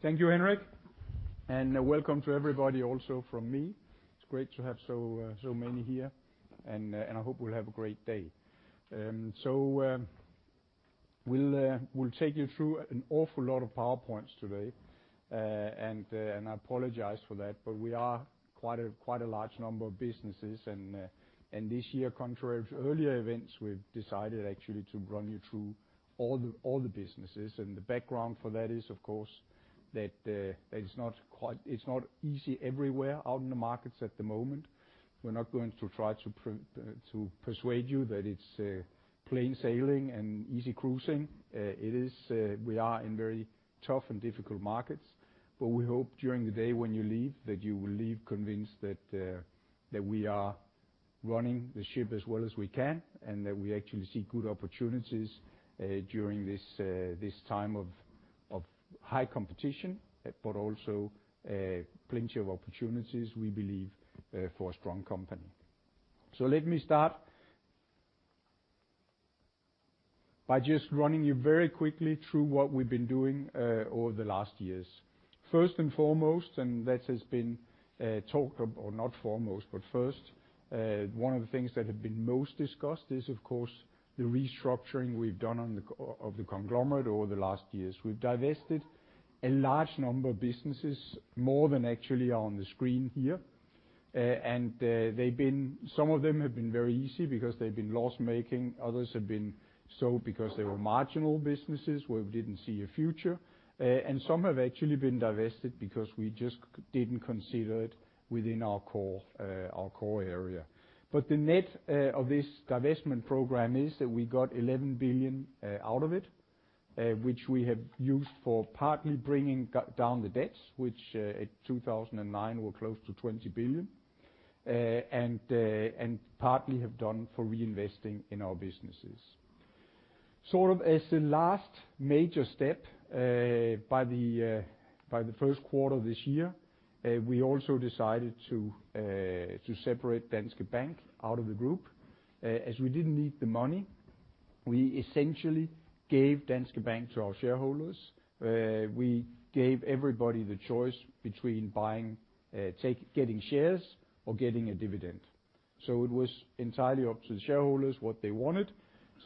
Thank you, Henrik, and welcome to everybody also from me. It's great to have so many here, and I hope we'll have a great day. We'll take you through an awful lot of PowerPoints today. I apologize for that, but we are quite a large number of businesses. This year, contrary to earlier events, we've decided actually to run you through all the businesses. The background for that is, of course, that it's not easy everywhere out in the markets at the moment. We're not going to try to persuade you that it's plain sailing and easy cruising. It is, we are in very tough and difficult markets, but we hope during the day when you leave that you will leave convinced that we are running the ship as well as we can and that we actually see good opportunities during this time of high competition, but also plenty of opportunities we believe for a strong company. Let me start by just running you very quickly through what we've been doing over the last years. First and foremost, that has been talked about or not foremost, but first, one of the things that have been most discussed is, of course, the restructuring we've done on the core of the conglomerate over the last years. We've divested a large number of businesses, more than actually are on the screen here. Some of them have been very easy because they've been loss-making, others have been so because they were marginal businesses where we didn't see a future. Some have actually been divested because we just didn't consider it within our core area. The net of this divestment program is that we got $11 billion out of it, which we have used for partly bringing down the debts, which in 2009 were close to $20 billion, and partly have done for reinvesting in our businesses. Sort of as the last major step, by the Q1 of this year, we also decided to separate Danske Bank out of the group. As we didn't need the money, we essentially gave Danske Bank to our shareholders. We gave everybody the choice between buying getting shares or getting a dividend. It was entirely up to the shareholders what they wanted.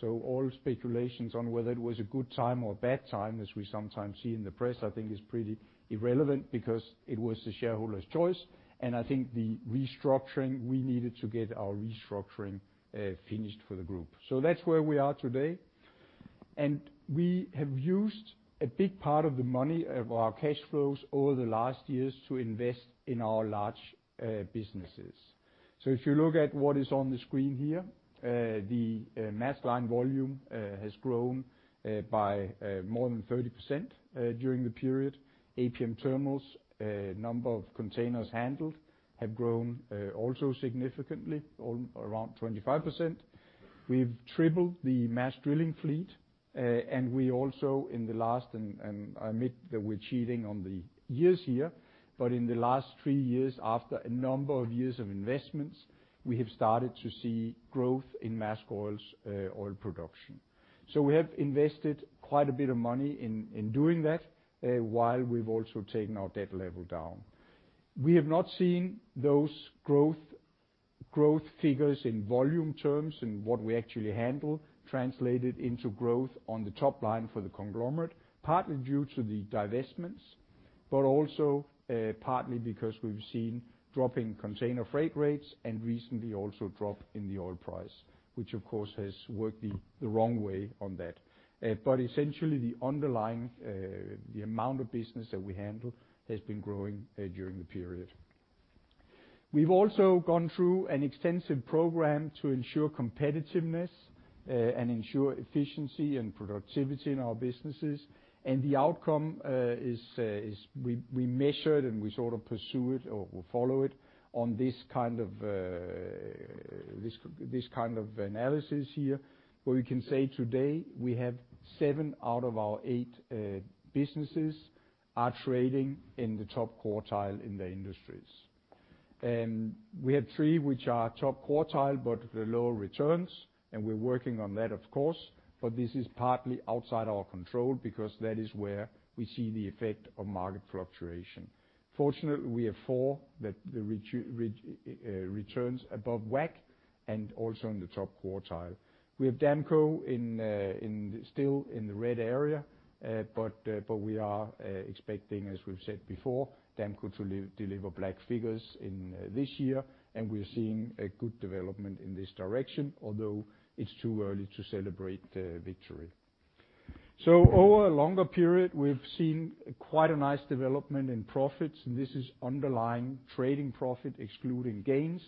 All speculations on whether it was a good time or a bad time, as we sometimes see in the press, I think is pretty irrelevant because it was the shareholders' choice. I think the restructuring, we needed to get our restructuring finished for the group. That's where we are today. We have used a big part of the money of our cash flows over the last years to invest in our large businesses. If you look at what is on the screen here, the Maersk Line volume has grown by more than 30% during the period. APM Terminals number of containers handled have grown also significantly, around 25%. We've tripled the Maersk Drilling fleet. And we also, in the last, and I admit that we're cheating on the years here, but in the last 3 years, after a number of years of investments, we have started to see growth in Maersk Oil's oil production. We have invested quite a bit of money in doing that, while we've also taken our debt level down. We have not seen those growth figures in volume terms in what we actually handle translated into growth on the top line for the conglomerate, partly due to the divestments, but also partly because we've seen dropping container freight rates and recently also drop in the oil price, which of course has worked the wrong way on that. Essentially the underlying amount of business that we handle has been growing during the period. We've also gone through an extensive program to ensure competitiveness and ensure efficiency and productivity in our businesses. The outcome is we measured and we sort of pursue it or follow it on this kind of analysis here, where we can say today we have seven out of our eight businesses are trading in the top quartile in the industries. We have three which are top quartile, but with lower returns, and we're working on that, of course. This is partly outside our control because that is where we see the effect of market fluctuation. Fortunately, we have four that the returns above WACC and also in the top quartile. We have Damco still in the red area. We are expecting, as we've said before, Damco to deliver black figures this year, and we're seeing a good development in this direction, although it's too early to celebrate victory. Over a longer period, we've seen quite a nice development in profits, and this is underlying trading profit, excluding gains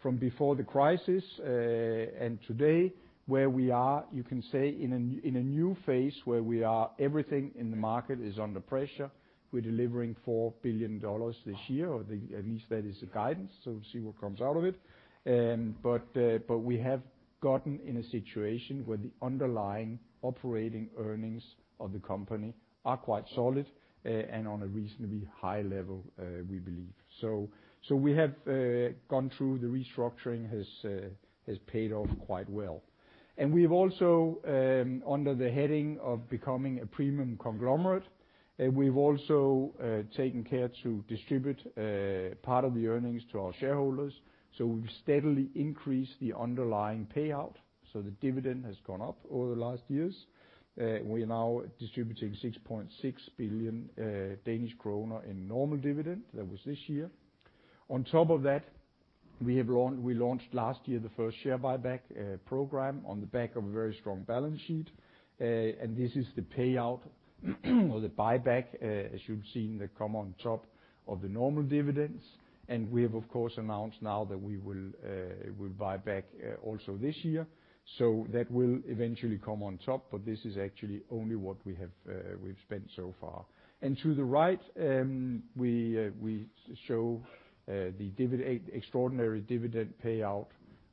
from before the crisis. Today, where we are, you can say in a new phase where everything in the market is under pressure. We're delivering $4 billion this year, or at least that is the guidance, so we'll see what comes out of it. We have gotten in a situation where the underlying operating earnings of the company are quite solid, and on a reasonably high level, we believe. We have gone through the restructuring has paid off quite well. We've also, under the heading of becoming a premium conglomerate, we've also taken care to distribute part of the earnings to our shareholders. We've steadily increased the underlying payout, so the dividend has gone up over the last years. We are now distributing 6.6 billion Danish kroner in normal dividend. That was this year. On top of that, we launched last year the first share buyback program on the back of a very strong balance sheet. This is the payout or the buyback, as you've seen that come on top of the normal dividends. We have, of course, announced now that we'll buy back also this year, so that will eventually come on top. This is actually only what we've spent so far. To the right, we show the extraordinary dividend payout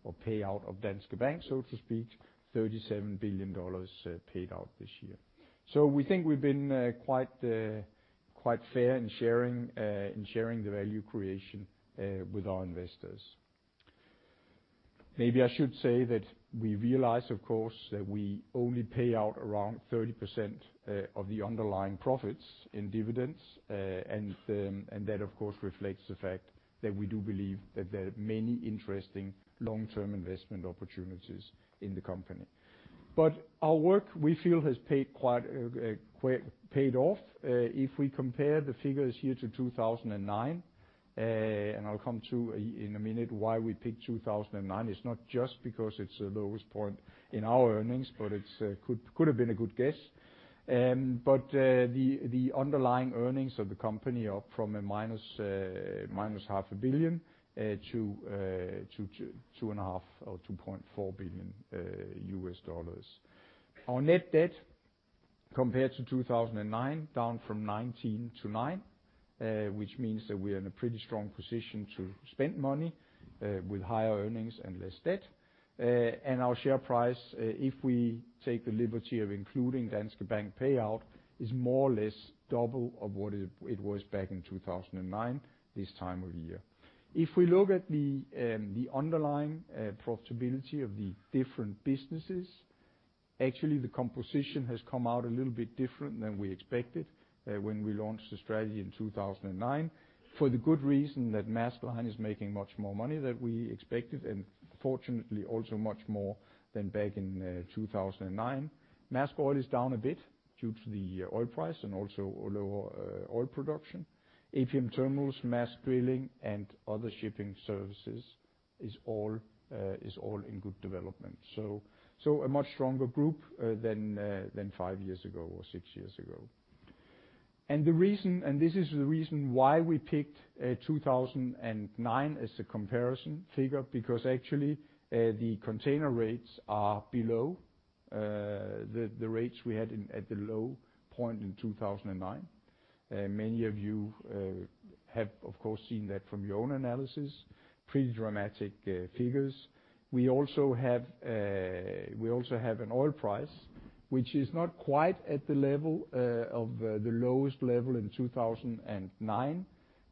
or payout of Danske Bank, so to speak, $37 billion paid out this year. We think we've been quite fair in sharing the value creation with our investors. Maybe I should say that we realize, of course, that we only pay out around 30% of the underlying profits in dividends. That of course reflects the fact that we do believe that there are many interesting long-term investment opportunities in the company. Our work, we feel, has paid off. If we compare the figures here to 2009, and I'll come to it in a minute why we picked 2009. It's not just because it's the lowest point in our earnings, but it could have been a good guess. The underlying earnings of the company are up from a -$0.5 billion-$2.5 billion or $2.4 billion. Our net debt compared to 2009, down from $19 billion-$9 billion, which means that we are in a pretty strong position to spend money with higher earnings and less debt. Our share price, if we take the liberty of including Danske Bank payout, is more or less double of what it was back in 2009 this time of year. If we look at the underlying profitability of the different businesses, actually the composition has come out a little bit different than we expected, when we launched the strategy in 2009 for the good reason that Maersk Line is making much more money than we expected, and fortunately, also much more than back in 2009. Maersk Oil is down a bit due to the oil price and also lower oil production. APM Terminals, Maersk Drilling, and other shipping services is all in good development. A much stronger group than five years ago or six years ago. The reason, this is the reason why we picked 2009 as the comparison figure, because actually the container rates are below the rates we had at the low point in 2009. Many of you have of course seen that from your own analysis. Pretty dramatic figures. We also have an oil price, which is not quite at the level of the lowest level in 2009,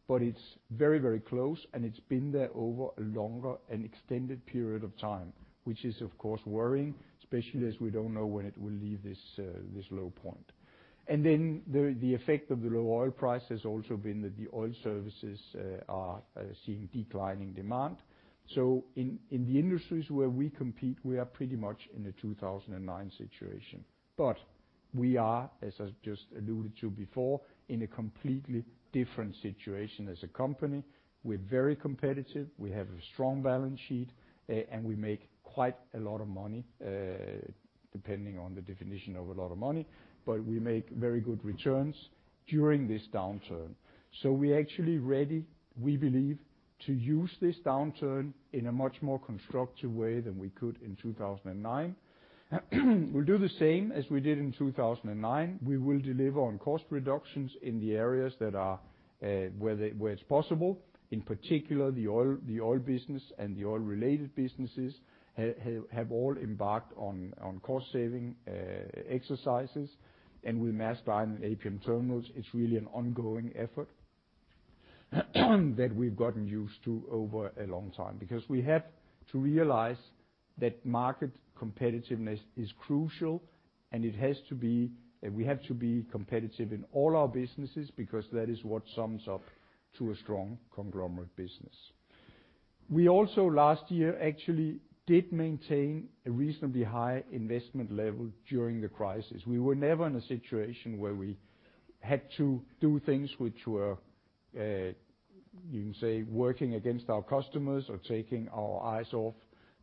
but it's very, very close, and it's been there over a longer and extended period of time, which is of course worrying, especially as we don't know when it will leave this low point. The effect of the low oil price has also been that the oil services are seeing declining demand. In the industries where we compete, we are pretty much in a 2009 situation. We are, as I just alluded to before, in a completely different situation as a company. We're very competitive, we have a strong balance sheet, and we make quite a lot of money, depending on the definition of a lot of money. We make very good returns during this downturn. We actually ready, we believe, to use this downturn in a much more constructive way than we could in 2009. We'll do the same as we did in 2009. We will deliver on cost reductions in the areas where it's possible. In particular, the oil business and the oil-related businesses have all embarked on cost saving exercises. With Maersk Line and APM Terminals, it's really an ongoing effort that we've gotten used to over a long time. Because we have to realize that market competitiveness is crucial, and it has to be, and we have to be competitive in all our businesses because that is what sums up to a strong conglomerate business. We also last year actually did maintain a reasonably high investment level during the crisis. We were never in a situation where we had to do things which were, you can say, working against our customers or taking our eyes off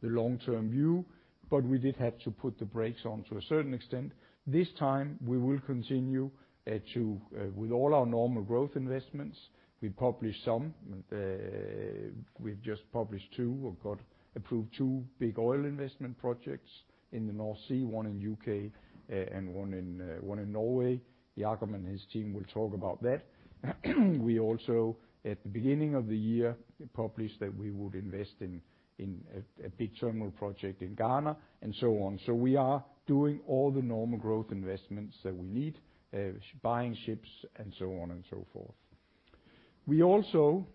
the long-term view, but we did have to put the brakes on to a certain extent. This time we will continue with all our normal growth investments. We've just published or got approved two big oil investment projects in the North Sea, one in U.K. and one in Norway. Jakob and his team will talk about that. We also, at the beginning of the year, published that we would invest in a big terminal project in Ghana and so on. We are doing all the normal growth investments that we need, buying ships and so on and so forth. We also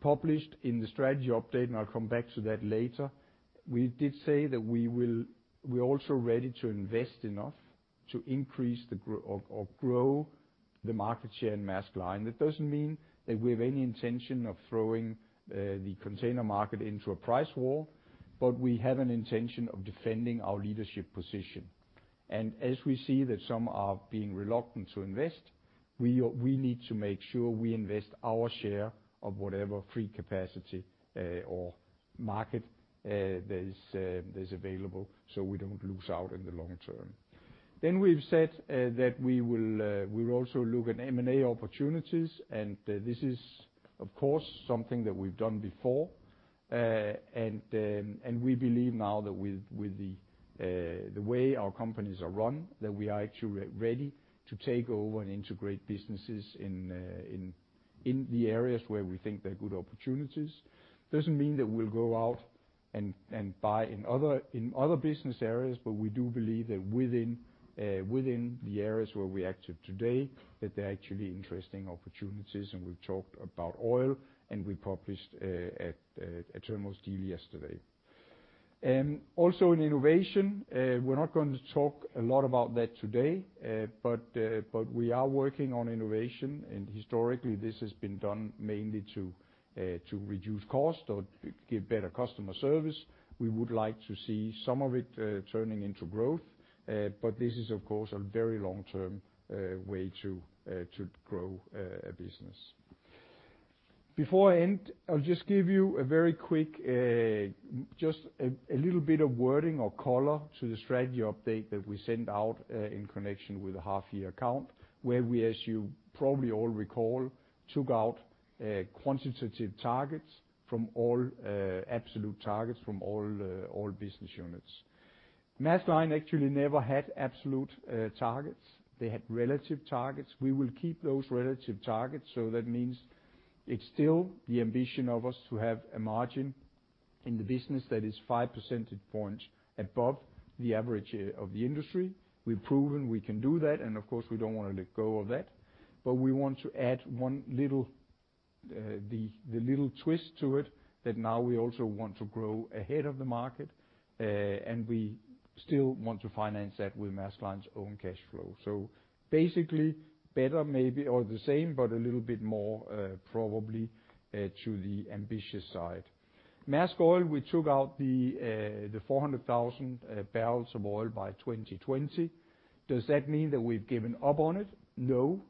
published in the strategy update, and I'll come back to that later. We did say that we're also ready to invest enough to increase or grow the market share in Maersk Line. That doesn't mean that we have any intention of throwing the container market into a price war, but we have an intention of defending our leadership position. As we see that some are being reluctant to invest, we need to make sure we invest our share of whatever free capacity or market there is that's available, so we don't lose out in the long term. We've said that we will also look at M&A opportunities. This is, of course, something that we've done before. We believe now that with the way our companies are run, that we are actually ready to take over and integrate businesses in the areas where we think there are good opportunities. Doesn't mean that we'll go out and buy in other business areas, but we do believe that within the areas where we're active today, that there are actually interesting opportunities. We've talked about oil, and we published an APM Terminals deal yesterday. Also in innovation, we're not going to talk a lot about that today. We are working on innovation, and historically this has been done mainly to reduce cost or give better customer service. We would like to see some of it turning into growth. This is of course a very long-term way to grow a business. Before I end, I'll just give you a very quick just a little bit of wording or color to the strategy update that we sent out in connection with the half year account, where we, as you probably all recall, took out absolute targets from all business units. Maersk Line actually never had absolute targets. They had relative targets. We will keep those relative targets, so that means it's still the ambition of us to have a margin in the business that is five percentage points above the average of the industry. We've proven we can do that, and of course, we don't want to let go of that. We want to add one little twist to it, that now we also want to grow ahead of the market. We still want to finance that with Maersk Line's own cash flow. Basically better maybe, or the same, but a little bit more, probably, to the ambitious side. Maersk Oil, we took out the 400,000 barrels of oil by 2020. Does that mean that we've given up on it? No.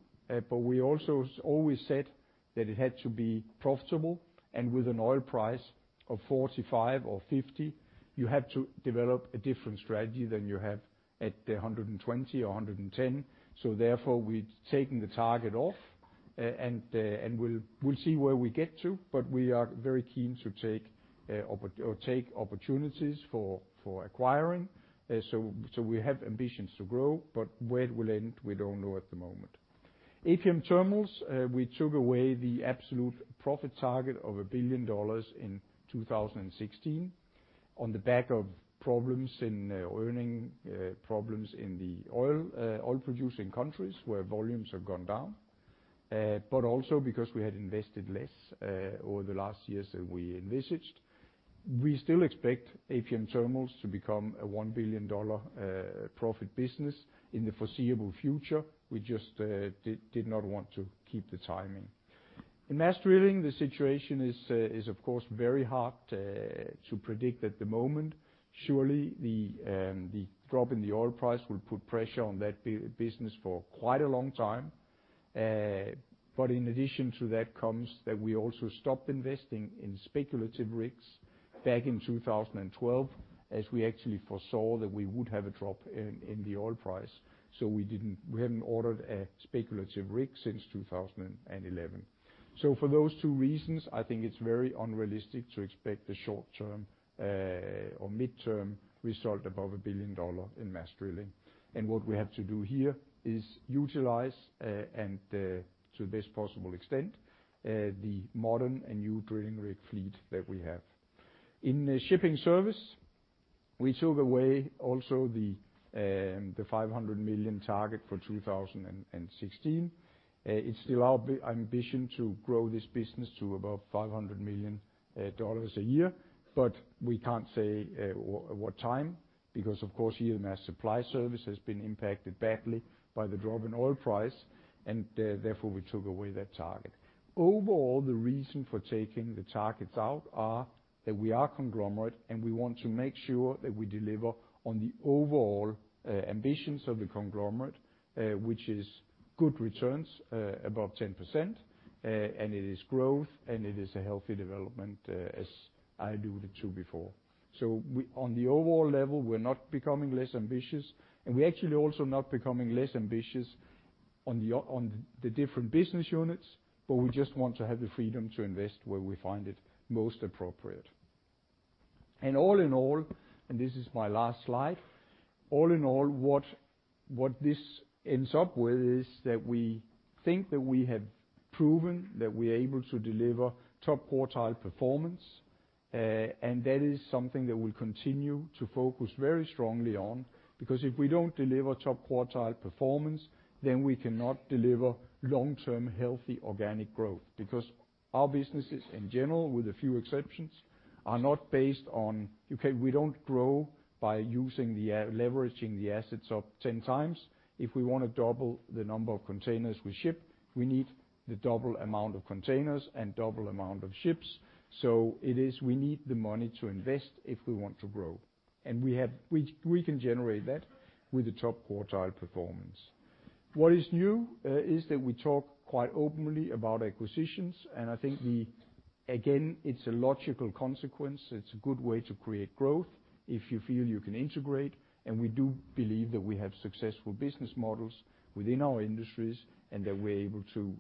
We also always said that it had to be profitable, and with an oil price of $45 or $50, you have to develop a different strategy than you have at the $120 or $110. Therefore, we've taken the target off, and we'll see where we get to, but we are very keen to take opportunities for acquiring. We have ambitions to grow, but where it will end, we don't know at the moment. APM Terminals, we took away the absolute profit target of $1 billion in 2016 on the back of problems in earnings in the oil-producing countries where volumes have gone down. Also because we had invested less over the last years than we envisioned. We still expect APM Terminals to become a $1 billion profit business in the foreseeable future. We just did not want to keep the timing. In Maersk Drilling, the situation is of course very hard to predict at the moment. Surely the drop in the oil price will put pressure on that business for quite a long time. In addition to that comes that we also stopped investing in speculative rigs back in 2012, as we actually foresaw that we would have a drop in the oil price. We didn't, we haven't ordered a speculative rig since 2011. For those two reasons, I think it's very unrealistic to expect the short term or midterm result above $1 billion in Maersk Drilling. What we have to do here is utilize and to the best possible extent the modern and new drilling rig fleet that we have. In the shipping service, we took away also the $500 million target for 2016. It's still our ambition to grow this business to above $500 million dollars a year. We can't say at what time, because of course, here Maersk Supply Service has been impacted badly by the drop in oil price, and therefore, we took away that target. Overall, the reason for taking the targets out are that we are conglomerate, and we want to make sure that we deliver on the overall, ambitions of the conglomerate, which is good returns, above 10%, and it is growth, and it is a healthy development, as I alluded to before. We, on the overall level, we're not becoming less ambitious, and we're actually also not becoming less ambitious on the different business units, but we just want to have the freedom to invest where we find it most appropriate. all in all, and this is my last slide, all in all, what this ends up with is that we think that we have proven that we are able to deliver top quartile performance. That is something that we'll continue to focus very strongly on, because if we don't deliver top quartile performance, then we cannot deliver long-term healthy organic growth. Our businesses in general, with a few exceptions, are not based on, okay, we don't grow by leveraging the assets up 10x. If we wanna double the number of containers we ship, we need the double amount of containers and double amount of ships. It is, we need the money to invest if we want to grow. We have we can generate that with the top quartile performance. What is new is that we talk quite openly about acquisitions. I think we, again, it's a logical consequence. It's a good way to create growth if you feel you can integrate. We do believe that we have successful business models within our industries, and that we're able to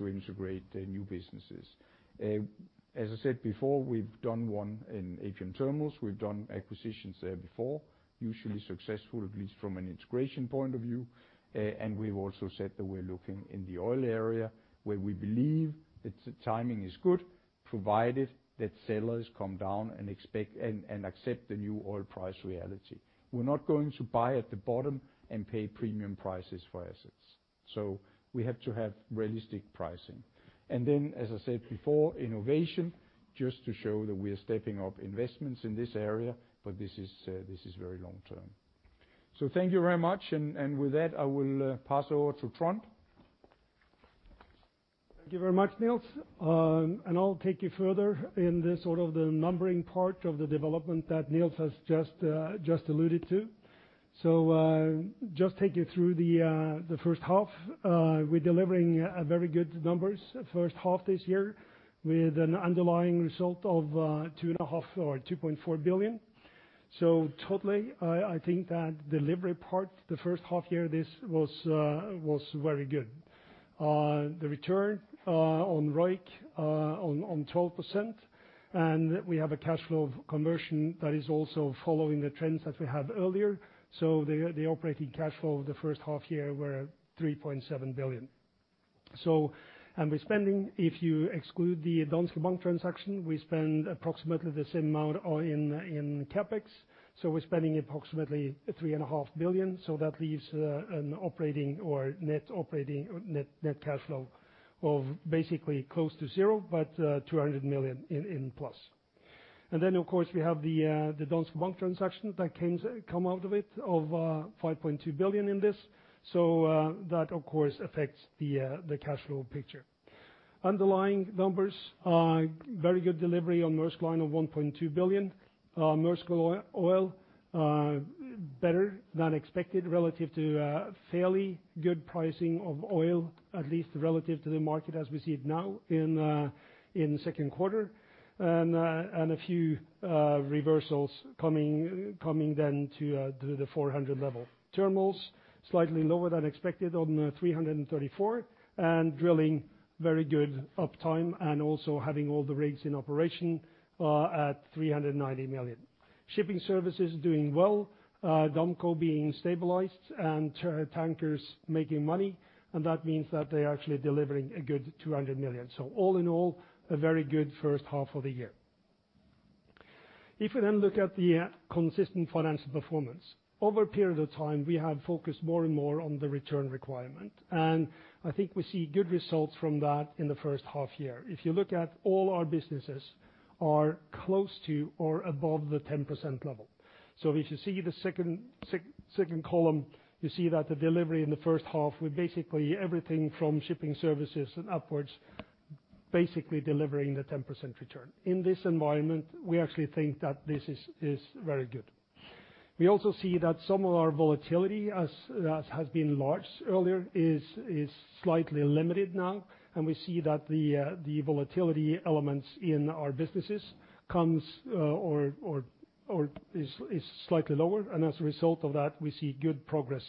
integrate the new businesses. As I said before, we've done one in APM Terminals. We've done acquisitions there before, usually successful, at least from an integration point of view. We've also said that we're looking in the oil area where we believe that the timing is good, provided that sellers come down and accept the new oil price reality. We're not going to buy at the bottom and pay premium prices for assets. We have to have realistic pricing. Then, as I said before, innovation, just to show that we are stepping up investments in this area, but this is very long-term. Thank you very much. With that, I will pass over to Trond. Thank you very much, Nils. I'll take you further in the sort of the numbering part of the development that Nils has just alluded to. Just take you through the first half. We're delivering very good numbers first half this year with an underlying result of $2.5 billion or $2.4 billion. Totally, I think that delivery part, the first half year, this was very good. The return on ROIC on 12%, and we have a cash flow conversion that is also following the trends that we had earlier. The operating cash flow the first half year were $3.7 billion. We're spending, if you exclude the Danske Bank transaction, approximately the same amount all in CapEx. We're spending approximately $3.5 billion. That leaves an operating or net operating net cash flow of basically close to zero, but 200 million in plus. Then, of course, we have the Danske Bank transaction that comes out of it of $5.2 billion in this. That of course affects the cash flow picture. Underlying numbers are very good delivery on Maersk Line of $1.2 billion. Maersk Oil better than expected relative to fairly good pricing of oil, at least relative to the market as we see it now in Q2. And a few reversals coming then to the 400 level. Terminals, slightly lower than expected on 334. Drilling, very good uptime and also having all the rigs in operation at $390 million. Shipping services doing well, Damco being stabilized and tankers making money, and that means that they are actually delivering a good $200 million. All in all, a very good first half of the year. If we then look at the consistent financial performance. Over a period of time, we have focused more and more on the return requirement. I think we see good results from that in the first half year. If you look at all our businesses are close to or above the 10% level. If you see the second column, you see that the delivery in the first half were basically everything from shipping services and upwards, basically delivering the 10% return. In this environment, we actually think that this is very good. We also see that some of our volatility as has been large earlier is slightly limited now, and we see that the volatility elements in our businesses comes or is slightly lower. As a result of that, we see good progress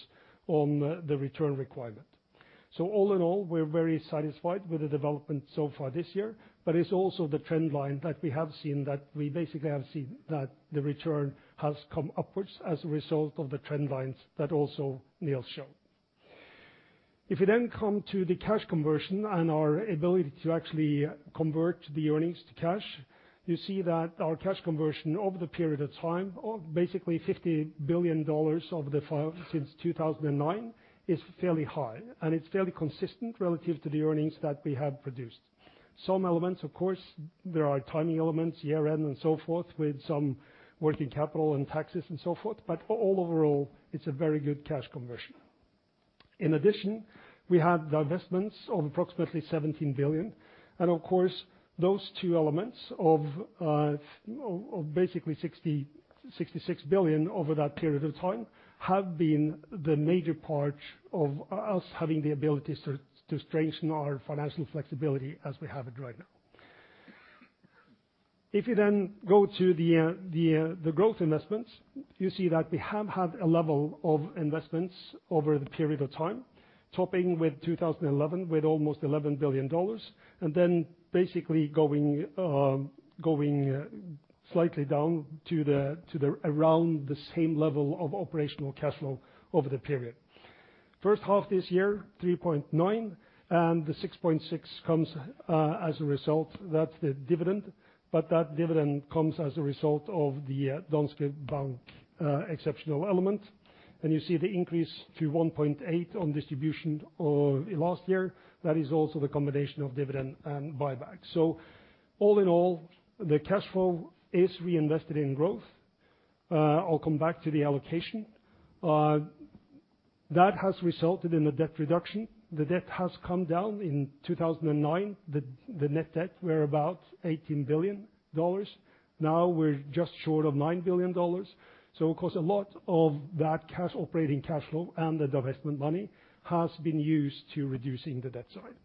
on the return requirement. All in all, we're very satisfied with the development so far this year. It's also the trend line that we have seen that we basically have seen that the return has come upwards as a result of the trend lines that also Nils showed. If you then come to the cash conversion and our ability to actually convert the earnings to cash, you see that our cash conversion over the period of time, or basically $50 billion of the five since 2009, is fairly high, and it's fairly consistent relative to the earnings that we have produced. Some elements, of course, there are timing elements, year-end and so forth, with some working capital and taxes and so forth. Overall, it's a very good cash conversion. In addition, we have the investments of approximately $17 billion. Of course, those two elements of basically $66 billion over that period of time have been the major part of us having the ability to strengthen our financial flexibility as we have it right now. If you then go to the growth investments, you see that we have had a level of investments over the period of time, topping with 2011, with almost $11 billion, and then basically going slightly down to around the same level of operational cash flow over the period. First half this year, $3.9 billion, and the 6.6 billion comes as a result. That's the dividend, but that dividend comes as a result of the Danske Bank exceptional element. You see the increase to $1.8 billion on distribution of last year. That is also the combination of dividend and buyback. All in all, the cash flow is reinvested in growth. I'll come back to the allocation. That has resulted in a debt reduction. The debt has come down. In 2009, the net debt was about $18 billion. Now we're just short of $9 billion. Of course, a lot of that cash, operating cash flow and the divestment money has been used to reducing the debt side.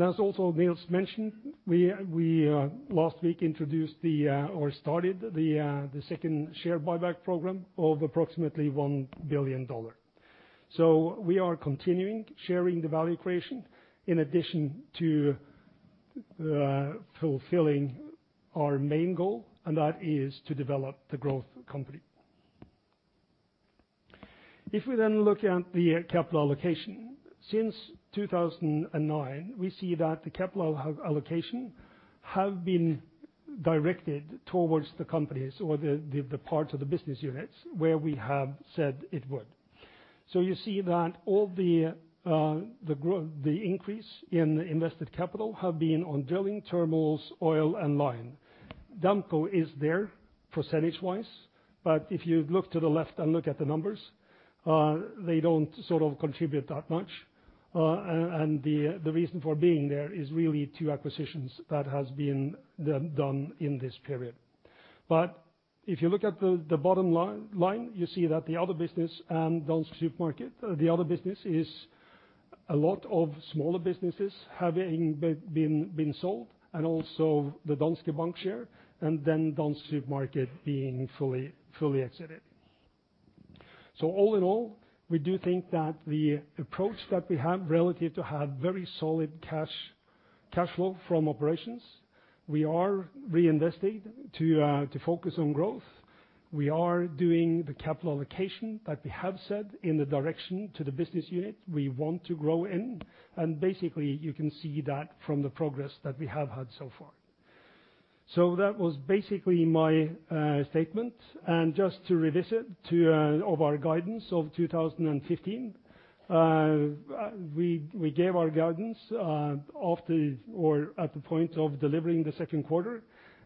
As also Nils mentioned, we last week introduced or started the second share buyback program of approximately $1 billion. We are continuing sharing the value creation in addition to fulfilling our main goal, and that is to develop the growth company. If we then look at the capital allocation. Since 2009, we see that the capital allocation have been directed towards the companies or the parts of the business units where we have said it would. You see that all the increase in invested capital have been on drilling, terminals, oil, and line. Damco is there percentage-wise, but if you look to the left and look at the numbers, they don't sort of contribute that much. The reason for being there is really two acquisitions that has been done in this period. If you look at the bottom line, you see that the other business and Dansk Supermarked, the other business is a lot of smaller businesses having been sold, and also the Danske Bank share and then Dansk Supermarked being fully exited. All in all, we do think that the approach that we have relative to have very solid cash flow from operations, we are reinvesting to focus on growth. We are doing the capital allocation that we have said in the direction to the business unit we want to grow in. Basically, you can see that from the progress that we have had so far. That was basically my statement. Just to revisit our guidance of 2015, we gave our guidance after or at the point of delivering the Q2.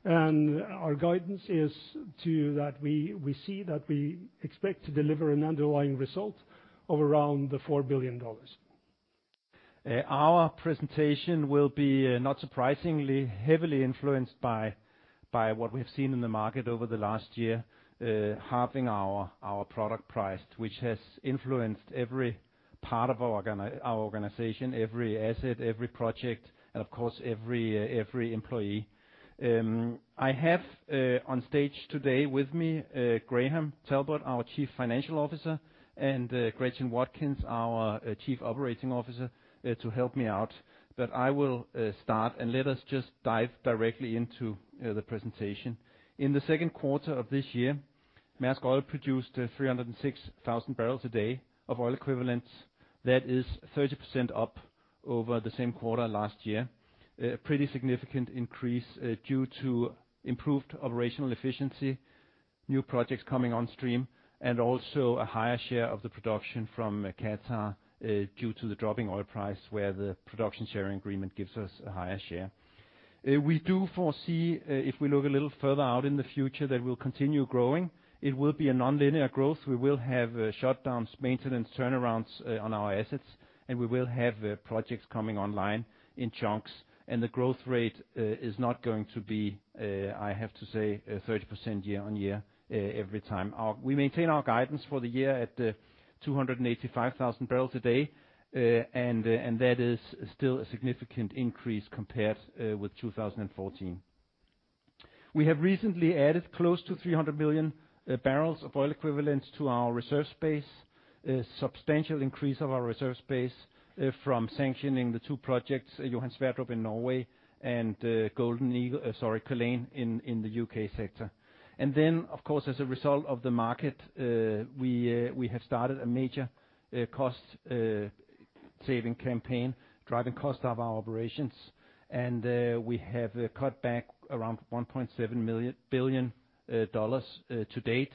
Our guidance is that we see that we expect to deliver an underlying result of around $4 billion. Our presentation will be, not surprisingly, heavily influenced by what we have seen in the market over the last year, halving our product price, which has influenced every part of our organization, every asset, every project, and of course, every employee. I have on stage today with me Graham Talbot, our Chief Financial Officer, and Gretchen Watkins, our Chief Operating Officer, to help me out. I will start, and let us just dive directly into the presentation. In the Q2 of this year, Maersk Oil produced 306,000 barrels a day of oil equivalents. That is 30% up over the same quarter last year. A pretty significant increase due to improved operational efficiency, new projects coming on stream, and also a higher share of the production from Qatar due to the dropping oil price, where the production sharing agreement gives us a higher share. We do foresee, if we look a little further out in the future, that we'll continue growing. It will be a nonlinear growth. We will have shutdowns, maintenance turnarounds on our assets, and we will have projects coming online in chunks. The growth rate is not going to be, I have to say, 30% year-over-year every time. We maintain our guidance for the year at 285,000 barrels a day, and that is still a significant increase compared with 2014. We have recently added close to 300 million barrels of oil equivalents to our reserve space. A substantial increase of our reserve space from sanctioning the two projects, Johan Sverdrup in Norway and Culzean in the U.K. sector. Of course, as a result of the market, we have started a major cost saving campaign, driving costs out of our operations, and we have cut back around $1.7 billion to date.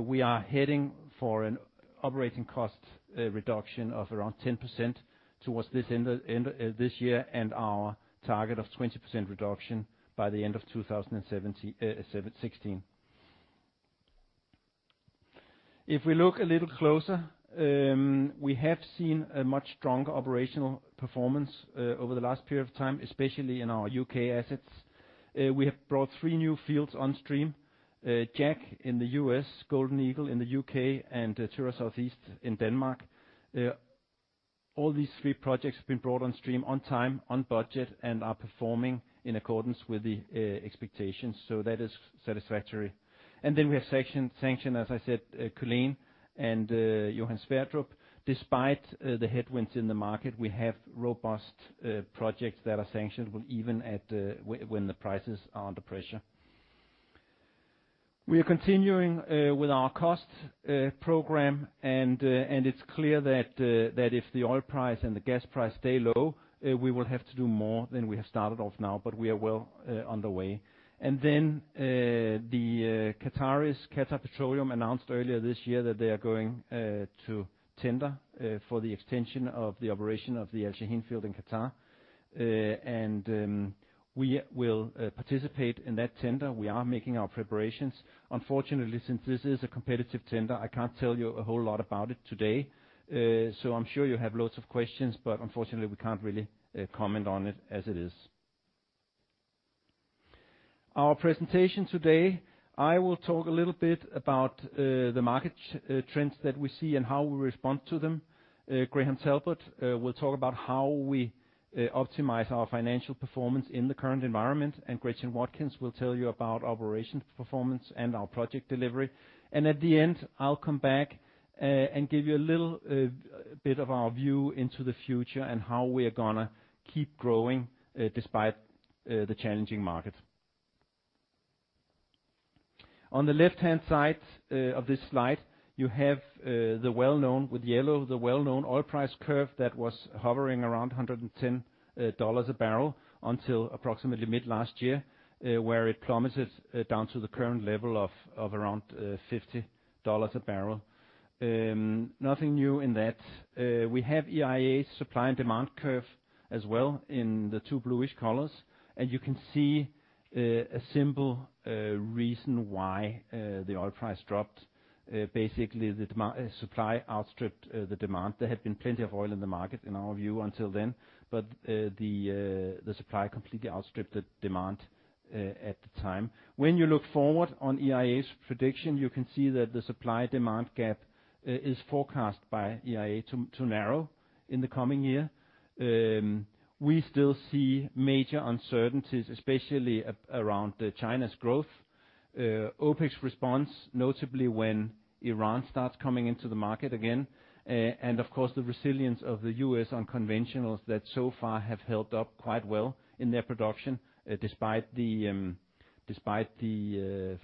We are heading for an operating cost reduction of around 10% towards this end this year and our target of 20% reduction by the end of 2016. If we look a little closer, we have seen a much stronger operational performance over the last period of time, especially in our U.K. assets. We have brought three new fields on stream, Jack in the U.S., Golden Eagle in the U.K., and Tyra Southeast in Denmark. All these three projects have been brought on stream on time, on budget, and are performing in accordance with the expectations. That is satisfactory. Then we have sanctioned, as I said, Culzean and Johan Sverdrup. Despite the headwinds in the market, we have robust projects that are sanctioned with even at when the prices are under pressure. We are continuing with our cost program, and it's clear that if the oil price and the gas price stay low, we will have to do more than we have started off now, but we are well underway. The Qataris, Qatar Petroleum announced earlier this year that they are going to tender for the extension of the operation of the Al Shaheen field in Qatar. We will participate in that tender. We are making our preparations. Unfortunately, since this is a competitive tender, I can't tell you a whole lot about it today. I'm sure you have loads of questions, but unfortunately, we can't really comment on it as it is. Our presentation today, I will talk a little bit about the market trends that we see and how we respond to them. Graham Talbot will talk about how we optimize our financial performance in the current environment. Gretchen Watkins will tell you about operations performance and our project delivery. At the end, I'll come back and give you a little bit of our view into the future and how we are gonna keep growing despite the challenging market. On the left-hand side of this slide, you have the well-known. With yellow, the well-known oil price curve that was hovering around $110 a barrel until approximately mid-last year, where it plummeted down to the current level of around $50 a barrel. Nothing new in that. We have EIA supply and demand curve as well in the two bluish colors, and you can see a simple reason why the oil price dropped. Basically the supply outstripped the demand. There had been plenty of oil in the market, in our view, until then. The supply completely outstripped the demand at the time. When you look forward on EIA's prediction, you can see that the supply-demand gap is forecast by EIA to narrow in the coming year. We still see major uncertainties, especially around China's growth. OpEx response, notably when Iran starts coming into the market again. Of course, the resilience of the U.S. unconventionals that so far have held up quite well in their production, despite the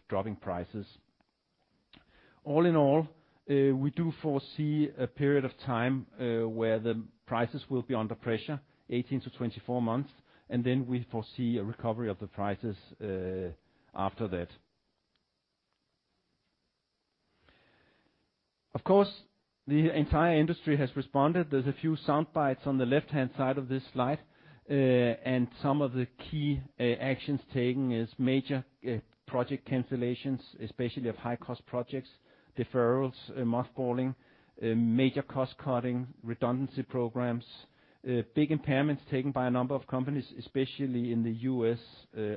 dropping prices. All in all, we do foresee a period of time, where the prices will be under pressure, 18 months-24 months, and then we foresee a recovery of the prices, after that. Of course, the entire industry has responded. There's a few sound bites on the left-hand side of this slide. Some of the key actions taken is major project cancellations, especially of high-cost projects, deferrals, mothballing, major cost-cutting, redundancy programs, big impairments taken by a number of companies, especially in the U.S.,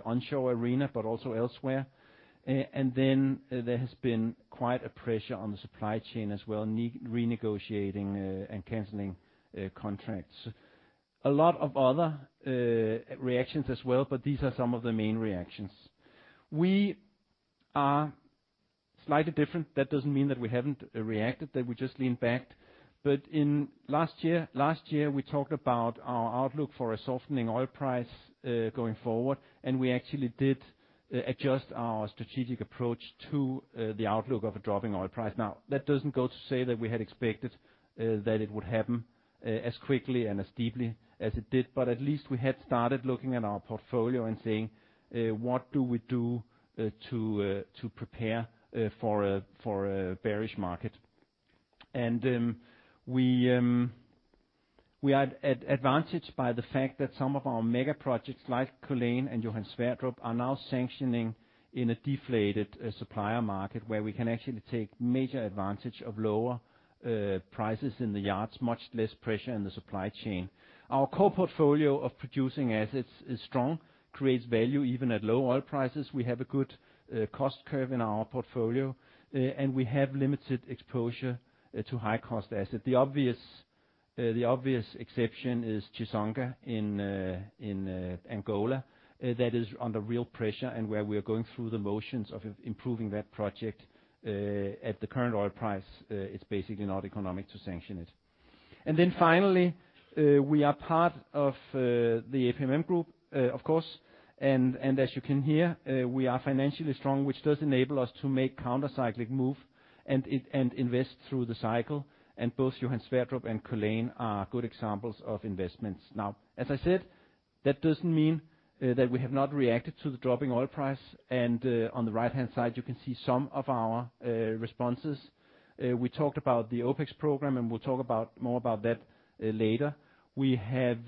onshore arena, but also elsewhere. There has been quite a pressure on the supply chain as well, renegotiating, and canceling, contracts. A lot of other reactions as well, but these are some of the main reactions. We are slightly different. That doesn't mean that we haven't reacted, that we just lean back. In last year, we talked about our outlook for a softening oil price, going forward, and we actually did adjust our strategic approach to the outlook of a dropping oil price. Now, that doesn't go to say that we had expected that it would happen as quickly and as deeply as it did. At least we had started looking at our portfolio and saying, what do we do to prepare for a bearish market? We are at advantage by the fact that some of our mega projects, like Culzean and Johan Sverdrup, are now sanctioning in a deflated supplier market where we can actually take major advantage of lower prices in the yards, much less pressure in the supply chain. Our core portfolio of producing assets is strong, creates value even at low oil prices. We have a good cost curve in our portfolio, and we have limited exposure to high-cost asset. The obvious exception is Chissonga in Angola that is under real pressure and where we are going through the motions of improving that project. At the current oil price, it's basically not economic to sanction it. Finally, we are part of the A.P. Moller - Maersk Group, of course. As you can hear, we are financially strong, which does enable us to make counter-cyclical move and invest through the cycle. Both Johan Sverdrup and Culzean are good examples of investments. Now, as I said, that doesn't mean that we have not reacted to the dropping oil price. On the right-hand side, you can see some of our responses. We talked about the OpEx program, and we'll talk more about that later. We have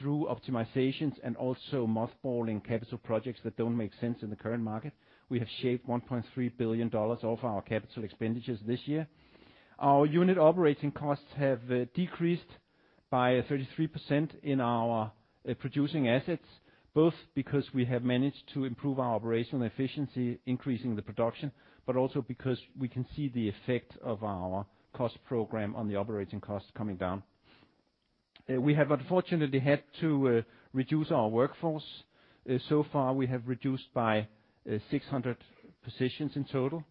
through optimizations and also mothballing capital projects that don't make sense in the current market. We have shaved $1.3 billion off our capital expenditures this year. Our unit operating costs have decreased by 33% in our producing assets, both because we have managed to improve our operational efficiency, increasing the production, but also because we can see the effect of our cost program on the operating costs coming down. We have unfortunately had to reduce our workforce. So far, we have reduced by 600 positions in total.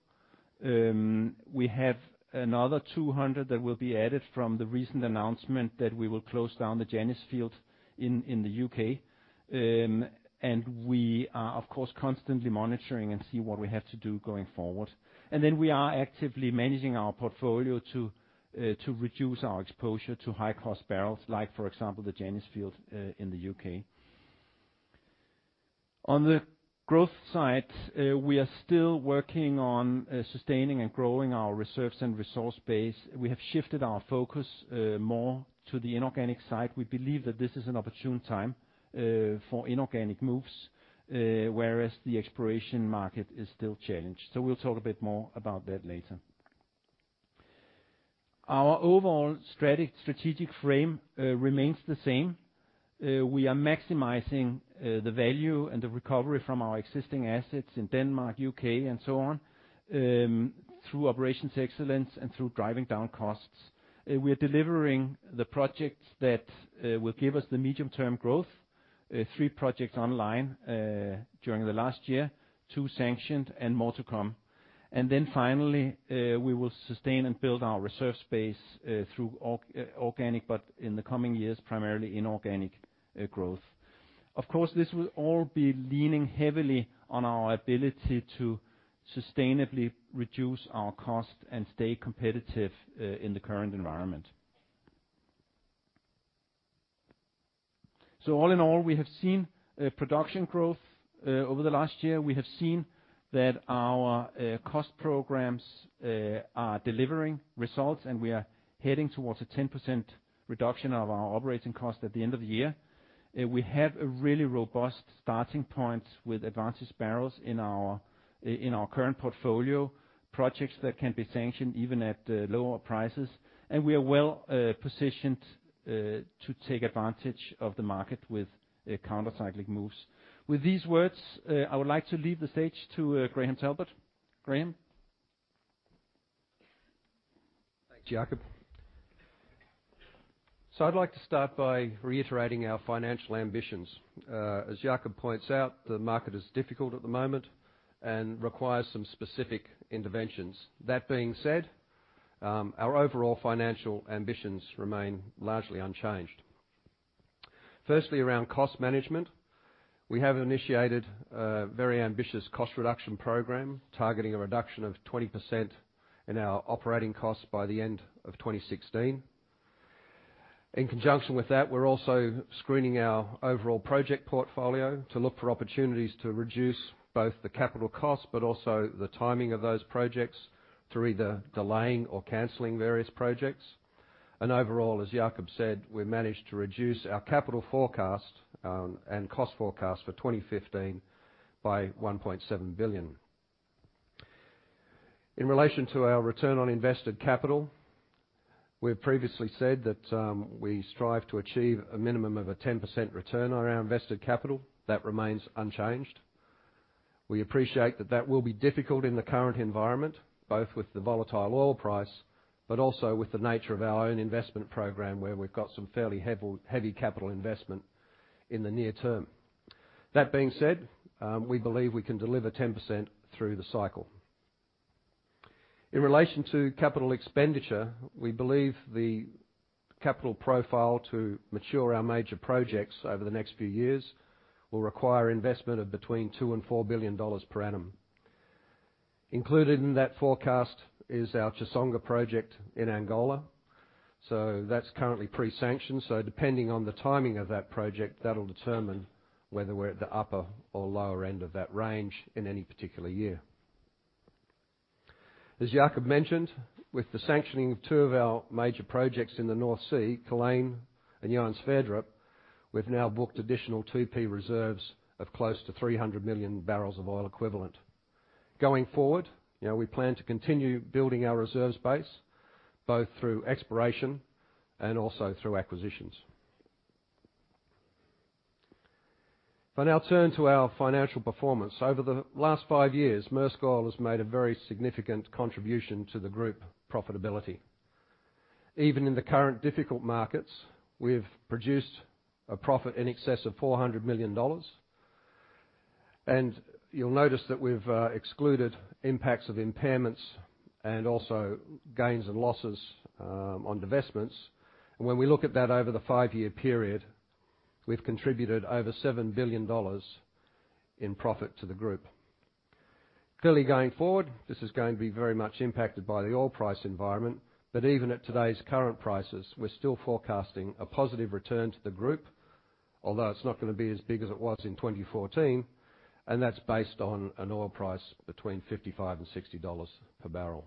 We have another 200 that will be added from the recent announcement that we will close down the Janice field in the U.K. We are, of course, constantly monitoring and see what we have to do going forward. Then we are actively managing our portfolio to reduce our exposure to high-cost barrels, like for example, the Janice field in the U.K. On the growth side, we are still working on sustaining and growing our reserves and resource base. We have shifted our focus more to the inorganic side. We believe that this is an opportune time for inorganic moves, whereas the exploration market is still challenged. We'll talk a bit more about that later. Our overall strategic frame remains the same. We are maximizing the value and the recovery from our existing assets in Denmark, U.K., and so on, through operations excellence and through driving down costs. We are delivering the projects that will give us the medium-term growth. Three projects online during the last year, two sanctioned, and more to come. Then finally, we will sustain and build our reserve space through organic, but in the coming years, primarily inorganic, growth. Of course, this will all be leaning heavily on our ability to sustainably reduce our cost and stay competitive in the current environment. All in all, we have seen production growth over the last year. We have seen that our cost programs are delivering results, and we are heading towards a 10% reduction of our operating cost at the end of the year. We have a really robust starting point with advanced barrels in our current portfolio. Projects that can be sanctioned even at lower prices. We are well positioned to take advantage of the market with counter-cyclic moves. With these words, I would like to leave the stage to Graham Talbot. Graham? Thanks, Jakob. I'd like to start by reiterating our financial ambitions. As Jakob points out, the market is difficult at the moment and requires some specific interventions. That being said, our overall financial ambitions remain largely unchanged. Firstly, around cost management, we have initiated a very ambitious cost reduction program targeting a reduction of 20% in our operating costs by the end of 2016. In conjunction with that, we're also screening our overall project portfolio to look for opportunities to reduce both the capital costs, but also the timing of those projects through either delaying or canceling various projects. Overall, as Jakob said, we managed to reduce our capital forecast, and cost forecast for 2015 by $1.7 billion. In relation to our return on invested capital, we have previously said that we strive to achieve a minimum of a 10% return on our invested capital. That remains unchanged. We appreciate that that will be difficult in the current environment, both with the volatile oil price, but also with the nature of our own investment program where we've got some fairly heavy capital investment in the near term. That being said, we believe we can deliver 10% through the cycle. In relation to capital expenditure, we believe the capital profile to mature our major projects over the next few years will require investment of between $2 billion and $4 billion per annum. Included in that forecast is our Chissonga project in Angola. That's currently pre-sanctioned, so depending on the timing of that project, that'll determine whether we're at the upper or lower end of that range in any particular year. As Jakob mentioned, with the sanctioning of two of our major projects in the North Sea, Culzean and Johan Sverdrup, we've now booked additional 2P reserves of close to 300 million barrels of oil equivalent. Going forward, you know, we plan to continue building our reserves base, both through exploration and also through acquisitions. If I now turn to our financial performance. Over the last five years, Maersk Oil has made a very significant contribution to the group profitability. Even in the current difficult markets, we have produced a profit in excess of $400 million. You'll notice that we've excluded impacts of impairments and also gains and losses on divestments. When we look at that over the five-year period, we've contributed over $7 billion in profit to the group. Clearly going forward, this is going to be very much impacted by the oil price environment. Even at today's current prices, we're still forecasting a positive return to the group, although it's not gonna be as big as it was in 2014, and that's based on an oil price between $55-$60 per barrel.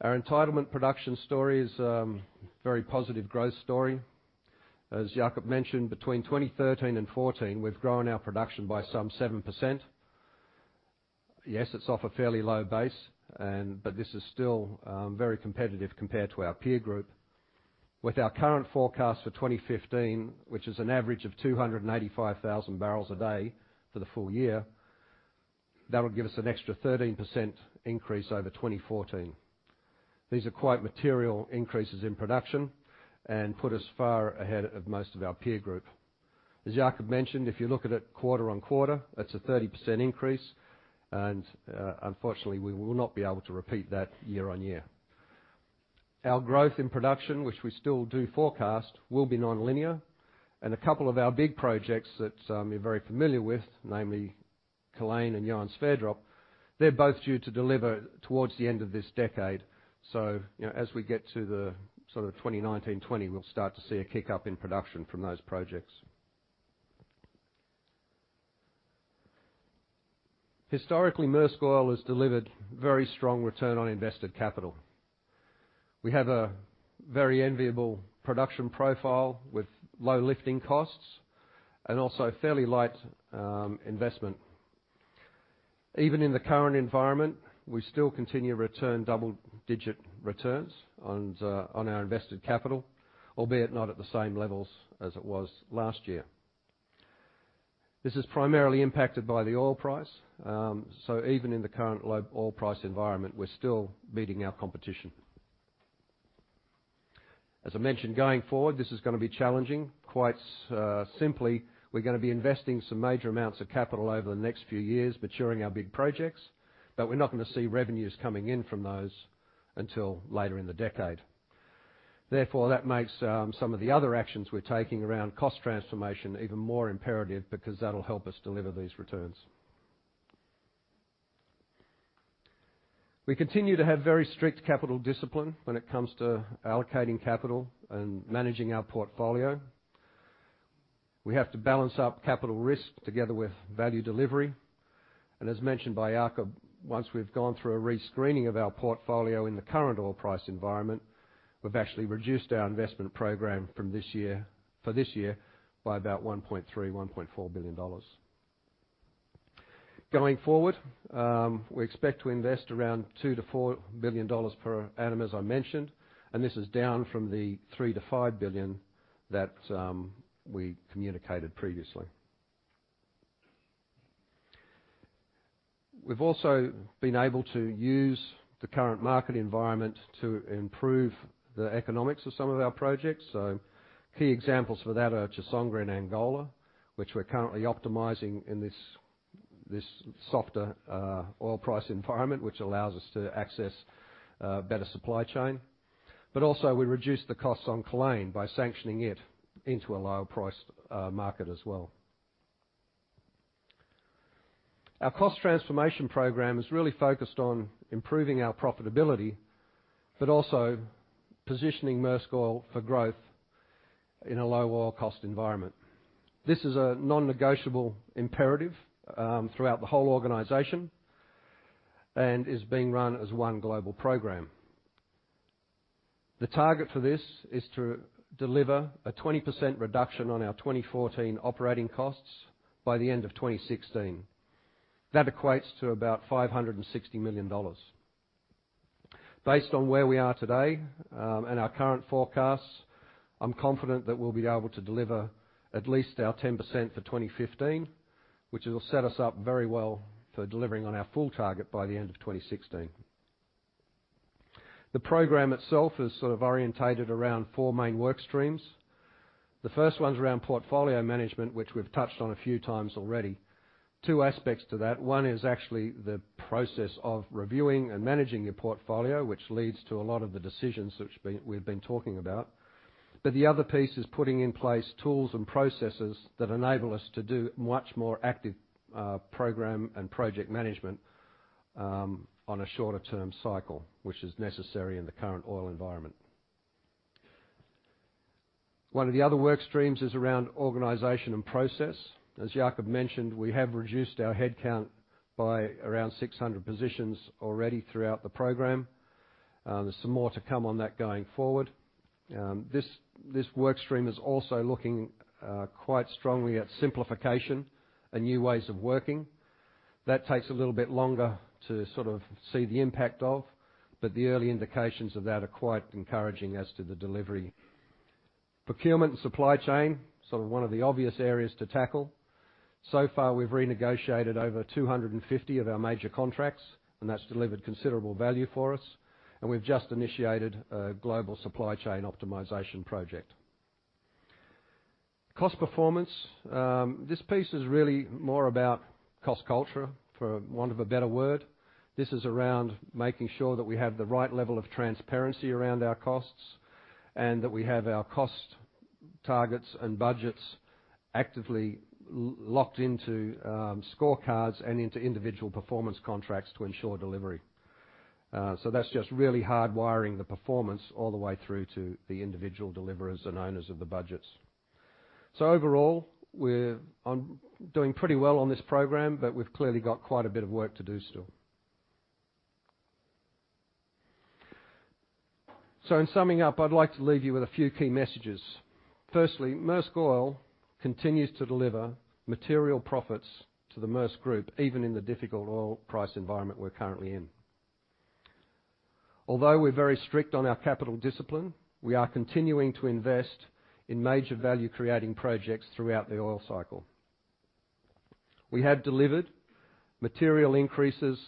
Our entitlement production story is very positive growth story. As Jakob mentioned, between 2013 and 2014, we've grown our production by some 7%. Yes, it's off a fairly low base and, but this is still very competitive compared to our peer group. With our current forecast for 2015, which is an average of 285,000 barrels a day for the full year, that would give us an extra 13% increase over 2014. These are quite material increases in production and put us far ahead of most of our peer group. As Jakob mentioned, if you look at it quarter-on-quarter, that's a 30% increase, and unfortunately, we will not be able to repeat that year-on-year. Our growth in production, which we still do forecast, will be nonlinear. A couple of our big projects that you're very familiar with, namely Culzean and Johan Sverdrup, they're both due to deliver towards the end of this decade. You know, as we get to the sort of 2019, 2020, we'll start to see a kick up in production from those projects. Historically, Maersk Oil has delivered very strong return on invested capital. We have a very enviable production profile with low lifting costs and also fairly light, investment. Even in the current environment, we still continue to return double-digit returns on our invested capital, albeit not at the same levels as it was last year. This is primarily impacted by the oil price. Even in the current low oil price environment, we're still beating our competition. As I mentioned, going forward, this is gonna be challenging. Quite, simply, we're gonna be investing some major amounts of capital over the next few years maturing our big projects, but we're not gonna see revenues coming in from those until later in the decade. Therefore, that makes some of the other actions we're taking around cost transformation even more imperative because that'll help us deliver these returns. We continue to have very strict capital discipline when it comes to allocating capital and managing our portfolio. We have to balance our capital risk together with value delivery. As mentioned by Jakob, once we've gone through a rescreening of our portfolio in the current oil price environment, we've actually reduced our investment program for this year by about $1.3 billion-$1.4 billion. Going forward, we expect to invest around $2 billion-$4 billion per annum, as I mentioned, and this is down from the $3 billion-$5 billion that we communicated previously. We've also been able to use the current market environment to improve the economics of some of our projects. Key examples for that are Chissonga in Angola, which we're currently optimizing in this softer oil price environment, which allows us to access better supply chain. Also, we reduced the costs on Culzean by sanctioning it into a lower price market as well. Our cost transformation program is really focused on improving our profitability, but also positioning Maersk Oil for growth in a low oil cost environment. This is a non-negotiable imperative throughout the whole organization and is being run as one global program. The target for this is to deliver a 20% reduction on our 2014 operating costs by the end of 2016. That equates to about $560 million. Based on where we are today, and our current forecasts, I'm confident that we'll be able to deliver at least our 10% for 2015, which will set us up very well for delivering on our full target by the end of 2016. The program itself is sort of oriented around four main work streams. The first one's around portfolio management, which we've touched on a few times already. Two aspects to that. One is actually the process of reviewing and managing your portfolio, which leads to a lot of the decisions we've been talking about. But the other piece is putting in place tools and processes that enable us to do much more active, program and project management, on a shorter term cycle, which is necessary in the current oil environment. One of the other work streams is around organization and process. As Jakob mentioned, we have reduced our headcount by around 600 positions already throughout the program. There's some more to come on that going forward. This work stream is also looking quite strongly at simplification and new ways of working. That takes a little bit longer to sort of see the impact of, but the early indications of that are quite encouraging as to the delivery. Procurement and supply chain, sort of one of the obvious areas to tackle. So far, we've renegotiated over 250 of our major contracts, and that's delivered considerable value for us, and we've just initiated a global supply chain optimization project. Cost performance. This piece is really more about cost culture, for want of a better word. This is around making sure that we have the right level of transparency around our costs and that we have our cost targets and budgets actively locked into scorecards and into individual performance contracts to ensure delivery. That's just really hard wiring the performance all the way through to the individual deliverers and owners of the budgets. Overall, we're doing pretty well on this program, but we've clearly got quite a bit of work to do still. In summing up, I'd like to leave you with a few key messages. Firstly, Maersk Oil continues to deliver material profits to the Maersk Group, even in the difficult oil price environment we're currently in. Although we're very strict on our capital discipline, we are continuing to invest in major value-creating projects throughout the oil cycle. We have delivered material increases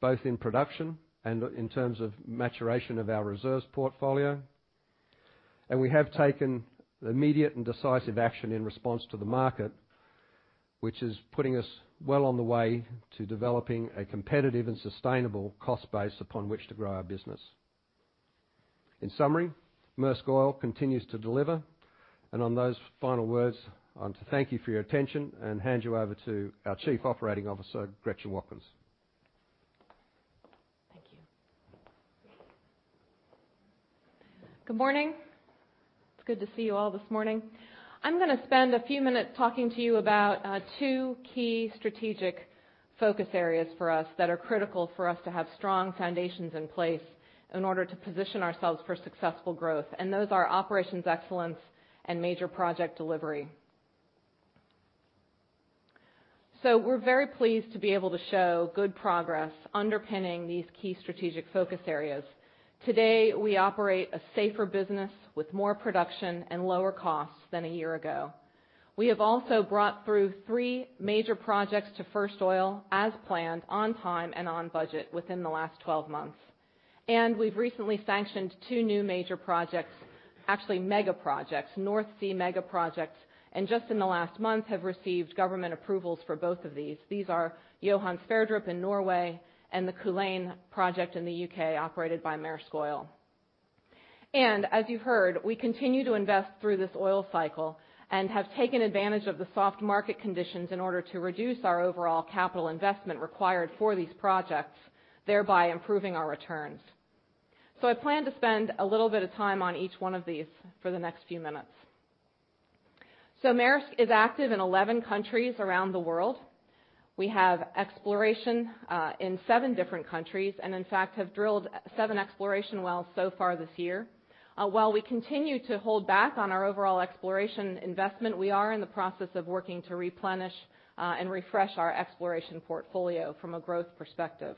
both in production and in terms of maturation of our reserves portfolio. We have taken immediate and decisive action in response to the market, which is putting us well on the way to developing a competitive and sustainable cost base upon which to grow our business. In summary, Maersk Oil continues to deliver. On those final words, I want to thank you for your attention and hand you over to our Chief Operating Officer, Gretchen Watkins. Thank you. Good morning. It's good to see you all this morning. I'm gonna spend a few minutes talking to you about 2 key strategic focus areas for us that are critical for us to have strong foundations in place in order to position ourselves for successful growth. Those are operational excellence and major project delivery. We're very pleased to be able to show good progress underpinning these key strategic focus areas. Today, we operate a safer business with more production and lower costs than a year ago. We have also brought through 3 major projects to first oil as planned on time and on budget within the last 12 months. We've recently sanctioned 2 new major projects, actually mega projects, North Sea mega projects, and just in the last month, have received government approvals for both of these. These are Johan Sverdrup in Norway and the Culzean project in the U.K., operated by Maersk Oil. As you've heard, we continue to invest through this oil cycle and have taken advantage of the soft market conditions in order to reduce our overall capital investment required for these projects, thereby improving our returns. I plan to spend a little bit of time on each one of these for the next few minutes. Maersk is active in 11 countries around the world. We have exploration in seven different countries and in fact have drilled seven exploration wells so far this year. While we continue to hold back on our overall exploration investment, we are in the process of working to replenish and refresh our exploration portfolio from a growth perspective.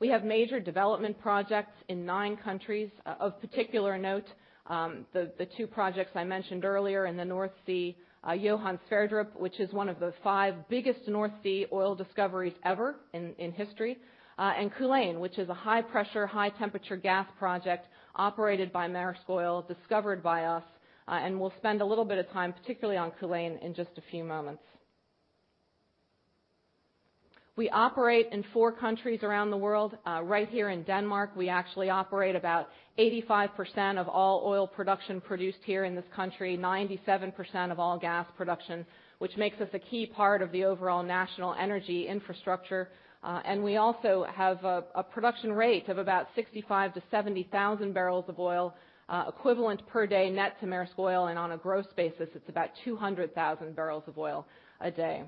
We have major development projects in nine countries. Of particular note, the two projects I mentioned earlier in the North Sea, Johan Sverdrup, which is one of the five biggest North Sea oil discoveries ever in history, and Culzean, which is a high pressure, high temperature gas project operated by Maersk Oil, discovered by us, and we'll spend a little bit of time, particularly on Culzean in just a few moments. We operate in four countries around the world. Right here in Denmark, we actually operate about 85% of all oil production produced here in this country, 97% of all gas production, which makes us a key part of the overall national energy infrastructure. We also have a production rate of about 65,000-70,000 barrels of oil equivalent per day net to Maersk Oil. On a gross basis, it's about 200,000 barrels of oil a day.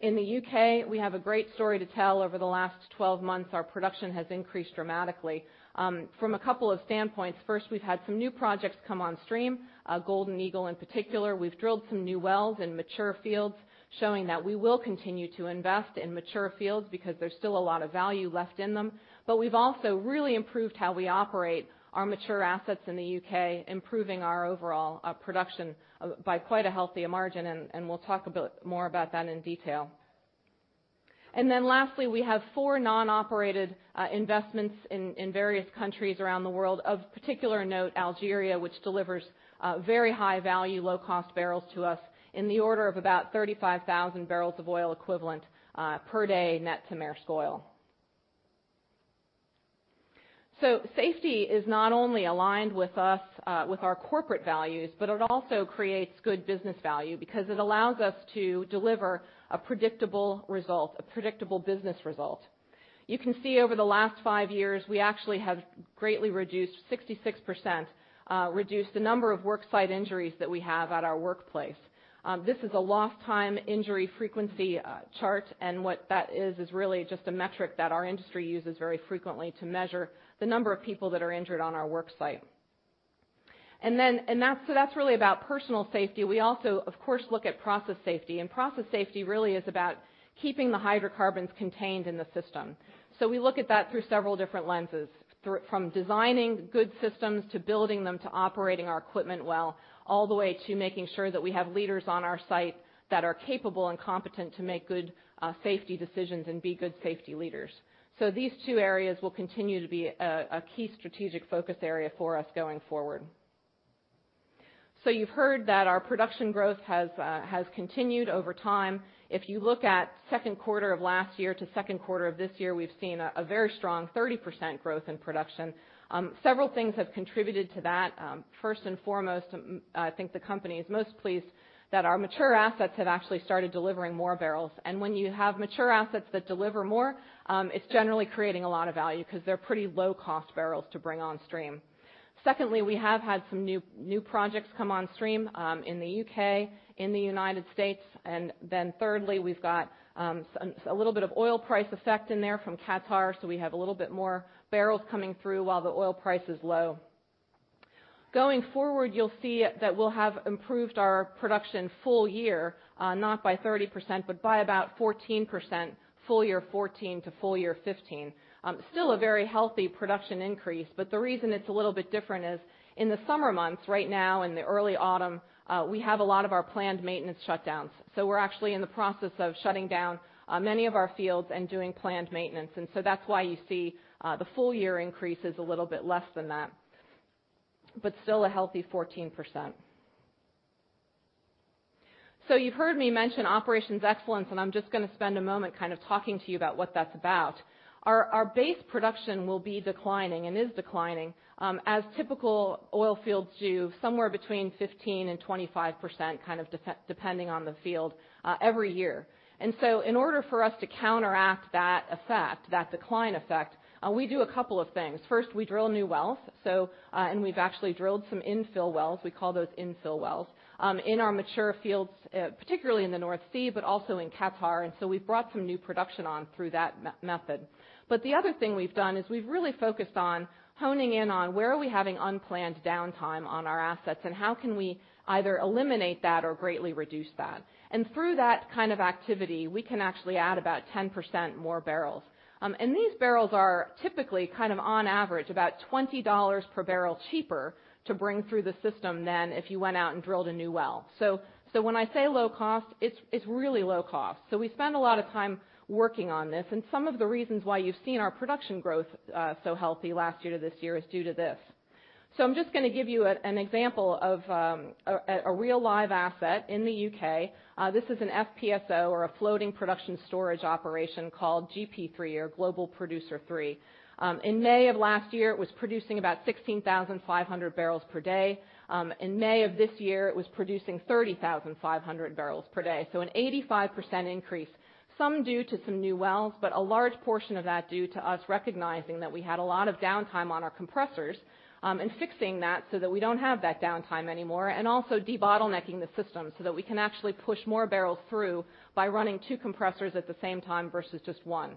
In the U.K., we have a great story to tell. Over the last 12 months, our production has increased dramatically from a couple of standpoints. First, we've had some new projects come on stream, Golden Eagle in particular. We've drilled some new wells in mature fields, showing that we will continue to invest in mature fields because there's still a lot of value left in them. We've also really improved how we operate our mature assets in the U.K., improving our overall production by quite a healthy margin, and we'll talk a bit more about that in detail. Lastly, we have 4 non-operated investments in various countries around the world. Of particular note, Algeria, which delivers very high value, low cost barrels to us in the order of about 35,000 barrels of oil equivalent per day net to Maersk Oil. Safety is not only aligned with us, with our corporate values, but it also creates good business value because it allows us to deliver a predictable result, a predictable business result. You can see over the last five years, we actually have greatly reduced 66% the number of work site injuries that we have at our workplace. This is a lost time injury frequency chart, and what that is is really just a metric that our industry uses very frequently to measure the number of people that are injured on our work site. That's really about personal safety. We also, of course, look at process safety, and process safety really is about keeping the hydrocarbons contained in the system. We look at that through several different lenses, from designing good systems, to building them, to operating our equipment well, all the way to making sure that we have leaders on our site that are capable and competent to make good safety decisions and be good safety leaders. These two areas will continue to be a key strategic focus area for us going forward. You've heard that our production growth has continued over time. If you look at Q2 of last year to Q2 of this year, we've seen a very strong 30% growth in production. Several things have contributed to that. I think the company is most pleased that our mature assets have actually started delivering more barrels. When you have mature assets that deliver more, it's generally creating a lot of value 'cause they're pretty low cost barrels to bring on stream. Secondly, we have had some new projects come on stream in the U.K., in the United States, and then thirdly, we've got a little bit of oil price effect in there from Qatar, so we have a little bit more barrels coming through while the oil price is low. Going forward, you'll see that we'll have improved our production full year, not by 30%, but by about 14% full year 2014 to full year 2015. Still a very healthy production increase, but the reason it's a little bit different is in the summer months, right now, in the early autumn, we have a lot of our planned maintenance shutdowns. We're actually in the process of shutting down many of our fields and doing planned maintenance. That's why you see the full year increase is a little bit less than that, but still a healthy 14%. You've heard me mention operations excellence, and I'm just gonna spend a moment kind of talking to you about what that's about. Our base production will be declining and is declining, as typical oil fields do, somewhere between 15%-25%, depending on the field, every year. In order for us to counteract that effect, that decline effect, we do a couple of things. First, we drill new wells. We've actually drilled some infill wells, we call those infill wells, in our mature fields, particularly in the North Sea, but also in Qatar. We've brought some new production on through that method. The other thing we've done is we've really focused on honing in on where are we having unplanned downtime on our assets, and how can we either eliminate that or greatly reduce that. Through that kind of activity, we can actually add about 10% more barrels. These barrels are typically kind of on average about $20 per barrel cheaper to bring through the system than if you went out and drilled a new well. When I say low cost, it's really low cost. We spend a lot of time working on this. Some of the reasons why you've seen our production growth so healthy last year to this year is due to this. I'm just gonna give you an example of a real live asset in the U.K. This is an FPSO or a floating production storage operation called GP3 or Global Producer III. In May of last year, it was producing about 16,500 barrels per day. In May of this year, it was producing 30,500 barrels per day. An 85% increase, some due to some new wells, but a large portion of that due to us recognizing that we had a lot of downtime on our compressors, and fixing that so that we don't have that downtime anymore, and also debottlenecking the system so that we can actually push more barrels through by running two compressors at the same time versus just one.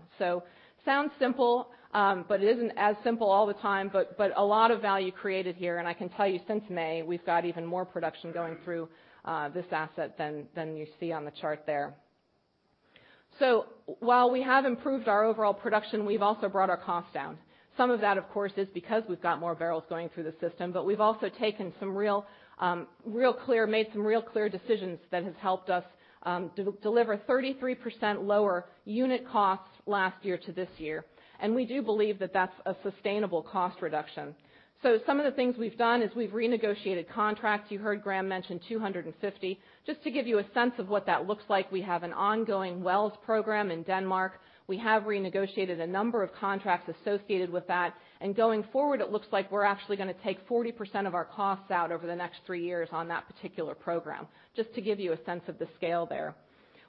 Sounds simple, but it isn't as simple all the time, but a lot of value created here. I can tell you since May, we've got even more production going through this asset than you see on the chart there. While we have improved our overall production, we've also brought our costs down. Some of that, of course, is because we've got more barrels going through the system, but we've also taken some real, made some real clear decisions that has helped us, deliver 33% lower unit costs last year to this year. We do believe that that's a sustainable cost reduction. Some of the things we've done is we've renegotiated contracts. You heard Graham mention 250. Just to give you a sense of what that looks like, we have an ongoing wells program in Denmark. We have renegotiated a number of contracts associated with that. Going forward, it looks like we're actually gonna take 40% of our costs out over the next three years on that particular program, just to give you a sense of the scale there.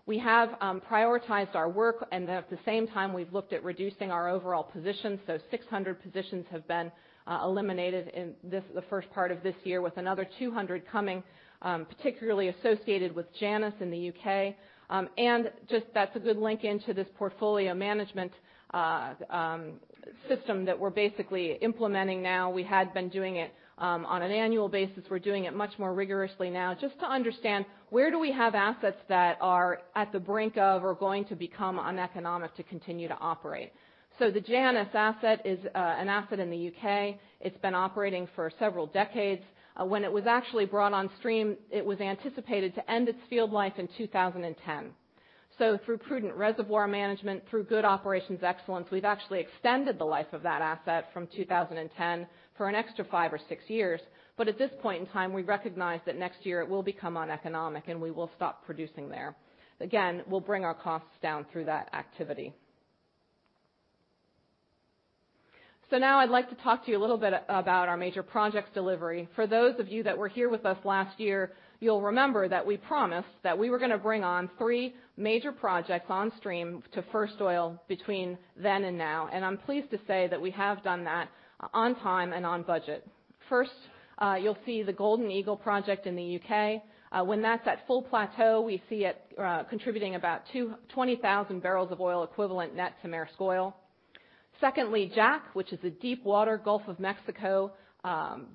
We have prioritized our work, and at the same time, we've looked at reducing our overall position. 600 positions have been eliminated in the first part of this year, with another 200 coming, particularly associated with Janice in the U.K. Just, that's a good link into this portfolio management system that we're basically implementing now. We had been doing it on an annual basis. We're doing it much more rigorously now. Just to understand where do we have assets that are at the brink of or going to become uneconomic to continue to operate. The Janice asset is an asset in the U.K. It's been operating for several decades. When it was actually brought on stream, it was anticipated to end its field life in 2010. Through prudent reservoir management, through good operations excellence, we've actually extended the life of that asset from 2010 for an extra five or six years. At this point in time, we recognize that next year it will become uneconomic, and we will stop producing there. Again, we'll bring our costs down through that activity. Now I'd like to talk to you a little bit about our major projects delivery. For those of you that were here with us last year, you'll remember that we promised that we were gonna bring on 3 major projects on stream to first oil between then and now. I'm pleased to say that we have done that on time and on budget. First, you'll see the Golden Eagle project in the U.K. When that's at full plateau, we see it contributing about 20,000 barrels of oil equivalent net to Maersk Oil. Secondly, Jack, which is a deepwater Gulf of Mexico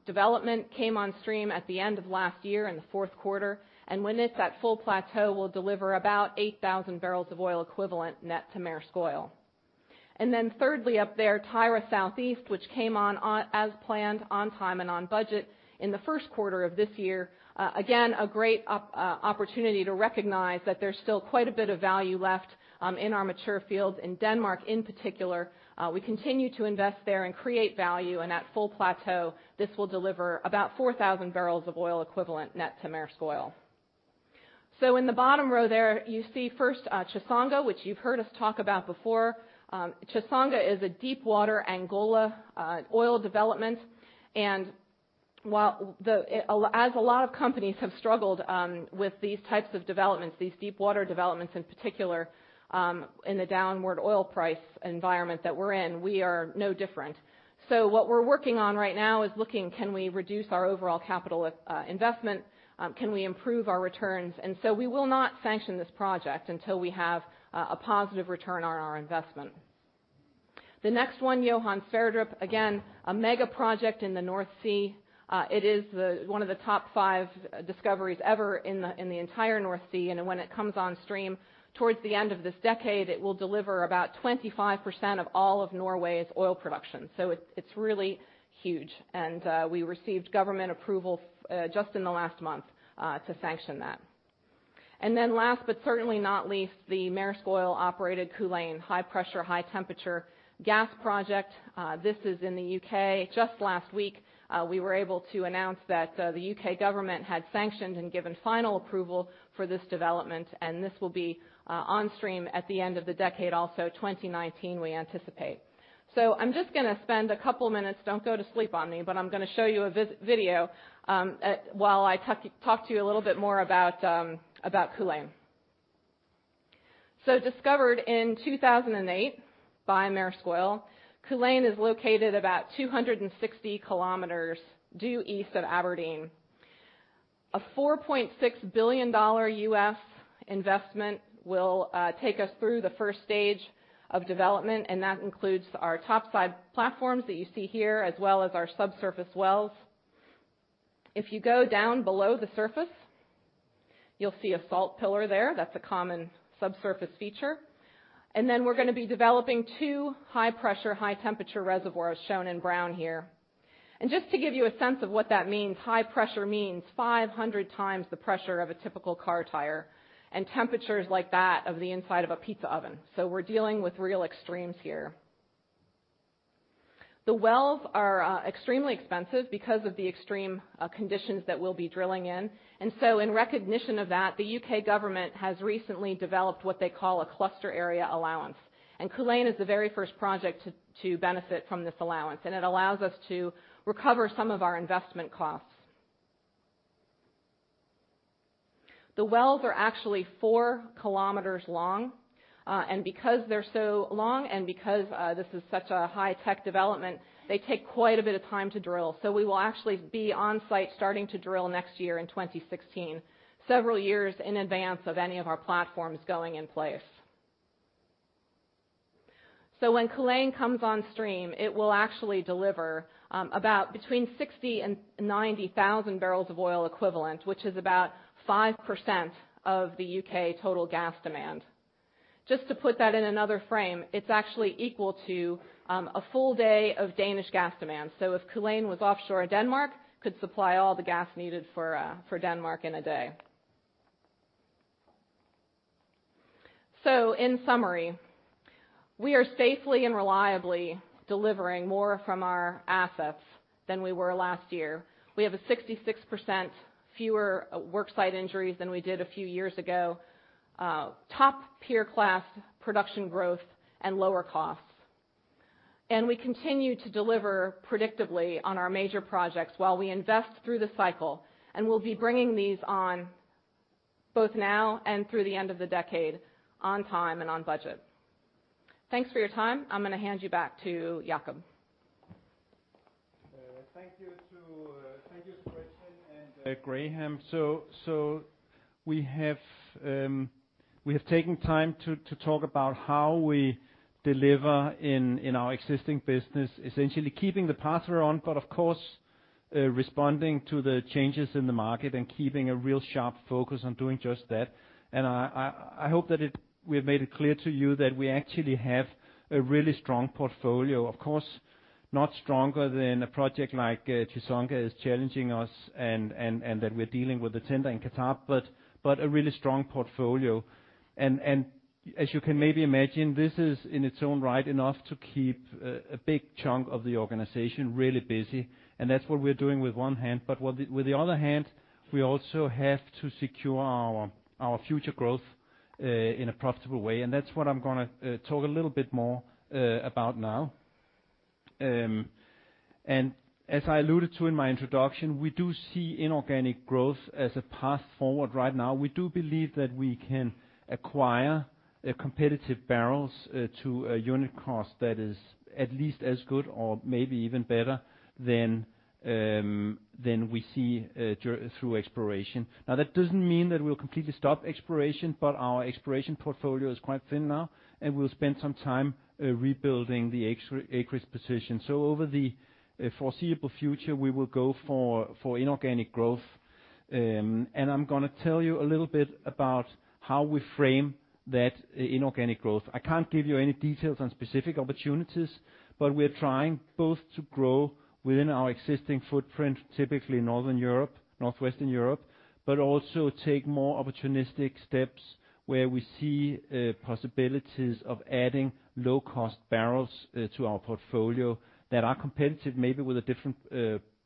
development, came on stream at the end of last year in the Q4. When it's at full plateau, will deliver about 8,000 barrels of oil equivalent net to Maersk Oil. Then thirdly up there, Tyra Southeast, which came on as planned on time and on budget in the Q1 of this year. Again, a great opportunity to recognize that there's still quite a bit of value left in our mature fields in Denmark in particular. We continue to invest there and create value. At full plateau, this will deliver about 4,000 barrels of oil equivalent net to Maersk Oil. In the bottom row there, you see first, Chissonga, which you've heard us talk about before. Chissonga is a deepwater Angola oil development. As a lot of companies have struggled with these types of developments, these deepwater developments in particular, in the downward oil price environment that we're in, we are no different. What we're working on right now is looking, can we reduce our overall capital investment? Can we improve our returns? We will not sanction this project until we have a positive return on our investment. The next one, Johan Sverdrup, again, a mega project in the North Sea. It is one of the top five discoveries ever in the entire North Sea. When it comes on stream towards the end of this decade, it will deliver about 25% of all of Norway's oil production. It is really huge. We received government approval just in the last month to sanction that. Last, but certainly not least, the Maersk Oil operated Culzean high pressure, high temperature gas project. This is in the U.K. Just last week, we were able to announce that the U.K. government had sanctioned and given final approval for this development, and this will be on stream at the end of the decade, also 2019 we anticipate. I'm just gonna spend a couple minutes, don't go to sleep on me, but I'm gonna show you a video while I talk to you a little bit more about Culzean. Discovered in 2008 by Maersk Oil, Culzean is located about 260 kilometers due east of Aberdeen. A $4.6 billion investment will take us through the first stage of development, and that includes our top side platforms that you see here, as well as our subsurface wells. If you go down below the surface, you'll see a salt pillar there. That's a common subsurface feature. Then we're gonna be developing two high pressure, high temperature reservoirs shown in brown here. Just to give you a sense of what that means, high pressure means 500 times the pressure of a typical car tire, and temperatures like that of the inside of a pizza oven. We're dealing with real extremes here. The wells are extremely expensive because of the extreme conditions that we'll be drilling in. In recognition of that, the U.K. government has recently developed what they call a Cluster Area Allowance. Culzean is the very first project to benefit from this allowance, and it allows us to recover some of our investment costs. The wells are actually four kilometers long, and because they're so long and because this is such a high tech development, they take quite a bit of time to drill. We will actually be on site starting to drill next year in 2016, several years in advance of any of our platforms going in place. When Culzean comes on stream, it will actually deliver about between 60 and 90 thousand barrels of oil equivalent, which is about 5% of the U.K. total gas demand. Just to put that in another frame, it's actually equal to a full day of Danish gas demand. If Culzean was offshore Denmark, it could supply all the gas needed for Denmark in a day. In summary, we are safely and reliably delivering more from our assets than we were last year. We have 66% fewer worksite injuries than we did a few years ago. Top-tier class production growth and lower costs. We continue to deliver predictably on our major projects while we invest through the cycle, and we'll be bringing these on both now and through the end of the decade, on time and on budget. Thanks for your time. I'm gonna hand you back to Jakob. Thank you to Gretchen and Graham. We have taken time to talk about how we deliver in our existing business, essentially keeping the path we're on, but of course, responding to the changes in the market and keeping a real sharp focus on doing just that. I hope that we have made it clear to you that we actually have a really strong portfolio. Of course, not stronger than a project like Chissonga is challenging us and that we're dealing with the tender in Qatar, but a really strong portfolio. As you can maybe imagine, this is in its own right enough to keep a big chunk of the organization really busy, and that's what we're doing with one hand. On the other hand, we also have to secure our future growth in a profitable way, and that's what I'm gonna talk a little bit more about now. As I alluded to in my introduction, we do see inorganic growth as a path forward right now. We do believe that we can acquire competitive barrels to a unit cost that is at least as good or maybe even better than we see through exploration. That doesn't mean that we'll completely stop exploration, but our exploration portfolio is quite thin now, and we'll spend some time rebuilding the acreage position. Over the foreseeable future, we will go for inorganic growth. I'm gonna tell you a little bit about how we frame that inorganic growth. I can't give you any details on specific opportunities, but we're trying both to grow within our existing footprint, typically Northern Europe, northwestern Europe, but also take more opportunistic steps where we see possibilities of adding low cost barrels to our portfolio that are competitive, maybe with a different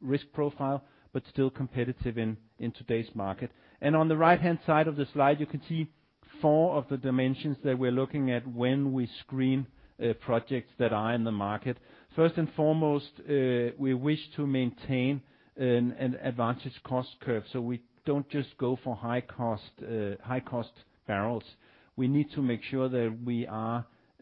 risk profile, but still competitive in today's market. On the right-hand side of the slide, you can see four of the dimensions that we're looking at when we screen projects that are in the market. First and foremost, we wish to maintain an advantaged cost curve, so we don't just go for high cost barrels. We need to make sure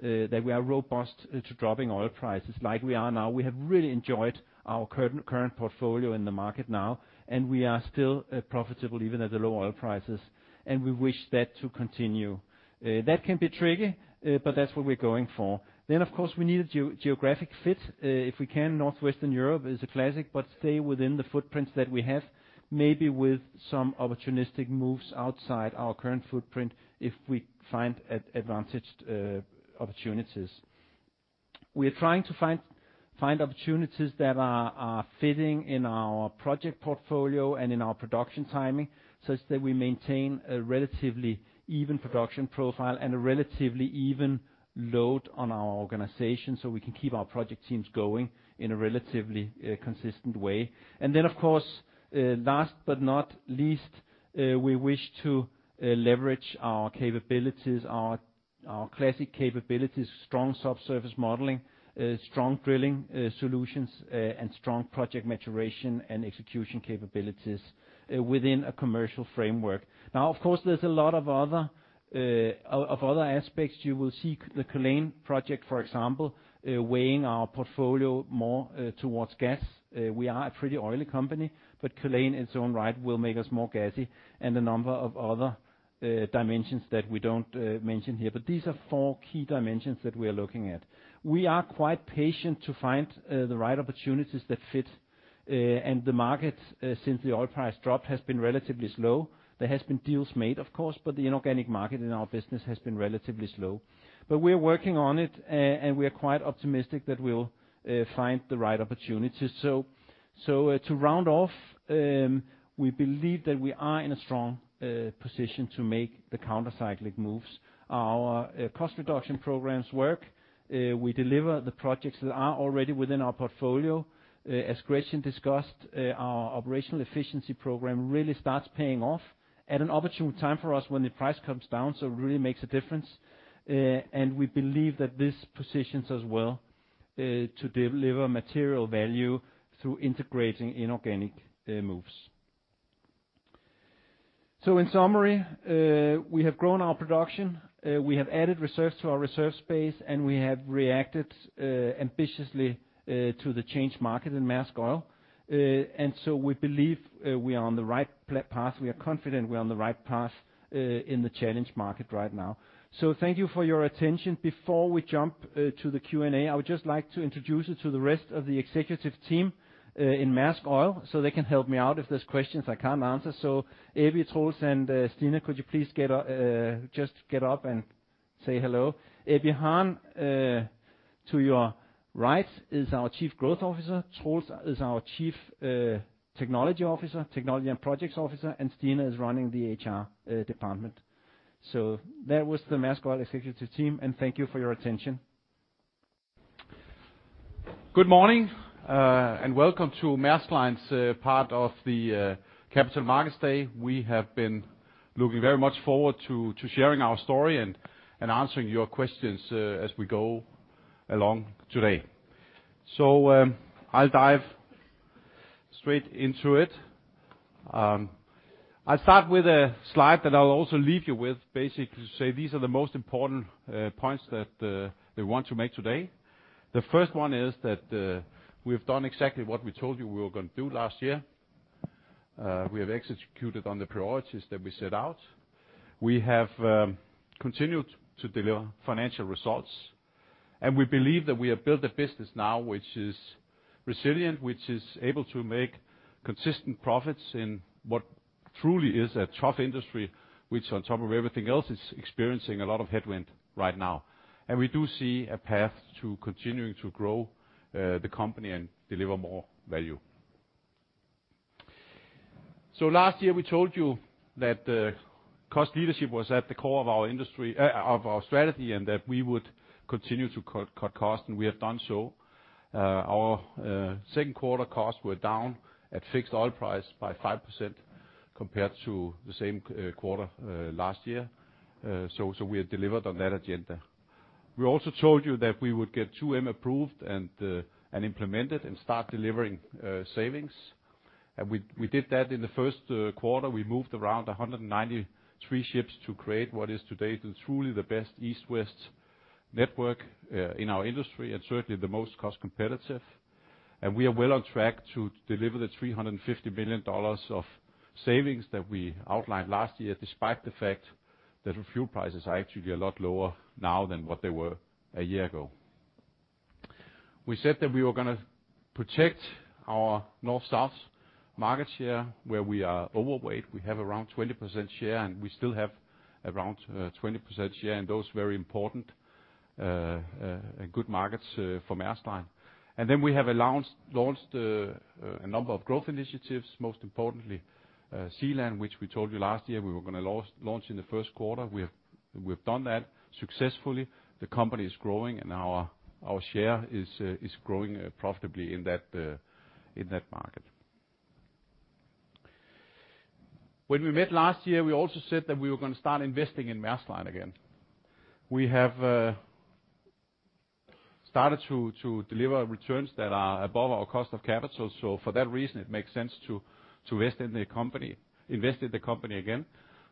that we are robust to dropping oil prices like we are now. We have really enjoyed our current portfolio in the market now, and we are still profitable even at the low oil prices, and we wish that to continue. That can be tricky, but that's what we're going for. Of course, we need a geographic fit. If we can, Northwestern Europe is a classic, but stay within the footprints that we have, maybe with some opportunistic moves outside our current footprint if we find advantaged opportunities. We are trying to find opportunities that are fitting in our project portfolio and in our production timing, such that we maintain a relatively even production profile and a relatively even load on our organization, so we can keep our project teams going in a relatively consistent way. Of course, last but not least, we wish to leverage our capabilities, our classic capabilities, strong subsurface modeling, strong drilling solutions, and strong project maturation and execution capabilities within a commercial framework. Now, of course, there's a lot of other aspects. You will see the Culzean project, for example, weighing our portfolio more towards gas. We are a pretty oily company, but Culzean, in its own right, will make us more gassy and a number of other dimensions that we don't mention here. These are four key dimensions that we are looking at. We are quite patient to find the right opportunities that fit and the market since the oil price drop has been relatively slow. There has been deals made, of course, but the inorganic market in our business has been relatively slow. We are working on it, and we are quite optimistic that we'll find the right opportunities. To round off, we believe that we are in a strong position to make the counter-cyclic moves. Our cost reduction programs work. We deliver the projects that are already within our portfolio. As Gretchen discussed, our operational efficiency program really starts paying off at an opportune time for us when the price comes down, so it really makes a difference. We believe that this positions us well to deliver material value through integrating inorganic moves. In summary, we have grown our production, we have added reserves to our reserves base, and we have reacted ambitiously to the changed market in Maersk Oil. We believe we are on the right path. We are confident we are on the right path in the challenged market right now. Thank you for your attention. Before we jump to the Q&A, I would just like to introduce you to the rest of the executive team in Maersk Oil, so they can help me out if there's questions I can't answer. Vincent Clerc, Troels, and Stine, could you please get up, just get up and say hello? Vincent Clerc to your right is our Chief Growth Officer. Troels is our Chief Technology Officer, Technology and Projects Officer, and Stine is running the HR department. That was the Maersk Oil executive team, and thank you for your attention. Good morning, welcome to Maersk Line's part of the Capital Markets Day. We have been looking very much forward to sharing our story and answering your questions as we go along today. I'll dive straight into it. I'll start with a slide that I'll also leave you with, basically to say these are the most important points that we want to make today. The first one is that we have done exactly what we told you we were gonna do last year. We have executed on the priorities that we set out. We have continued to deliver financial results, and we believe that we have built a business now which is resilient, which is able to make consistent profits in what truly is a tough industry, which on top of everything else, is experiencing a lot of headwind right now. We do see a path to continuing to grow the company and deliver more value. Last year, we told you that cost leadership was at the core of our industry of our strategy, and that we would continue to cut costs, and we have done so. Our Q2 costs were down at fixed oil price by 5% compared to the same quarter last year. We have delivered on that agenda. We also told you that we would get 2M approved and implemented and start delivering savings. We did that in the Q1. We moved around 193 ships to create what is today truly the best East-West network in our industry and certainly the most cost competitive. We are well on track to deliver the $350 billion of savings that we outlined last year, despite the fact that fuel prices are actually a lot lower now than what they were a year ago. We said that we were gonna protect our North-South market share, where we are overweight. We have around 20% share, and we still have around 20% share in those very important good markets for Maersk Line. We have announced, launched a number of growth initiatives, most importantly, SeaLand, which we told you last year we were gonna launch in the Q1. We have done that successfully. The company is growing, and our share is growing profitably in that market. When we met last year, we also said that we were gonna start investing in Maersk Line again. We have started to deliver returns that are above our cost of capital, so for that reason, it makes sense to invest in the company again.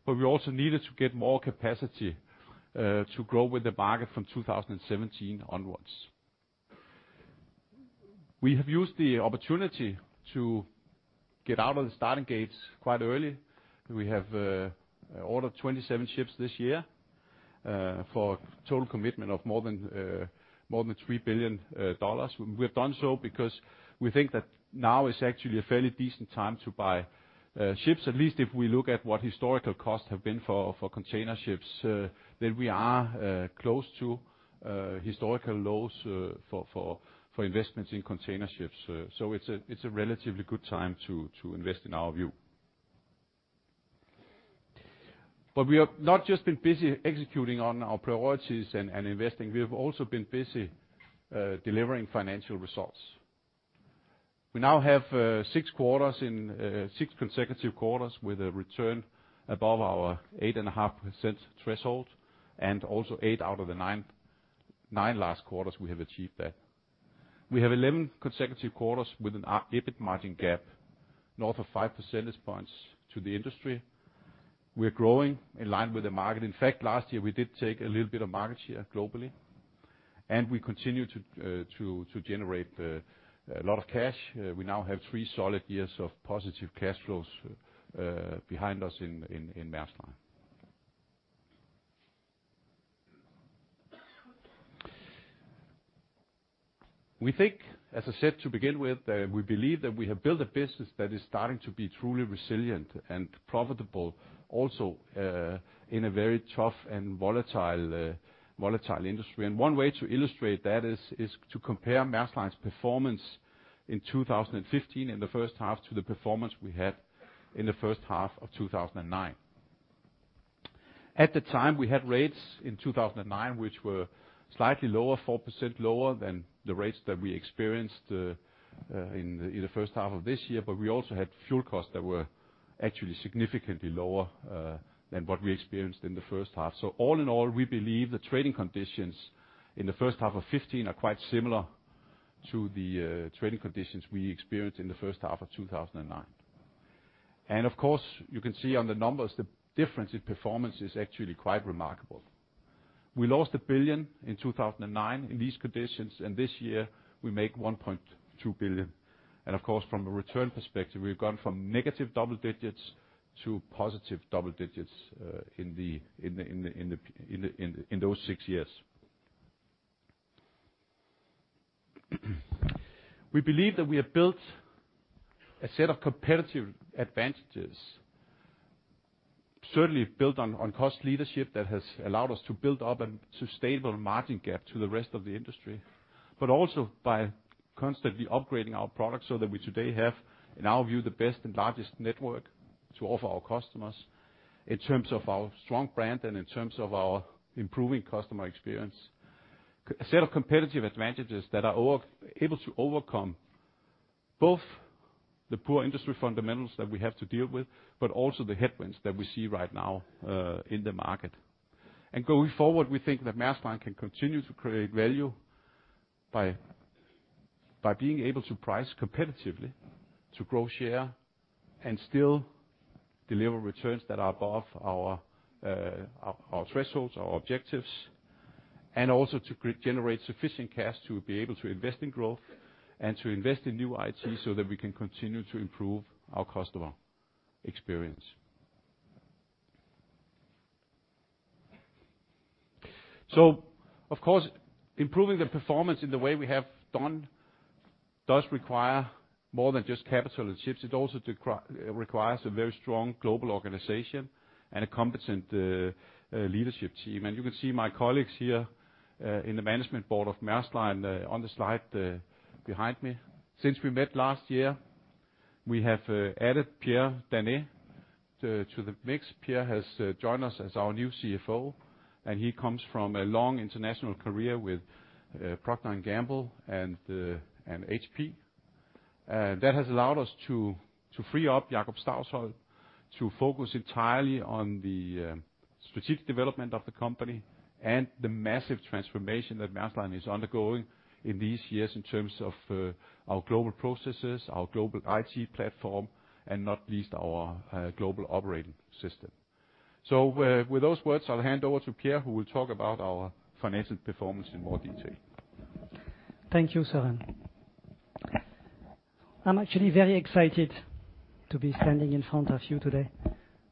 We also needed to get more capacity to grow with the market from 2017 onwards. We have used the opportunity to get out of the starting gates quite early. We have ordered 27 ships this year for total commitment of more than $3 billion. We have done so because we think that now is actually a fairly decent time to buy ships, at least if we look at what historical costs have been for container ships, then we are close to historical lows for investments in container ships. It's a relatively good time to invest, in our view. We have not just been busy executing on our priorities and investing, we have also been busy delivering financial results. We now have six consecutive quarters with a return above our 8.5% threshold, and also eight out of the nine last quarters we have achieved that. We have 11 consecutive quarters with our EBIT margin gap north of 5 percentage points to the industry. We are growing in line with the market. In fact, last year we did take a little bit of market share globally, and we continue to generate a lot of cash. We now have 3 solid years of positive cash flows behind us in Maersk Line. We think, as I said to begin with, we believe that we have built a business that is starting to be truly resilient and profitable, also, in a very tough and volatile industry. One way to illustrate that is to compare Maersk Line's performance in 2015 in the first half to the performance we had in the first half of 2009. At the time, we had rates in 2009, which were slightly lower, 4% lower than the rates that we experienced in the first half of this year, but we also had fuel costs that were actually significantly lower than what we experienced in the first half. All in all, we believe the trading conditions in the first half of 2015 are quite similar to the trading conditions we experienced in the first half of 2009. Of course, you can see on the numbers the difference in performance is actually quite remarkable. We lost $1 billion in 2009 in these conditions, and this year we make $1.2 billion. Of course, from a return perspective, we've gone from negative double digits to positive double digits in those six years. We believe that we have built a set of competitive advantages, certainly built on cost leadership that has allowed us to build up a sustainable margin gap to the rest of the industry, but also by constantly upgrading our products so that we today have, in our view, the best and largest network to offer our customers in terms of our strong brand and in terms of our improving customer experience. A set of competitive advantages that are all able to overcome both the poor industry fundamentals that we have to deal with, but also the headwinds that we see right now in the market. Going forward, we think that Maersk Line can continue to create value by being able to price competitively, to grow share, and still deliver returns that are above our thresholds, our objectives, and also to generate sufficient cash to be able to invest in growth and to invest in new IT so that we can continue to improve our customer experience. Of course, improving the performance in the way we have done does require more than just capital and ships. It also requires a very strong global organization and a competent leadership team. You can see my colleagues here in the management board of Maersk Line on the slide behind me. Since we met last year, we have added Pierre Danet to the mix. Pierre has joined us as our new CFO, and he comes from a long international career with Procter & Gamble and HP. That has allowed us to free up Jakob Stausholm to focus entirely on the strategic development of the company and the massive transformation that Maersk Line is undergoing in these years in terms of our global processes, our global IT platform, and not least our global operating system. With those words, I'll hand over to Pierre, who will talk about our financial performance in more detail. Thank you, Søren. I'm actually very excited to be standing in front of you today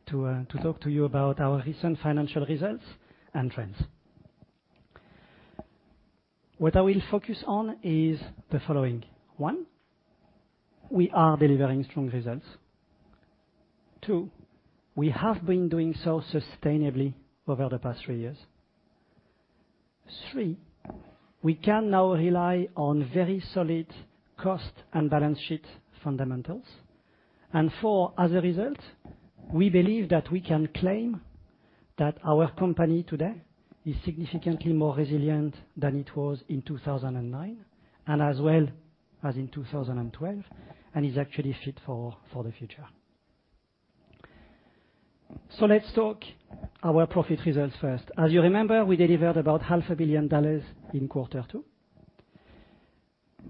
to talk to you about our recent financial results and trends. What I will focus on is the following. 1, we are delivering strong results. 2, we have been doing so sustainably over the past 3 years. 3, we can now rely on very solid cost and balance sheet fundamentals. 4, as a result, we believe that we can claim that our company today is significantly more resilient than it was in 2009, and as well as in 2012, and is actually fit for the future. Let's talk about our profit results first. As you remember, we delivered about $0.5 billion in Q2.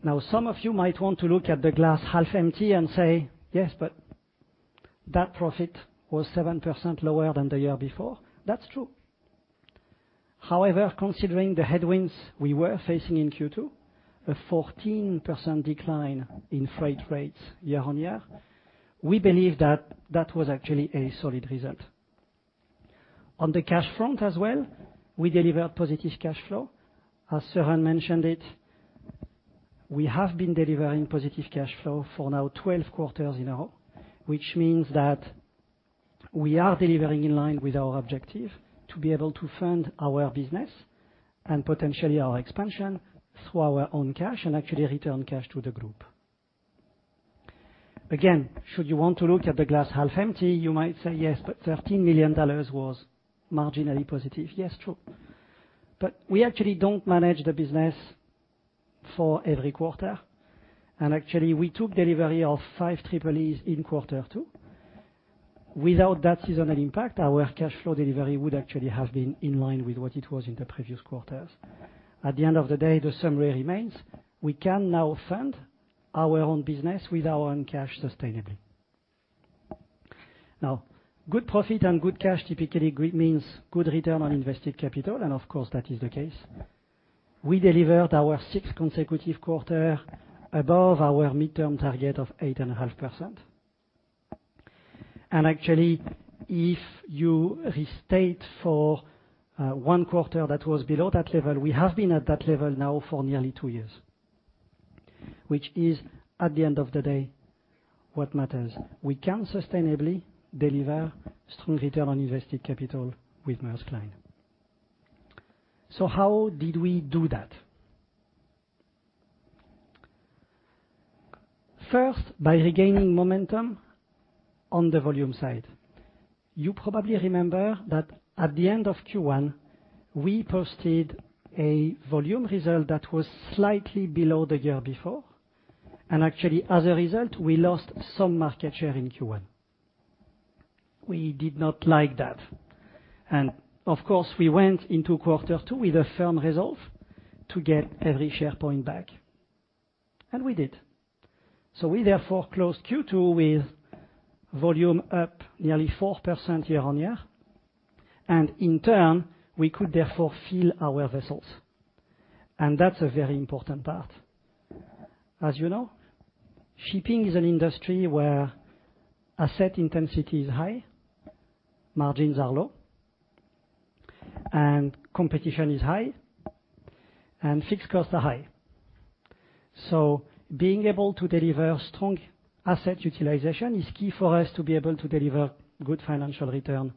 Now, some of you might want to look at the glass half empty and say, "Yes, but that profit was 7% lower than the year before." That's true. However, considering the headwinds we were facing in Q2, a 14% decline in freight rates year-on-year, we believe that that was actually a solid result. On the cash front as well, we delivered positive cash flow. As Søren mentioned it. We have been delivering positive cash flow for now 12 quarters in a row, which means that we are delivering in line with our objective to be able to fund our business and potentially our expansion through our own cash and actually return cash to the group. Again, should you want to look at the glass half empty, you might say, "Yes, but $13 million was marginally positive." Yes, true. We actually don't manage the business for every quarter. Actually, we took delivery of 5 Triple-Es in Q2. Without that seasonal impact, our cash flow delivery would actually have been in line with what it was in the previous quarters. At the end of the day, the summary remains. We can now fund our own business with our own cash sustainably. Now, good profit and good cash typically means good return on invested capital, and of course, that is the case. We delivered our sixth consecutive quarter above our midterm target of 8.5%. Actually, if you restate for one quarter that was below that level, we have been at that level now for nearly 2 years, which is, at the end of the day, what matters. We can sustainably deliver strong return on invested capital with Maersk Line. How did we do that? First, by regaining momentum on the volume side. You probably remember that at the end of Q1, we posted a volume result that was slightly below the year before. Actually, as a result, we lost some market share in Q1. We did not like that. Of course, we went into Q2 with a firm resolve to get every share point back, and we did. We therefore closed Q2 with volume up nearly 4% year-on-year, and in turn, we could therefore fill our vessels. That's a very important part. As you know, shipping is an industry where asset intensity is high, margins are low, and competition is high, and fixed costs are high. Being able to deliver strong asset utilization is key for us to be able to deliver good financial return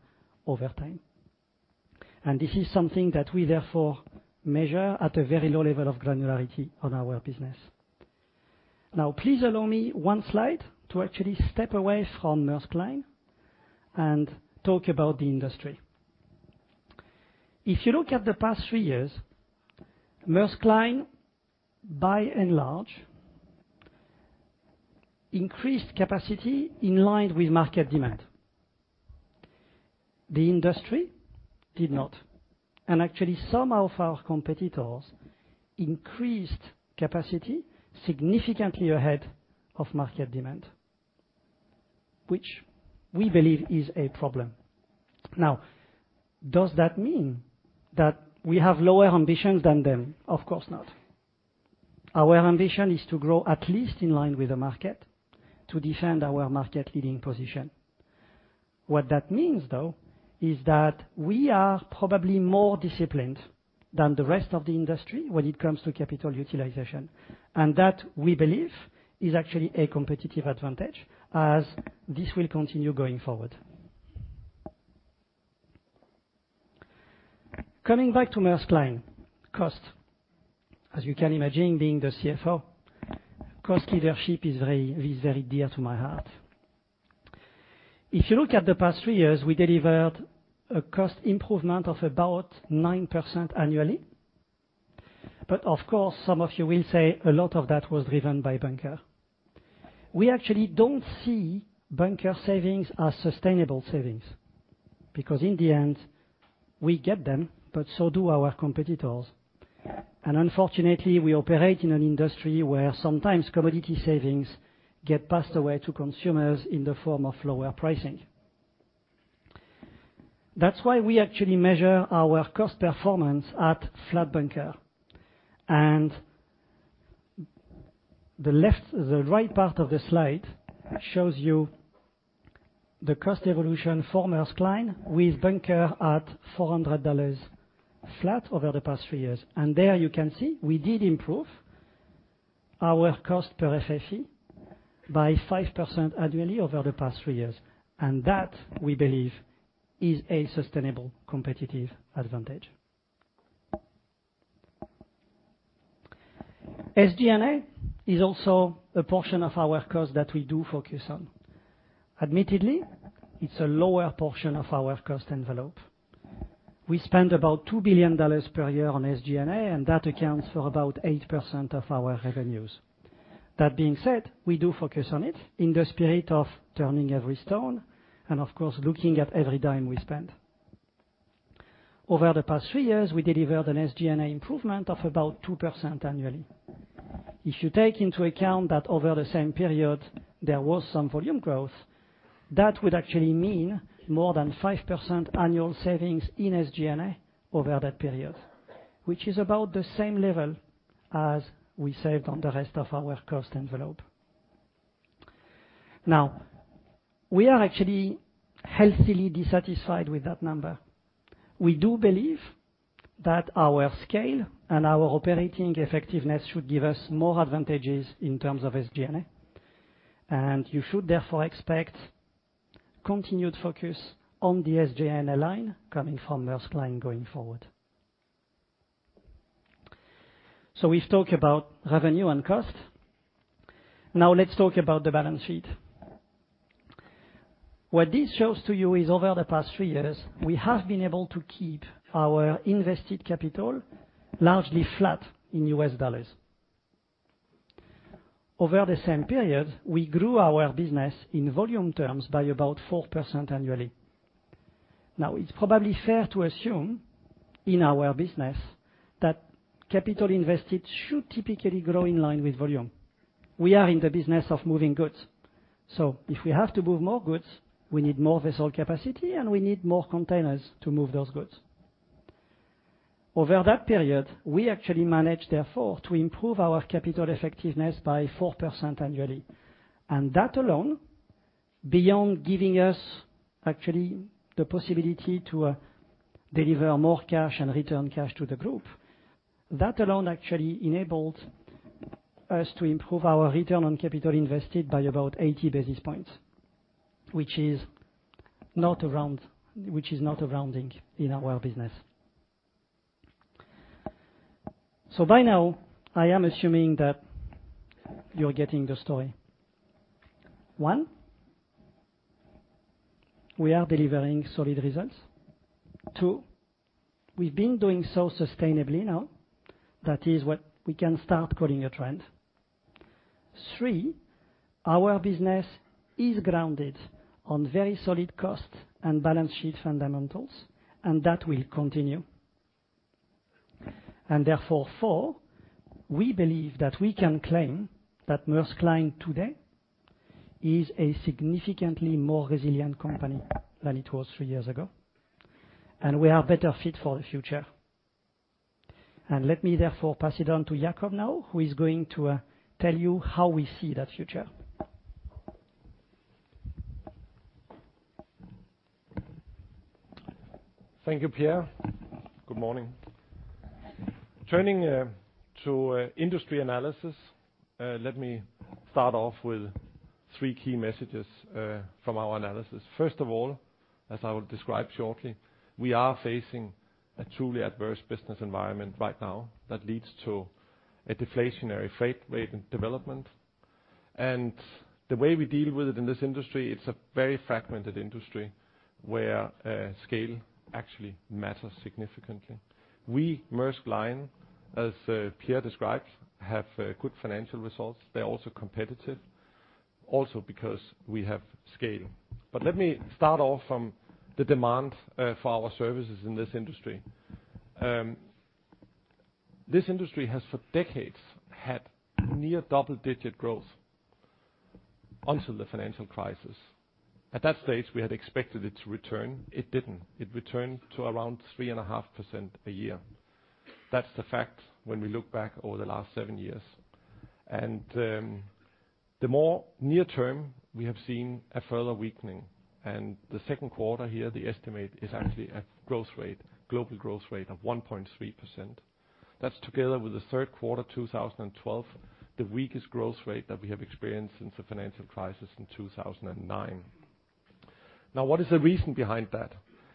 over time. This is something that we therefore measure at a very low level of granularity on our business. Now, please allow me one slide to actually step away from Maersk Line and talk about the industry. If you look at the past three years, Maersk Line, by and large, increased capacity in line with market demand. The industry did not. Actually, some of our competitors increased capacity significantly ahead of market demand, which we believe is a problem. Now, does that mean that we have lower ambitions than them? Of course not. Our ambition is to grow at least in line with the market to defend our market leading position. What that means, though, is that we are probably more disciplined than the rest of the industry when it comes to capital utilization, and that, we believe, is actually a competitive advantage as this will continue going forward. Coming back to Maersk Line. Cost. As you can imagine, being the CFO, cost leadership is very, very dear to my heart. If you look at the past three years, we delivered a cost improvement of about 9% annually. Of course, some of you will say a lot of that was driven by bunker. We actually don't see bunker savings as sustainable savings because in the end, we get them, but so do our competitors. Unfortunately, we operate in an industry where sometimes commodity savings get passed on to consumers in the form of lower pricing. That's why we actually measure our cost performance at flat bunker. The right part of the slide shows you the cost evolution for Maersk Line with bunker at $400 flat over the past three years. There you can see we did improve our cost per FEU by 5% annually over the past 3 years. That, we believe, is a sustainable competitive advantage. SG&A is also a portion of our cost that we do focus on. Admittedly, it's a lower portion of our cost envelope. We spend about $2 billion per year on SG&A, and that accounts for about 8% of our revenues. That being said, we do focus on it in the spirit of turning every stone and of course, looking at every dime we spend. Over the past 3 years, we delivered an SG&A improvement of about 2% annually. If you take into account that over the same period, there was some volume growth, that would actually mean more than 5% annual savings in SG&A over that period, which is about the same level as we saved on the rest of our cost envelope. Now, we are actually healthily dissatisfied with that number. We do believe that our scale and our operating effectiveness should give us more advantages in terms of SG&A, and you should therefore expect continued focus on the SG&A line coming from Maersk Line going forward. We've talked about revenue and cost. Now let's talk about the balance sheet. What this shows to you is over the past three years, we have been able to keep our invested capital largely flat in U.S. dollars. Over the same period, we grew our business in volume terms by about 4% annually. It's probably fair to assume in our business that capital invested should typically grow in line with volume. We are in the business of moving goods, so if we have to move more goods, we need more vessel capacity, and we need more containers to move those goods. Over that period, we actually managed, therefore, to improve our capital effectiveness by 4% annually. That alone, beyond giving us actually the possibility to deliver more cash and return cash to the group, that alone actually enabled us to improve our return on capital invested by about 80 basis points, which is not around, which is not a rounding in our business. By now, I am assuming that you're getting the story. One, we are delivering solid results. Two, we've been doing so sustainably now, that is what we can start calling a trend. Three, our business is grounded on very solid cost and balance sheet fundamentals, and that will continue. Therefore, four, we believe that we can claim that Maersk Line today is a significantly more resilient company than it was three years ago, and we are better fit for the future. Let me therefore pass it on to Jakob now, who is going to tell you how we see that future. Thank you, Pierre. Good morning. Turning to industry analysis, let me start off with three key messages from our analysis. First of all, as I will describe shortly, we are facing a truly adverse business environment right now that leads to a deflationary freight rate and development. The way we deal with it in this industry, it's a very fragmented industry where scale actually matters significantly. We, Maersk Line, as Pierre described, have good financial results. They're also competitive, also because we have scale. Let me start off from the demand for our services in this industry. This industry has for decades had near double-digit growth until the financial crisis. At that stage, we had expected it to return. It didn't. It returned to around 3.5% a year. That's the fact when we look back over the last 7 years. The more near-term, we have seen a further weakening. The Q2 here, the estimate is actually a growth rate, global growth rate of 1.3%. That's together with the Q3 2012, the weakest growth rate that we have experienced since the financial crisis in 2009. Now, what is the reason behind that?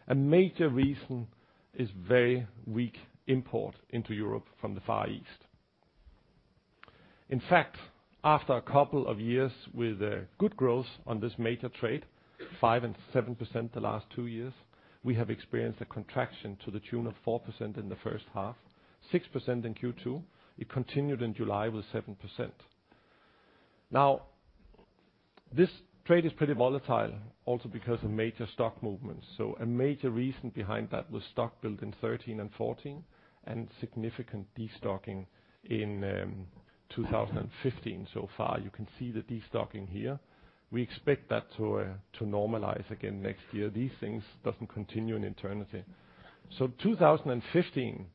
A major reason is very weak import into Europe from the Far East. In fact, after a couple of years with good growth on this major trade, 5% and 7% the last two years, we have experienced a contraction to the tune of 4% in the first half, 6% in Q2. It continued in July with 7%. Now, this trade is pretty volatile also because of major stock movements. A major reason behind that was stock build in 2013 and 2014 and significant destocking in 2015 so far. You can see the destocking here. We expect that to normalize again next year. These things doesn't continue in eternity. 2015,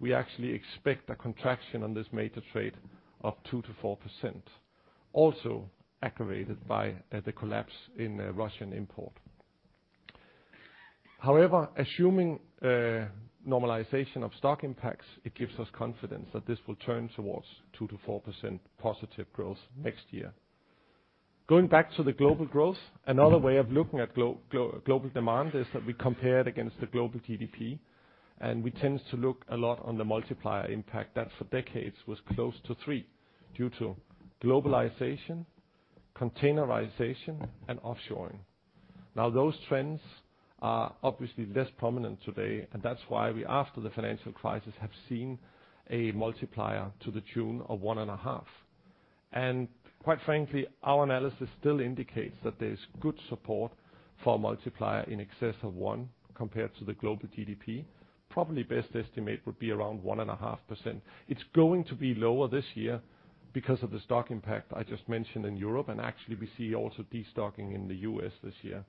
we actually expect a contraction on this major trade of 2%-4%, also aggravated by the collapse in Russian import. However, assuming a normalization of stock impacts, it gives us confidence that this will turn towards 2%-4% positive growth next year. Going back to the global growth, another way of looking at global demand is that we compare it against the global GDP, and we tend to look a lot on the multiplier impact that for decades was close to 3 due to globalization, containerization, and offshoring. Now, those trends are obviously less prominent today, and that's why we, after the financial crisis, have seen a multiplier to the tune of 1.5. Quite frankly, our analysis still indicates that there's good support for multiplier in excess of 1 compared to the global GDP. Probably best estimate would be around 1.5%. It's going to be lower this year because of the stock impact I just mentioned in Europe, and actually, we see also destocking in the U.S. this year.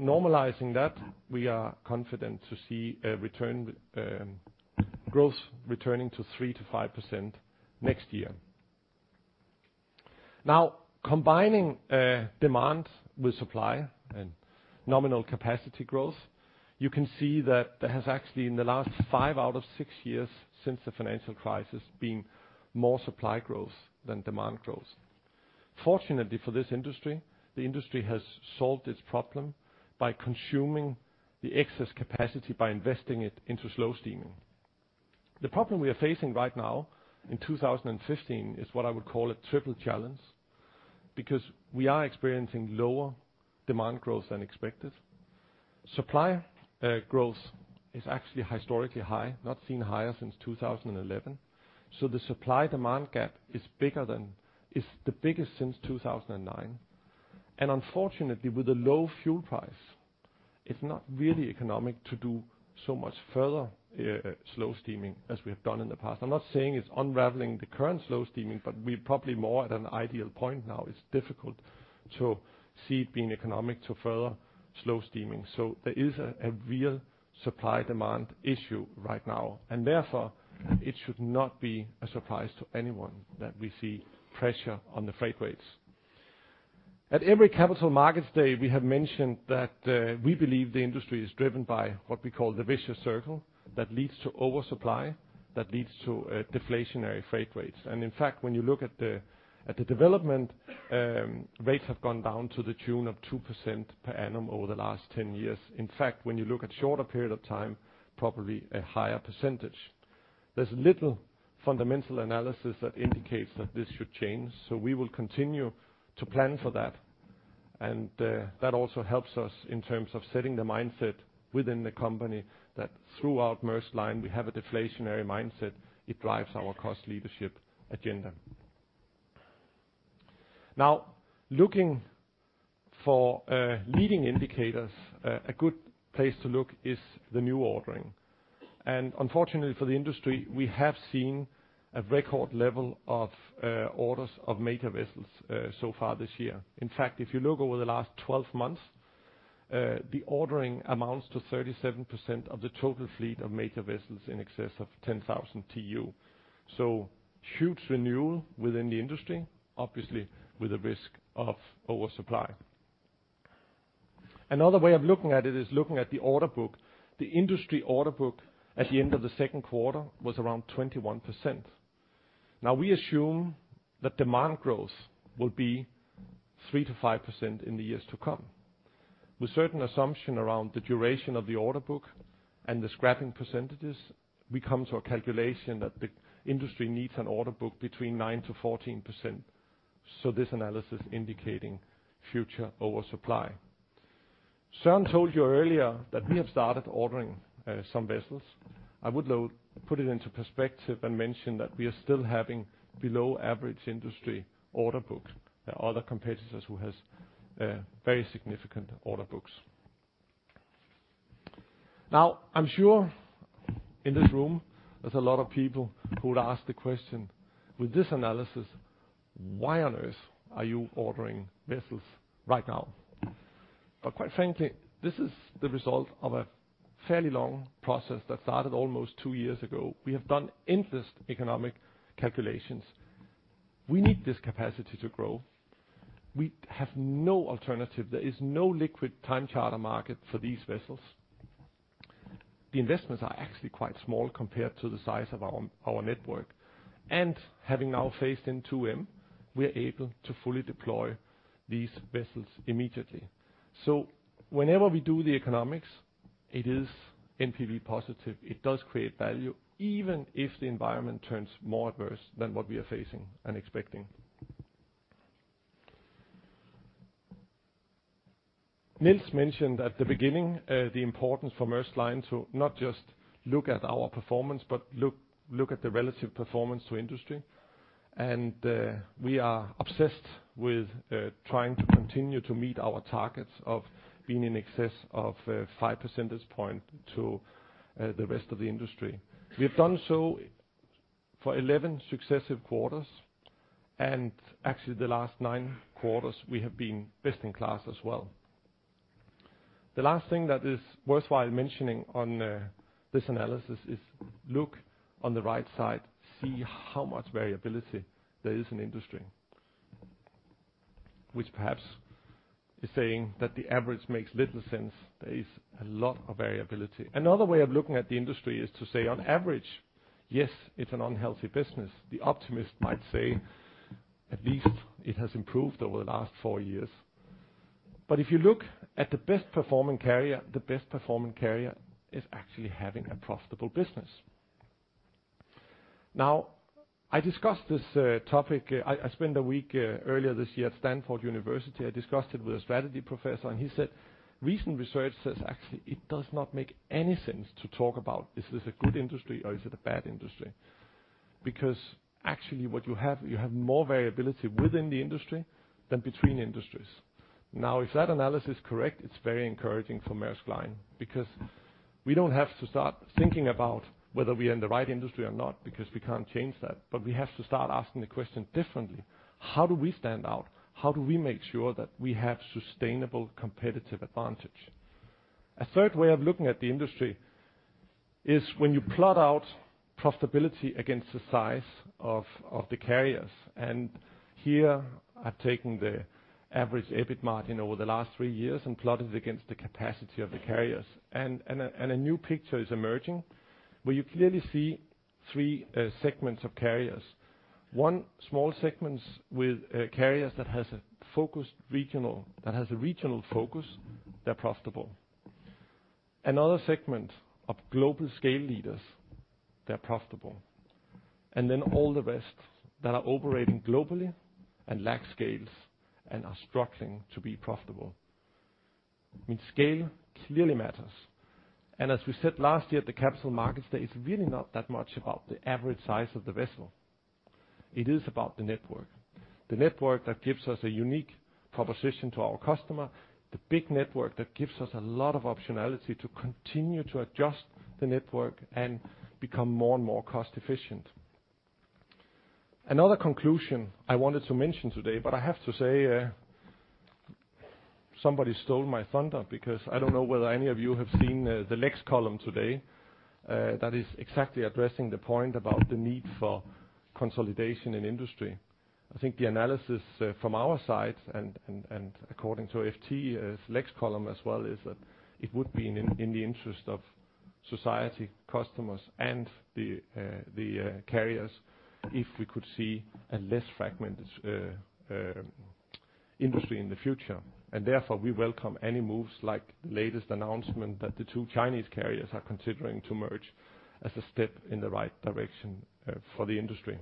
Normalizing that, we are confident to see a return with growth returning to 3%-5% next year. Now, combining demand with supply and nominal capacity growth, you can see that there has actually in the last five out of six years since the financial crisis been more supply growth than demand growth. Fortunately for this industry, the industry has solved its problem by consuming the excess capacity by investing it into slow steaming. The problem we are facing right now in 2015 is what I would call a triple challenge, because we are experiencing lower demand growth than expected. Supply growth is actually historically high, not seen higher since 2011. The supply-demand gap is the biggest since 2009. Unfortunately, with the low fuel price, it's not really economic to do so much further slow steaming as we have done in the past. I'm not saying it's unraveling the current slow steaming, but we're probably more at an ideal point now. It's difficult to see it being economic to further slow steaming. There is a real supply-demand issue right now, and therefore, it should not be a surprise to anyone that we see pressure on the freight rates. At every Capital Markets Day, we have mentioned that we believe the industry is driven by what we call the vicious circle that leads to oversupply, that leads to deflationary freight rates. In fact, when you look at the development, rates have gone down to the tune of 2% per annum over the last 10 years. In fact, when you look at shorter period of time, probably a higher percentage. There's little fundamental analysis that indicates that this should change. We will continue to plan for that. That also helps us in terms of setting the mindset within the company that throughout Maersk Line, we have a deflationary mindset. It drives our cost leadership agenda. Looking for leading indicators, a good place to look is the new ordering. Unfortunately for the industry, we have seen a record level of orders of major vessels so far this year. In fact, if you look over the last 12 months, the ordering amounts to 37% of the total fleet of major vessels in excess of 10,000 TEU. Huge renewal within the industry, obviously with a risk of oversupply. Another way of looking at it is looking at the order book. The industry order book at the end of the Q2 was around 21%. Now, we assume that demand growth will be 3%-5% in the years to come. With certain assumption around the duration of the order book and the scrapping percentages, we come to a calculation that the industry needs an order book between 9%-14%. This analysis indicating future oversupply. Søren told you earlier that we have started ordering some vessels. I would put it into perspective and mention that we are still having below average industry order book. There are other competitors who has very significant order books. Now, I'm sure in this room there's a lot of people who would ask the question, with this analysis, why on earth are you ordering vessels right now? Quite frankly, this is the result of a fairly long process that started almost two years ago. We have done endless economic calculations. We need this capacity to grow. We have no alternative. There is no liquid time charter market for these vessels. The investments are actually quite small compared to the size of our network. And having now phased in 2M, we're able to fully deploy these vessels immediately. Whenever we do the economics, it is NPV positive. It does create value even if the environment turns more adverse than what we are facing and expecting. Nils mentioned at the beginning the importance for Maersk Line to not just look at our performance, but look at the relative performance to industry. We are obsessed with trying to continue to meet our targets of being in excess of 5 percentage points to the rest of the industry. We have done so for 11 successive quarters, and actually the last nine quarters, we have been best in class as well. The last thing that is worthwhile mentioning on this analysis is look on the right side, see how much variability there is in industry, which perhaps is saying that the average makes little sense. There is a lot of variability. Another way of looking at the industry is to say on average, yes, it's an unhealthy business. The optimist might say, at least it has improved over the last four years. If you look at the best performing carrier, the best performing carrier is actually having a profitable business. Now, I discussed this topic. I spent a week earlier this year at Stanford University. I discussed it with a strategy professor, and he said recent research says actually it does not make any sense to talk about is this a good industry or is it a bad industry? Because actually what you have, you have more variability within the industry than between industries. Now if that analysis is correct, it's very encouraging for Maersk Line because we don't have to start thinking about whether we are in the right industry or not, because we can't change that, but we have to start asking the question differently. How do we stand out? How do we make sure that we have sustainable competitive advantage? A third way of looking at the industry is when you plot out profitability against the size of the carriers. Here, I've taken the average EBIT margin over the last three years and plotted it against the capacity of the carriers. A new picture is emerging, where you clearly see three segments of carriers. One, small segments with carriers that has a regional focus, they're profitable. Another segment of global scale leaders, they're profitable. All the rest that are operating globally and lack scales and are struggling to be profitable. I mean, scale clearly matters. As we said last year at the Capital Markets Day, it's really not that much about the average size of the vessel. It is about the network. The network that gives us a unique proposition to our customer, the big network that gives us a lot of optionality to continue to adjust the network and become more and more cost efficient. Another conclusion I wanted to mention today, but I have to say, somebody stole my thunder, because I don't know whether any of you have seen, the Lex column today, that is exactly addressing the point about the need for consolidation in industry. I think the analysis from our side and according to FT, Lex column as well, is that it would be in the interest of society, customers, and the carriers if we could see a less fragmented industry in the future. Therefore, we welcome any moves like the latest announcement that the two Chinese carriers are considering to merge as a step in the right direction for the industry.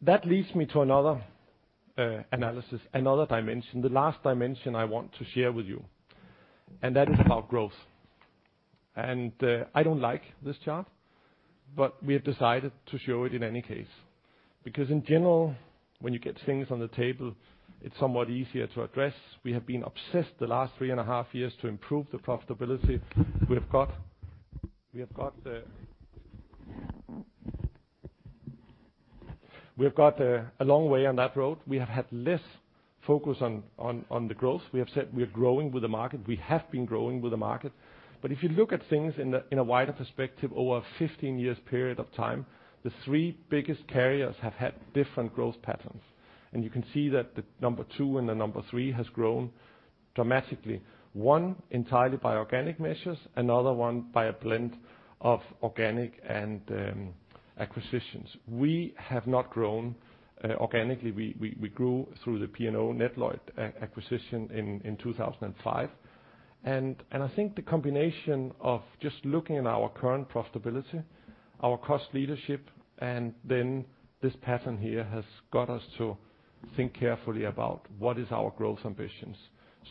That leads me to another analysis, another dimension, the last dimension I want to share with you, and that is about growth. I don't like this chart, but we have decided to show it in any case. Because in general, when you get things on the table, it's somewhat easier to address. We have been obsessed the last three and a half years to improve the profitability. We have got a long way on that road. We have had less focus on the growth. We have said we are growing with the market. We have been growing with the market. If you look at things in a wider perspective over a 15-year period of time, the three biggest carriers have had different growth patterns. You can see that the number two and the number three has grown dramatically. One entirely by organic measures, another one by a blend of organic and acquisitions. We have not grown organically. We grew through the P&O Nedlloyd acquisition in 2005. I think the combination of just looking at our current profitability, our cost leadership, and then this pattern here has got us to think carefully about what is our growth ambitions.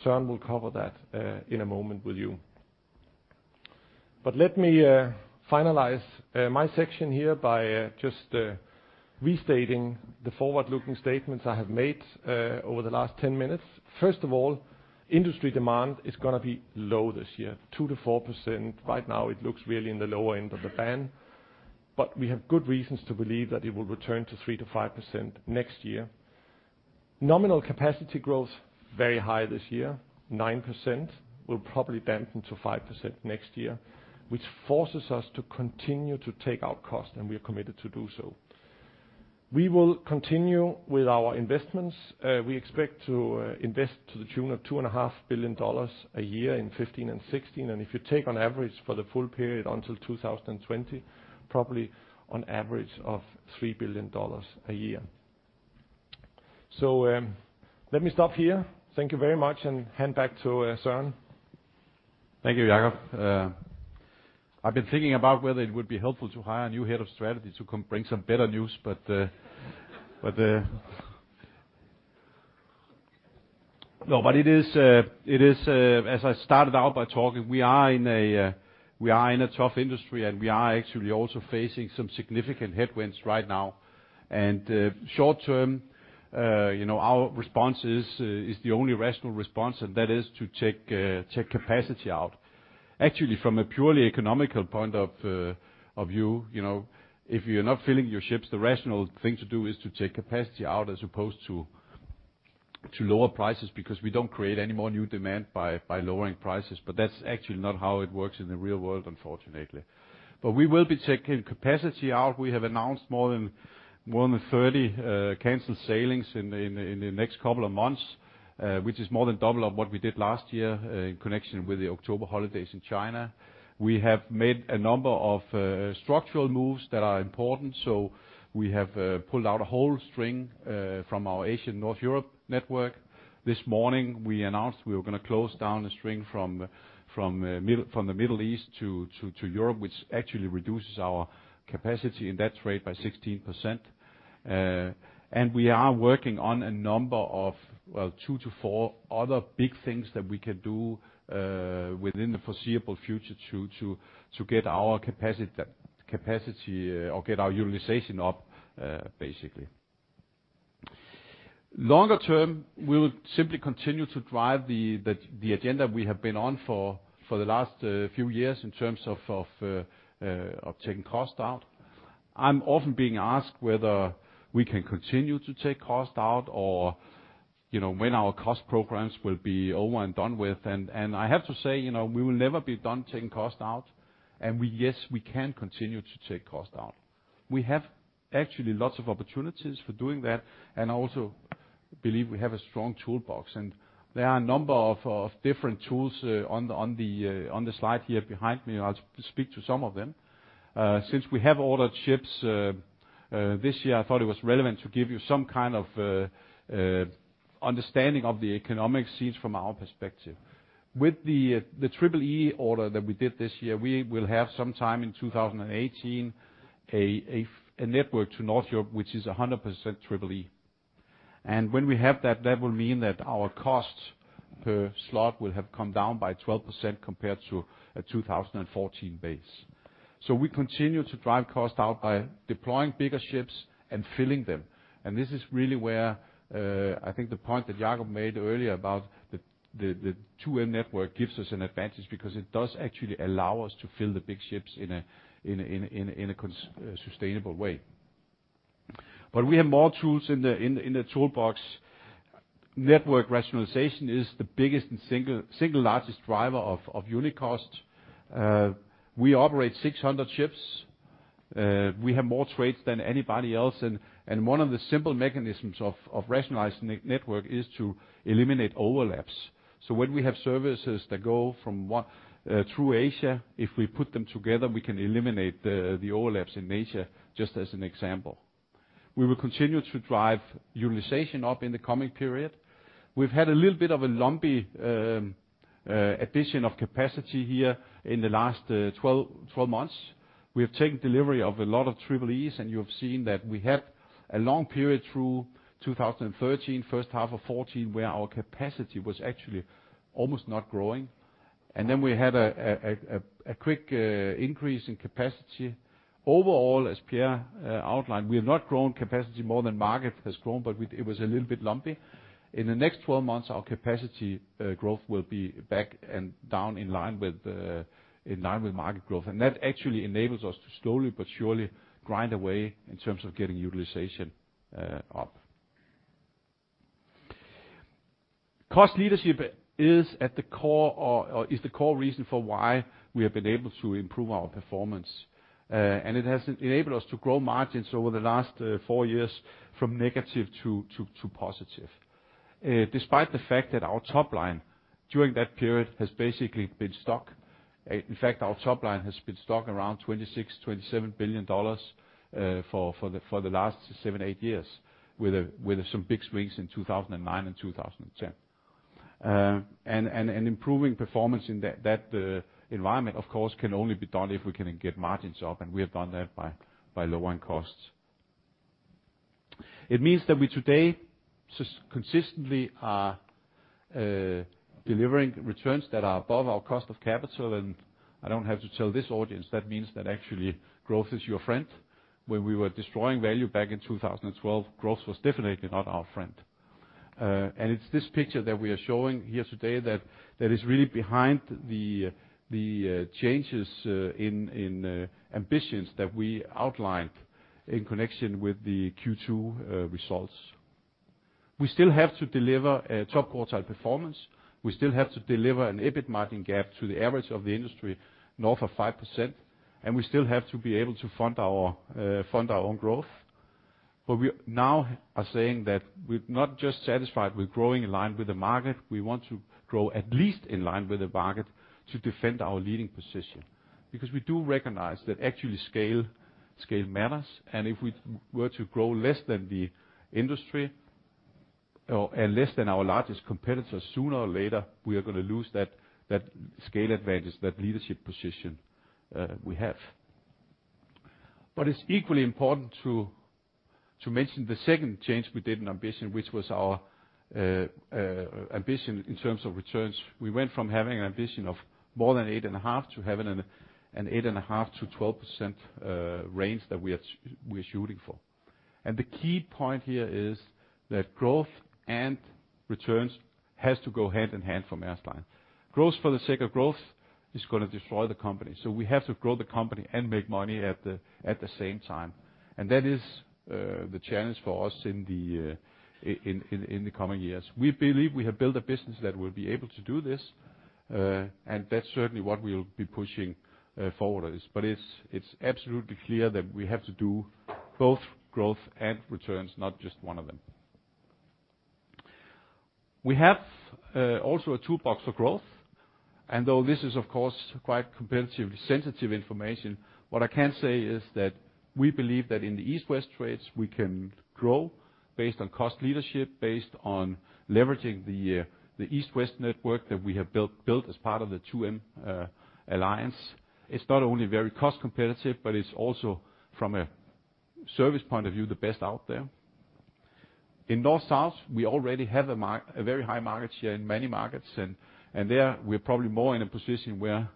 Søren will cover that, in a moment with you. Let me finalize my section here by just restating the forward-looking statements I have made, over the last 10 minutes. First of all, industry demand is gonna be low this year, 2%-4%. Right now, it looks really in the lower end of the band, but we have good reasons to believe that it will return to 3%-5% next year. Nominal capacity growth, very high this year, 9%, will probably dampen to 5% next year, which forces us to continue to take out cost, and we are committed to do so. We will continue with our investments. We expect to invest to the tune of $2.5 billion a year in 2015 and 2016. If you take on average for the full period until 2020, probably on average of $3 billion a year. Let me stop here. Thank you very much, and hand back to Søren. Thank you, Jakob. I've been thinking about whether it would be helpful to hire a new head of strategy to come bring some better news, but no, it is as I started out by talking, we are in a tough industry, and we are actually also facing some significant headwinds right now. Short-term, you know, our response is the only rational response, and that is to take capacity out. Actually, from a purely economic point of view, you know, if you're not filling your ships, the rational thing to do is to take capacity out as opposed to lower prices, because we don't create any more new demand by lowering prices. That's actually not how it works in the real world, unfortunately. We will be taking capacity out. We have announced more than 30 canceled sailings in the next couple of months, which is more than double of what we did last year in connection with the October holidays in China. We have made a number of structural moves that are important. We have pulled out a whole string from our Asian North Europe network. This morning, we announced we were gonna close down a string from the Middle East to Europe, which actually reduces our capacity in that trade by 16%. We are working on a number of, well, 2-4 other big things that we can do within the foreseeable future to get our capacity or get our utilization up, basically. Longer term, we will simply continue to drive the agenda we have been on for the last few years in terms of taking cost out. I'm often being asked whether we can continue to take cost out or, you know, when our cost programs will be over and done with. I have to say, you know, we will never be done taking cost out, and yes, we can continue to take cost out. We have actually lots of opportunities for doing that, and I also believe we have a strong toolbox. There are a number of different tools on the slide here behind me, and I'll speak to some of them. Since we have ordered ships this year, I thought it was relevant to give you some kind of understanding of the economic sense from our perspective. With the Triple-E order that we did this year, we will have some time in 2018, a network to North Europe, which is 100% Triple-E. When we have that will mean that our cost per slot will have come down by 12% compared to a 2014 base. We continue to drive cost out by deploying bigger ships and filling them. This is really where I think the point that Jakob made earlier about the 2M network gives us an advantage because it does actually allow us to fill the big ships in a sustainable way. We have more tools in the toolbox. Network rationalization is the biggest and single largest driver of unit cost. We operate 600 ships. We have more trades than anybody else, and one of the simple mechanisms of rationalizing network is to eliminate overlaps. When we have services that go from one through Asia, if we put them together, we can eliminate the overlaps in Asia, just as an example. We will continue to drive utilization up in the coming period. We've had a little bit of a lumpy addition of capacity here in the last 12 months. We have taken delivery of a lot of Triple-Es, and you have seen that we had a long period through 2013, first half of 2014, where our capacity was actually almost not growing. We had a quick increase in capacity. Overall, as Pierre outlined, we have not grown capacity more than market has grown, but it was a little bit lumpy. In the next 12 months, our capacity growth will be back down in line with market growth. That actually enables us to slowly but surely grind away in terms of getting utilization up. Cost leadership is at the core or is the core reason for why we have been able to improve our performance. It has enabled us to grow margins over the last 4 years from negative to positive. Despite the fact that our top line during that period has basically been stuck. In fact, our top line has been stuck around $26 billion-$27 billion for the last 7-8 years, with some big swings in 2009 and 2010. Improving performance in that environment, of course, can only be done if we can get margins up, and we have done that by lowering costs. It means that we today consistently are delivering returns that are above our cost of capital, and I don't have to tell this audience that means that actually growth is your friend. When we were destroying value back in 2012, growth was definitely not our friend. It's this picture that we are showing here today that is really behind the changes in ambitions that we outlined in connection with the Q2 results. We still have to deliver a top quartile performance. We still have to deliver an EBIT margin gap to the average of the industry north of 5%, and we still have to be able to fund our own growth. We now are saying that we're not just satisfied with growing in line with the market. We want to grow at least in line with the market to defend our leading position. Because we do recognize that actually scale matters, and if we were to grow less than the industry and less than our largest competitor, sooner or later, we are gonna lose that scale advantage, that leadership position we have. But it's equally important to mention the second change we did in ambition, which was our ambition in terms of returns. We went from having an ambition of more than 8.5% to having an 8.5%-12% range that we are shooting for. The key point here is that growth and returns has to go hand in hand for Maersk Line. Growth for the sake of growth is gonna destroy the company. We have to grow the company and make money at the same time. That is the challenge for us in the coming years. We believe we have built a business that will be able to do this, and that's certainly what we'll be pushing forward at this. It's absolutely clear that we have to do both growth and returns, not just one of them. We have also a toolbox for growth. Though this is of course quite competitively sensitive information, what I can say is that we believe that in the East-West trades, we can grow based on cost leadership, based on leveraging the East-West network that we have built as part of the 2M alliance. It's not only very cost competitive, but it's also from a service point of view, the best out there. In North-South, we already have a very high market share in many markets, and there we're probably more in a position where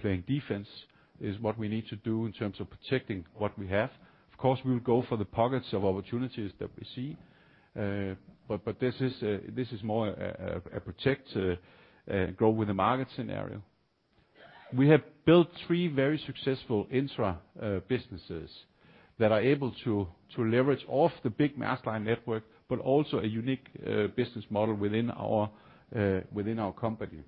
playing defense is what we need to do in terms of protecting what we have. Of course, we'll go for the pockets of opportunities that we see. This is more a protect and grow with the market scenario. We have built three very successful intra businesses that are able to leverage off the big Maersk Line network, but also a unique business model within our company.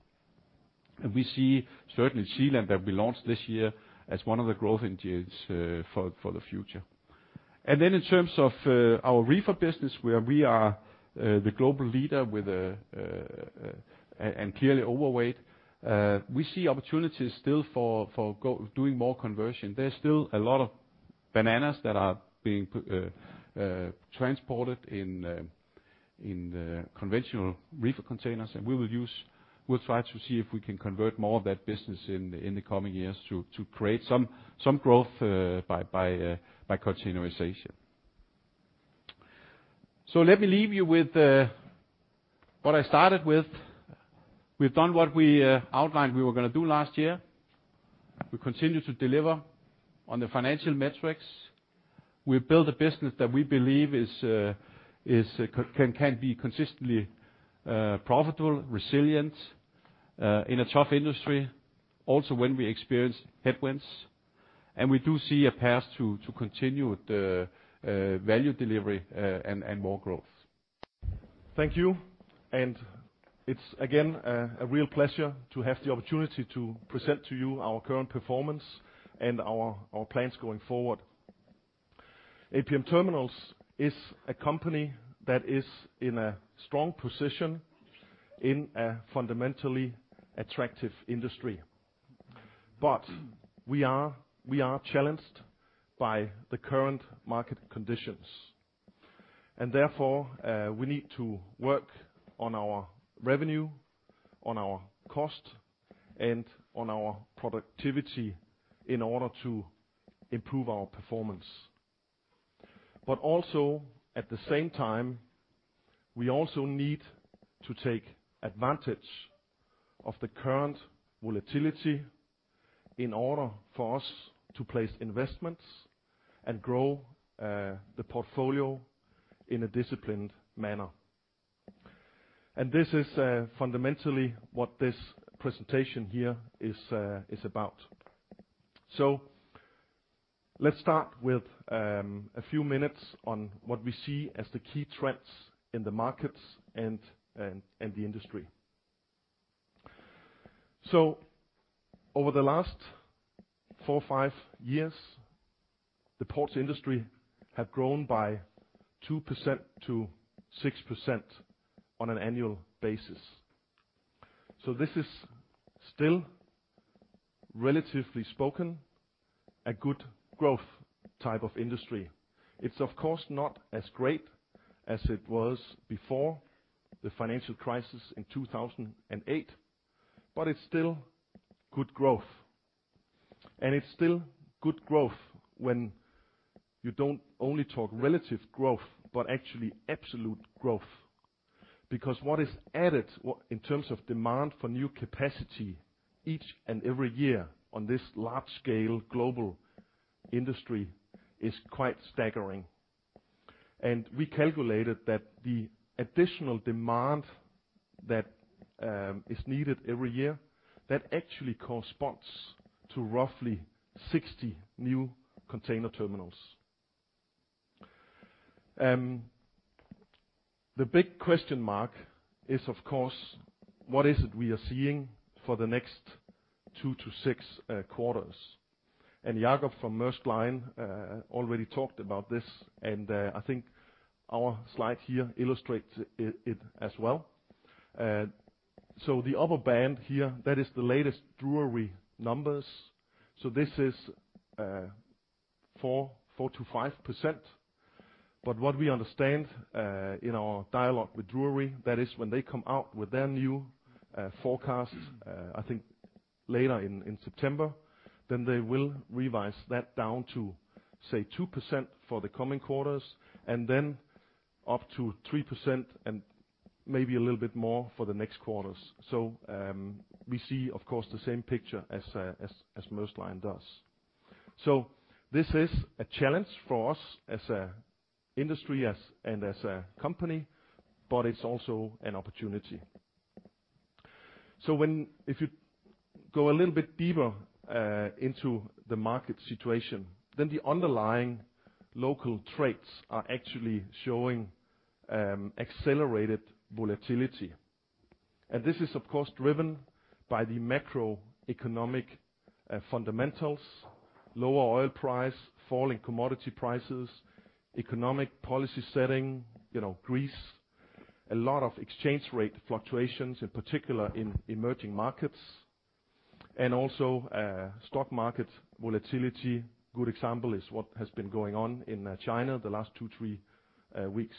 We see certainly SeaLand that we launched this year as one of the growth engines for the future. Then in terms of our reefer business, where we are the global leader and clearly overweight, we see opportunities still for doing more conversion. There's still a lot of bananas that are being transported in conventional reefer containers. We'll try to see if we can convert more of that business in the coming years to create some growth by containerization. Let me leave you with what I started with. We've done what we outlined we were gonna do last year. We continue to deliver on the financial metrics. We've built a business that we believe is can be consistently profitable, resilient in a tough industry, also when we experience headwinds, and we do see a path to continued value delivery and more growth. Thank you. It's again a real pleasure to have the opportunity to present to you our current performance and our plans going forward. APM Terminals is a company that is in a strong position in a fundamentally attractive industry. We are challenged by the current market conditions. Therefore, we need to work on our revenue, on our cost, and on our productivity in order to improve our performance. Also, at the same time, we also need to take advantage of the current volatility in order for us to place investments and grow the portfolio in a disciplined manner. This is fundamentally what this presentation here is about. Let's start with a few minutes on what we see as the key trends in the markets and the industry. Over the last 4-5 years, the ports industry have grown by 2%-6% on an annual basis. This is still, relatively spoken, a good growth type of industry. It's of course not as great as it was before the financial crisis in 2008, but it's still good growth. It's still good growth when you don't only talk relative growth, but actually absolute growth. What is added in terms of demand for new capacity each and every year on this large-scale global industry is quite staggering. We calculated that the additional demand that is needed every year, that actually corresponds to roughly 60 new container terminals. The big question mark is, of course, what is it we are seeing for the next 2 quarters-6 quarters. Jakob from Maersk Line already talked about this, and I think our slide here illustrates it as well. The upper band here, that is the latest Drewry numbers, this is 4%-5%. What we understand in our dialogue with Drewry, that is when they come out with their new forecast, I think later in September, then they will revise that down to, say, 2% for the coming quarters, and then up to 3% and maybe a little bit more for the next quarters. We see, of course, the same picture as Maersk Line does. This is a challenge for us as an industry and as a company, but it's also an opportunity. If you go a little bit deeper into the market situation, then the underlying local trades are actually showing accelerated volatility. This is of course driven by the macroeconomic fundamentals, lower oil price, falling commodity prices, economic policy setting, you know, Greece, a lot of exchange rate fluctuations, in particular in emerging markets, and also stock market volatility. Good example is what has been going on in China the last 2-3 weeks.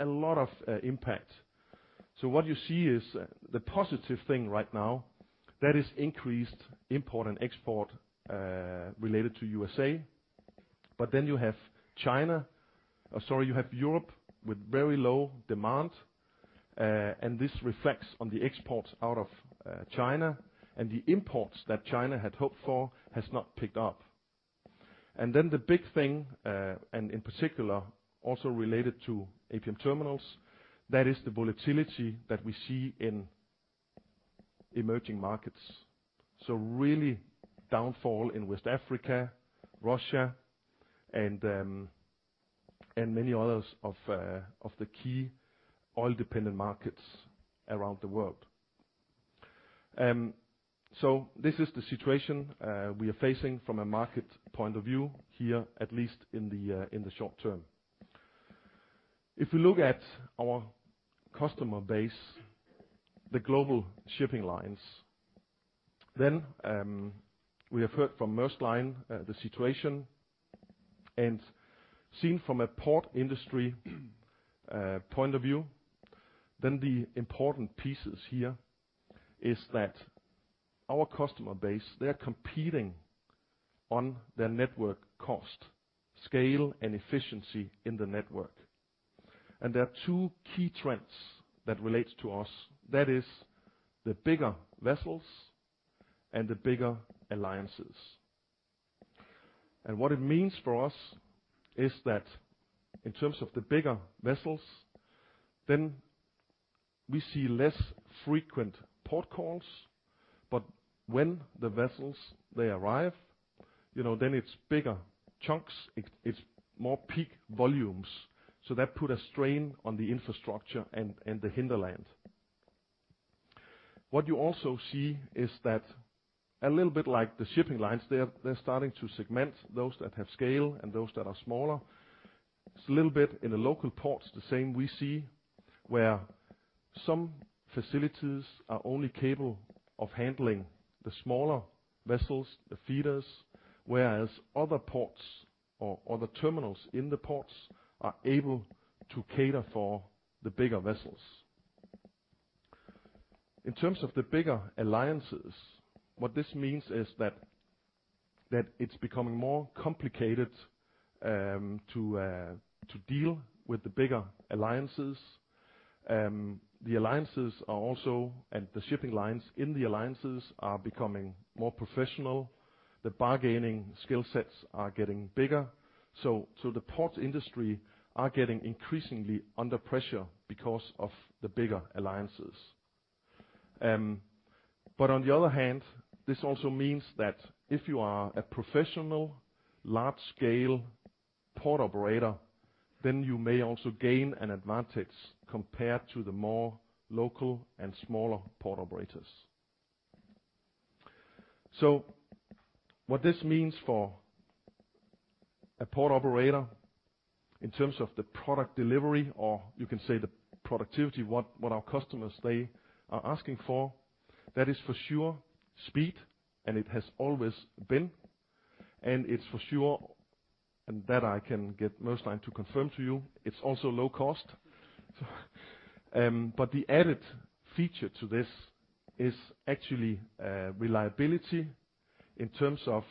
A lot of impact. What you see is the positive thing right now, that is increased import and export related to USA. But then you have Europe with very low demand. And this reflects on the exports out of China and the imports that China had hoped for has not picked up. Then the big thing, and in particular, also related to APM Terminals, that is the volatility that we see in emerging markets. Really downfall in West Africa, Russia, and many others of the key oil-dependent markets around the world. This is the situation we are facing from a market point of view here, at least in the short term. If we look at our customer base, the global shipping lines, then we have heard from Maersk Line the situation and seen from a port industry point of view, then the important pieces here is that our customer base, they're competing on their network cost, scale and efficiency in the network. There are two key trends that relates to us. That is the bigger vessels and the bigger alliances. What it means for us is that in terms of the bigger vessels, then we see less frequent port calls, but when the vessels they arrive, you know, then it's bigger chunks, it's more peak volumes. That put a strain on the infrastructure and the hinterland. What you also see is that a little bit like the shipping lines, they're starting to segment those that have scale and those that are smaller. It's a little bit in the local ports, the same we see, where some facilities are only capable of handling the smaller vessels, the feeders, whereas other ports or other terminals in the ports are able to cater for the bigger vessels. In terms of the bigger alliances, what this means is that it's becoming more complicated to deal with the bigger alliances. The alliances are also, and the shipping lines in the alliances are becoming more professional. The bargaining skill sets are getting bigger. The port industry are getting increasingly under pressure because of the bigger alliances. On the other hand, this also means that if you are a professional large-scale port operator, then you may also gain an advantage compared to the more local and smaller port operators. What this means for a port operator in terms of the product delivery, or you can say the productivity, what our customers they are asking for, that is for sure speed, and it has always been. It's for sure, and that I can get Maersk Line to confirm to you, it's also low cost. The added feature to this is actually reliability in terms of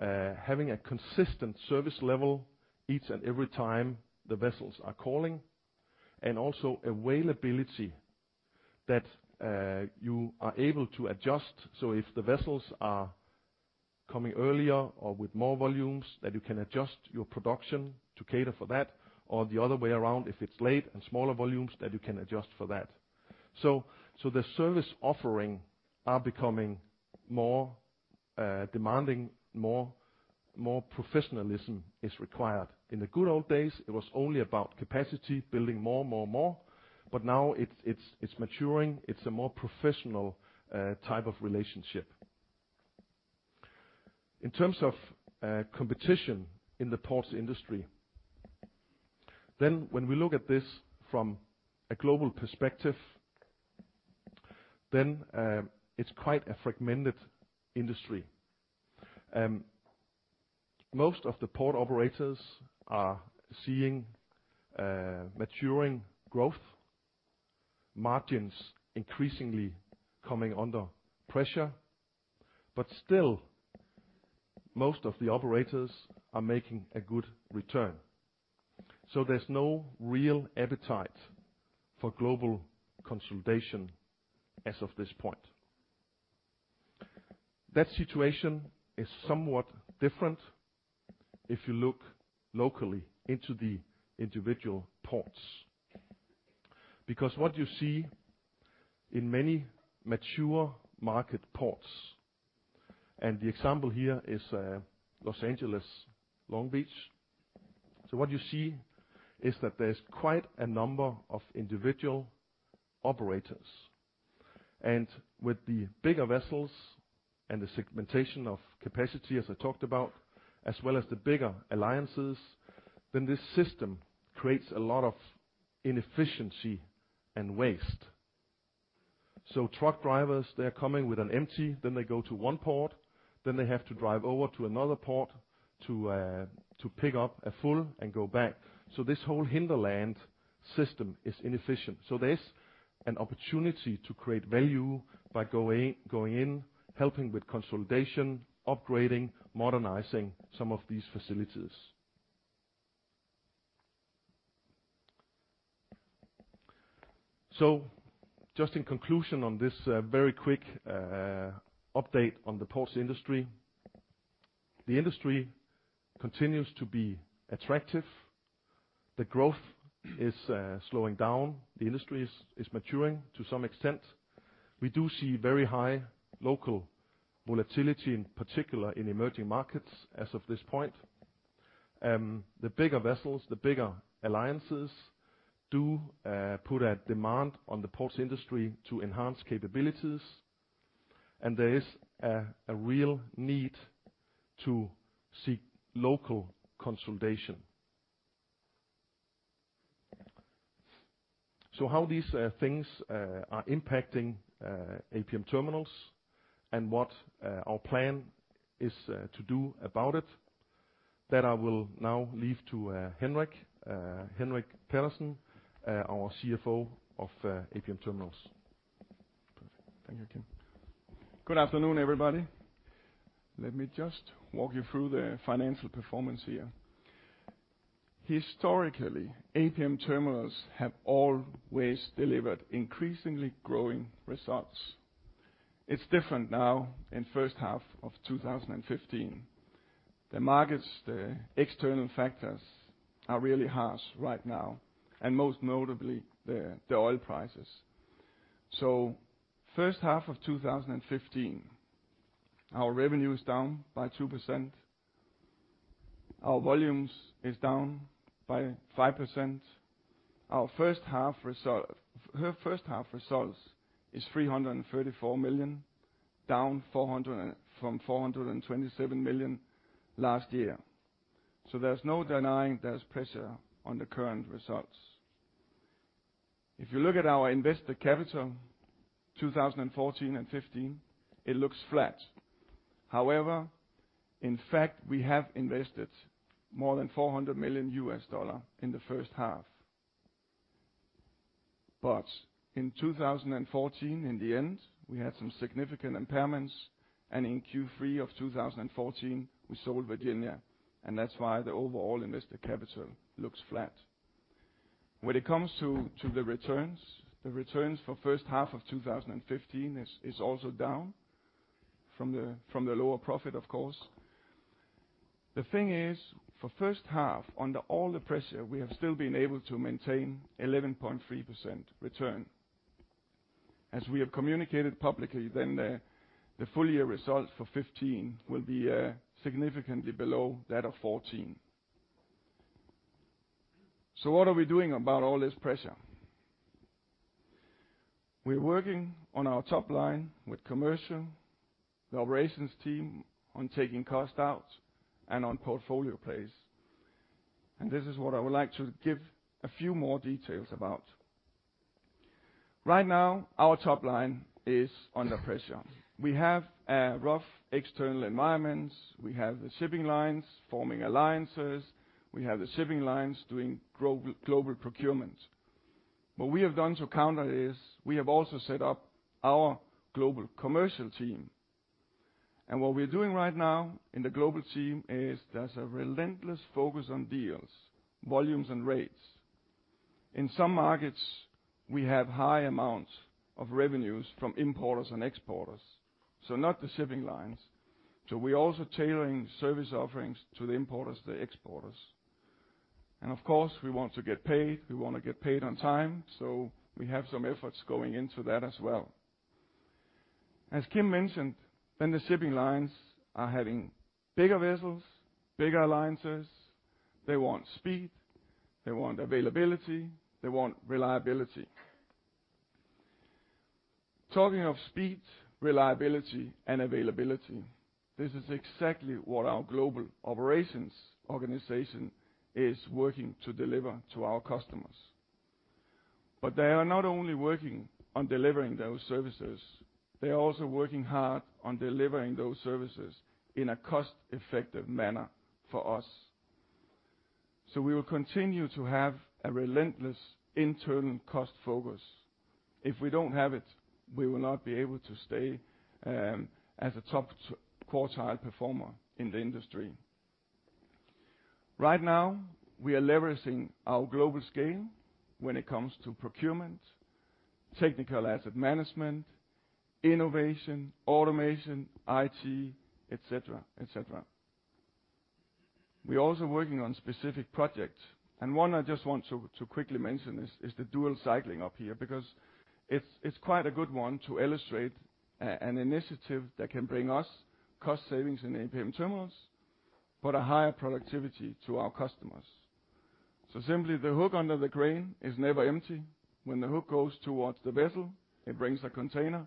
having a consistent service level each and every time the vessels are calling, and also availability that you are able to adjust. So if the vessels are coming earlier or with more volumes, that you can adjust your production to cater for that or the other way around, if it's late and smaller volumes, that you can adjust for that. The service offering are becoming more demanding, more professionalism is required. In the good old days, it was only about capacity, building more. But now it's maturing. It's a more professional type of relationship. In terms of competition in the ports industry, when we look at this from a global perspective, it's quite a fragmented industry. Most of the port operators are seeing maturing growth, margins increasingly coming under pressure, but still most of the operators are making a good return. There's no real appetite for global consolidation as of this point. That situation is somewhat different if you look locally into the individual ports. Because what you see in many mature market ports, and the example here is Los Angeles, Long Beach. What you see is that there's quite a number of individual operators. With the bigger vessels and the segmentation of capacity, as I talked about, as well as the bigger alliances, then this system creates a lot of inefficiency and waste. Truck drivers, they're coming with an empty, then they go to one port, then they have to drive over to another port to pick up a full and go back. This whole hinterland system is inefficient. There's an opportunity to create value by going in, helping with consolidation, upgrading, modernizing some of these facilities. Just in conclusion on this, very quick update on the ports industry. The industry continues to be attractive. The growth is slowing down. The industry is maturing to some extent. We do see very high local volatility, in particular in emerging markets as of this point. The bigger vessels, the bigger alliances do put a demand on the ports industry to enhance capabilities, and there is a real need to seek local consolidation. How these things are impacting APM Terminals and what our plan is to do about it, that I will now leave to Henrik. Henrik Pedersen, our CFO of APM Terminals. Thank you, Kim. Good afternoon, everybody. Let me just walk you through the financial performance here. Historically, APM Terminals have always delivered increasingly growing results. It's different now in first half of 2015. The markets, the external factors are really harsh right now, and most notably the oil prices. First half of 2015, our revenue is down by 2%. Our volumes is down by 5%. Our first half results is $334 million, down 400 from 427 million last year. There's no denying there's pressure on the current results. If you look at our invested capital, 2014 and 2015, it looks flat. However, in fact, we have invested more than $400 million in the first half. In 2014, in the end, we had some significant impairments, and in Q3 of 2014 we sold Virginia, and that's why the overall invested capital looks flat. When it comes to the returns, the returns for first half of 2015 is also down from the lower profit of course. The thing is, for first half, under all the pressure, we have still been able to maintain 11.3% return. As we have communicated publicly, the full year results for 2015 will be significantly below that of 2014. What are we doing about all this pressure? We're working on our top line with commercial, the operations team on taking cost out and on portfolio plays. This is what I would like to give a few more details about. Right now, our top line is under pressure. We have a rough external environment. We have the shipping lines forming alliances. We have the shipping lines doing global procurement. What we have done to counter it is we have also set up our global commercial team. What we're doing right now in the global team is there's a relentless focus on deals, volumes and rates. In some markets, we have high amounts of revenues from importers and exporters, so not the shipping lines. We're also tailoring service offerings to the importers, the exporters. Of course, we want to get paid, we wanna get paid on time, so we have some efforts going into that as well. As Kim mentioned, the shipping lines are having bigger vessels, bigger alliances. They want speed, they want availability, they want reliability. Talking of speed, reliability, and availability, this is exactly what our global operations organization is working to deliver to our customers. They are not only working on delivering those services, they are also working hard on delivering those services in a cost-effective manner for us. We will continue to have a relentless internal cost focus. If we don't have it, we will not be able to stay as a top quartile performer in the industry. Right now, we are leveraging our global scale when it comes to procurement, technical asset management, innovation, automation, IT, et cetera, et cetera. We're also working on specific projects, and one I just want to quickly mention is the dual cycling up here, because it's quite a good one to illustrate an initiative that can bring us cost savings in APM Terminals, but a higher productivity to our customers. Simply the hook under the crane is never empty. When the hook goes towards the vessel, it brings a container.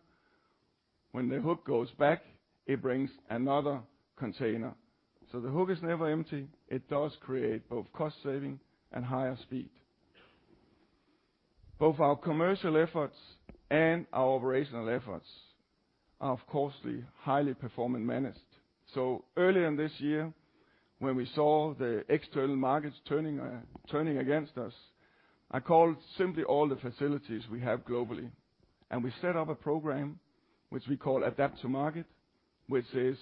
When the hook goes back, it brings another container. The hook is never empty. It does create both cost saving and higher speed. Both our commercial efforts and our operational efforts are of course the highly perform and managed. Earlier in this year, when we saw the external markets turning against us. I call it simply all the facilities we have globally. We set up a program which we call Adapt to Market, which is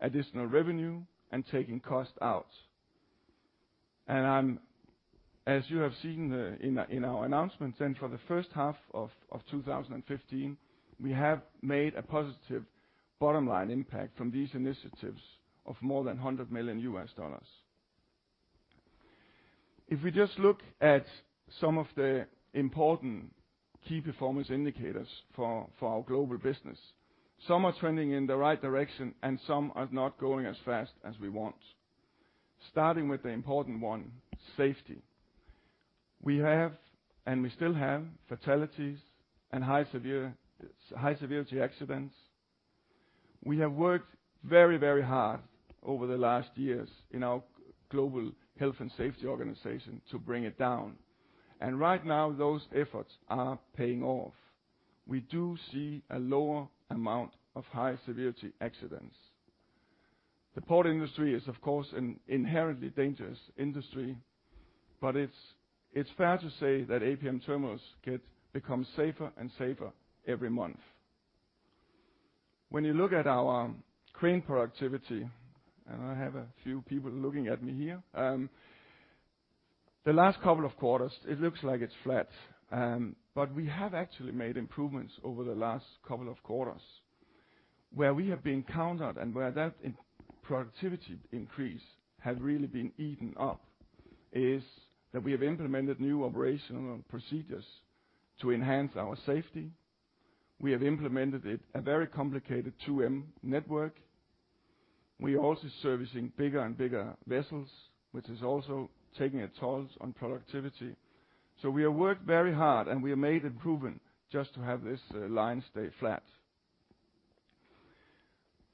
additional revenue and taking cost out. I'm, as you have seen, in our announcements then for the first half of 2015, we have made a positive bottom line impact from these initiatives of more than $100 million. If we just look at some of the important key performance indicators for our global business, some are trending in the right direction and some are not going as fast as we want. Starting with the important one, safety. We have, and we still have fatalities and high severity accidents. We have worked very, very hard over the last years in our global health and safety organization to bring it down. Right now those efforts are paying off. We do see a lower amount of high severity accidents. The port industry is, of course, an inherently dangerous industry, but it's fair to say that APM Terminals becomes safer and safer every month. When you look at our crane productivity, and I have a few people looking at me here, the last couple of quarters it looks like it's flat, but we have actually made improvements over the last couple of quarters. Where we have been countered and where that productivity increase has really been eaten up is that we have implemented new operational procedures to enhance our safety. We have implemented a very complicated 2M network. We are also servicing bigger and bigger vessels, which is also taking a toll on productivity. We have worked very hard, and we have made improvement just to have this line stay flat.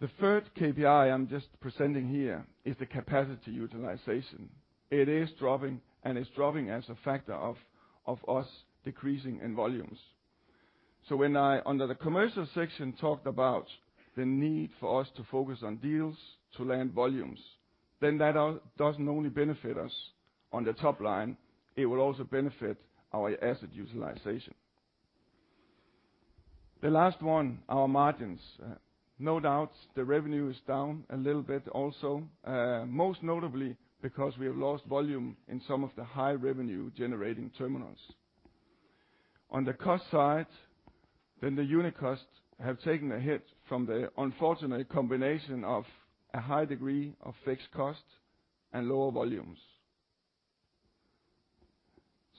The third KPI I'm just presenting here is the capacity utilization. It is dropping as a factor of us decreasing in volumes. When I, under the commercial section, talked about the need for us to focus on deals to land volumes, then that doesn't only benefit us on the top line, it will also benefit our asset utilization. The last one, our margins. No doubt, the revenue is down a little bit also, most notably because we have lost volume in some of the high revenue generating terminals. On the cost side, then the unit costs have taken a hit from the unfortunate combination of a high degree of fixed cost and lower volumes.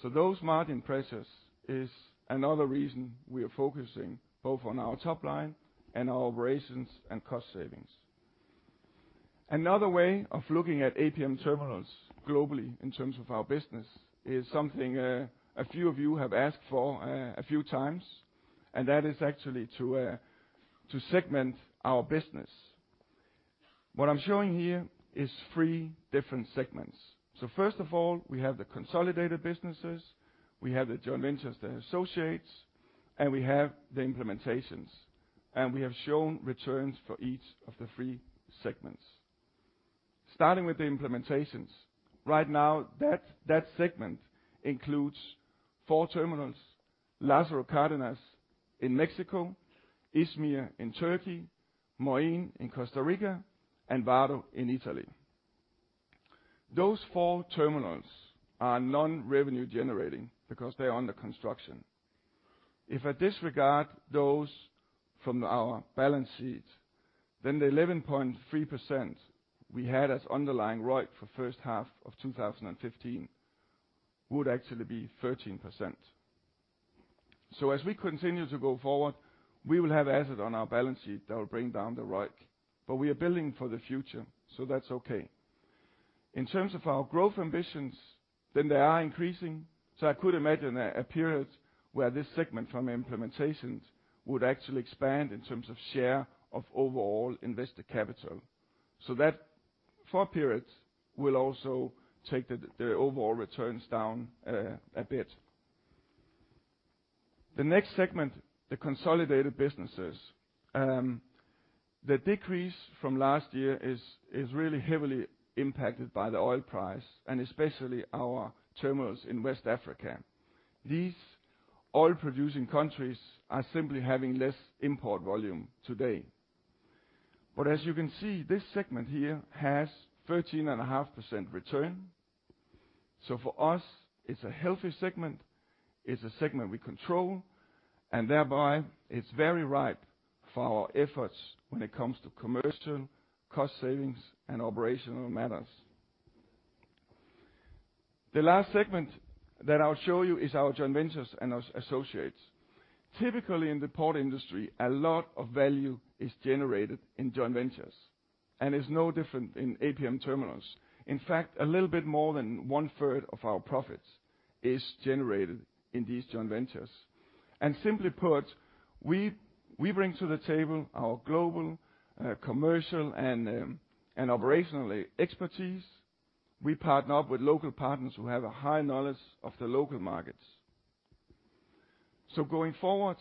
Those margin pressures is another reason we are focusing both on our top line and our operations and cost savings. Another way of looking at APM Terminals globally in terms of our business is something, a few of you have asked for, a few times, and that is actually to segment our business. What I'm showing here is three different segments. First of all, we have the consolidated businesses, we have the joint ventures and associates, and we have the implementations. We have shown returns for each of the three segments. Starting with the implementations. Right now, that segment includes four terminals, Lázaro Cárdenas in Mexico, İzmir in Turkey, Moín in Costa Rica, and Vado in Italy. Those four terminals are non-revenue generating because they are under construction. If I disregard those from our balance sheet, then the 11.3% we had as underlying ROIC for first half of 2015 would actually be 13%. As we continue to go forward, we will have assets on our balance sheet that will bring down the ROIC. We are building for the future, so that's okay. In terms of our growth ambitions, then they are increasing, so I could imagine a period where this segment from implementations would actually expand in terms of share of overall invested capital. That short period will also take the overall returns down a bit. The next segment, the consolidated businesses. The decrease from last year is really heavily impacted by the oil price and especially our terminals in West Africa. These oil-producing countries are simply having less import volume today. As you can see, this segment here has 13.5% return. For us, it's a healthy segment, it's a segment we control, and thereby it's very ripe for our efforts when it comes to commercial, cost savings, and operational matters. The last segment that I'll show you is our joint ventures and associates. Typically, in the port industry, a lot of value is generated in joint ventures, and it's no different in APM Terminals. In fact, a little bit more than one-third of our profits is generated in these joint ventures. Simply put, we bring to the table our global, commercial and operationally expertise. We partner up with local partners who have a high knowledge of the local markets. Going forward,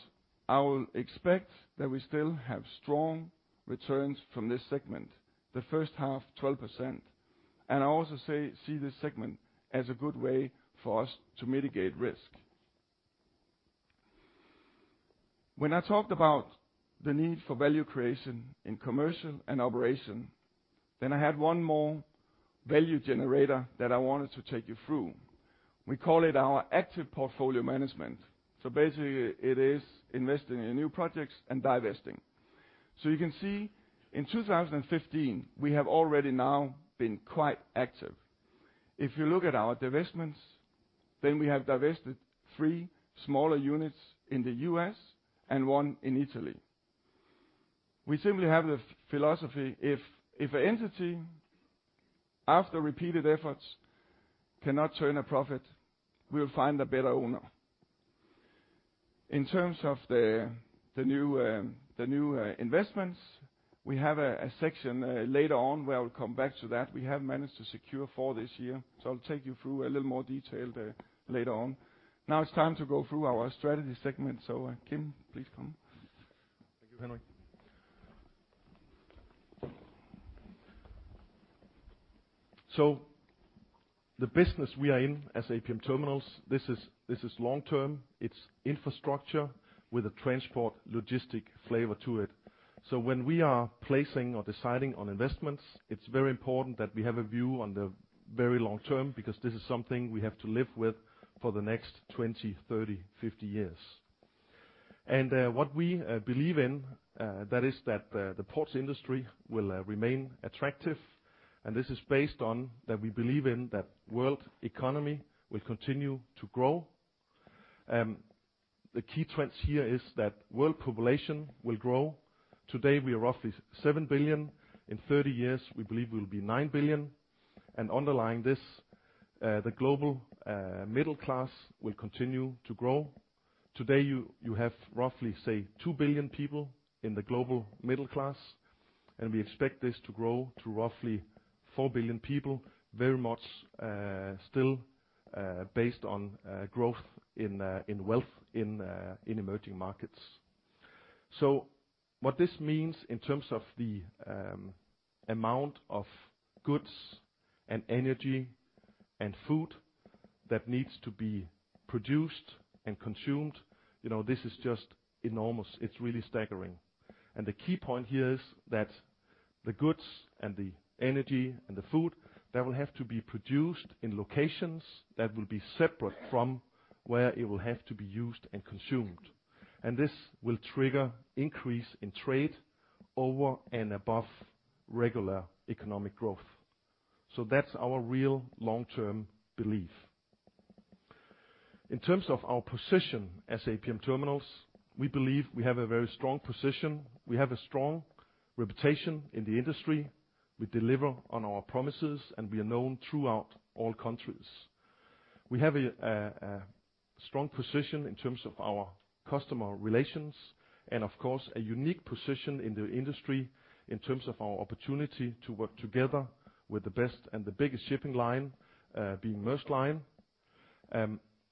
I will expect that we still have strong returns from this segment, the first half 12%. I also see this segment as a good way for us to mitigate risk. When I talked about the need for value creation in commercial and operation, then I had one more value generator that I wanted to take you through. We call it our active portfolio management. Basically, it is investing in new projects and divesting. You can see in 2015, we have already now been quite active. If you look at our divestments, then we have divested 3 smaller units in the U.S. and 1 in Italy. We simply have the philosophy. If an entity after repeated efforts cannot turn a profit, we'll find a better owner. In terms of the new investments, we have a section later on where I'll come back to that. We have managed to secure four this year. I'll take you through a little more detail there later on. Now it's time to go through our strategy segment. Kim, please come. Thank you, Henrik. The business we are in as APM Terminals, this is long term. It's infrastructure with a transport logistic flavor to it. When we are placing or deciding on investments, it's very important that we have a view on the very long term, because this is something we have to live with for the next 20, 30, 50 years. What we believe in is that the ports industry will remain attractive, and this is based on that we believe in that world economy will continue to grow. The key trends here is that world population will grow. Today, we are roughly 7 billion. In 30 years, we believe we'll be 9 billion. Underlying this, the global middle class will continue to grow. Today, you have roughly, say, 2 billion people in the global middle class, and we expect this to grow to roughly 4 billion people, very much still based on growth in wealth in emerging markets. What this means in terms of the amount of goods and energy and food that needs to be produced and consumed, you know, this is just enormous. It's really staggering. The key point here is that the goods and the energy and the food that will have to be produced in locations that will be separate from where it will have to be used and consumed. This will trigger increase in trade over and above regular economic growth. That's our real long-term belief. In terms of our position as APM Terminals, we believe we have a very strong position. We have a strong reputation in the industry. We deliver on our promises, and we are known throughout all countries. We have a strong position in terms of our customer relations and of course, a unique position in the industry in terms of our opportunity to work together with the best and the biggest shipping line, being Maersk Line.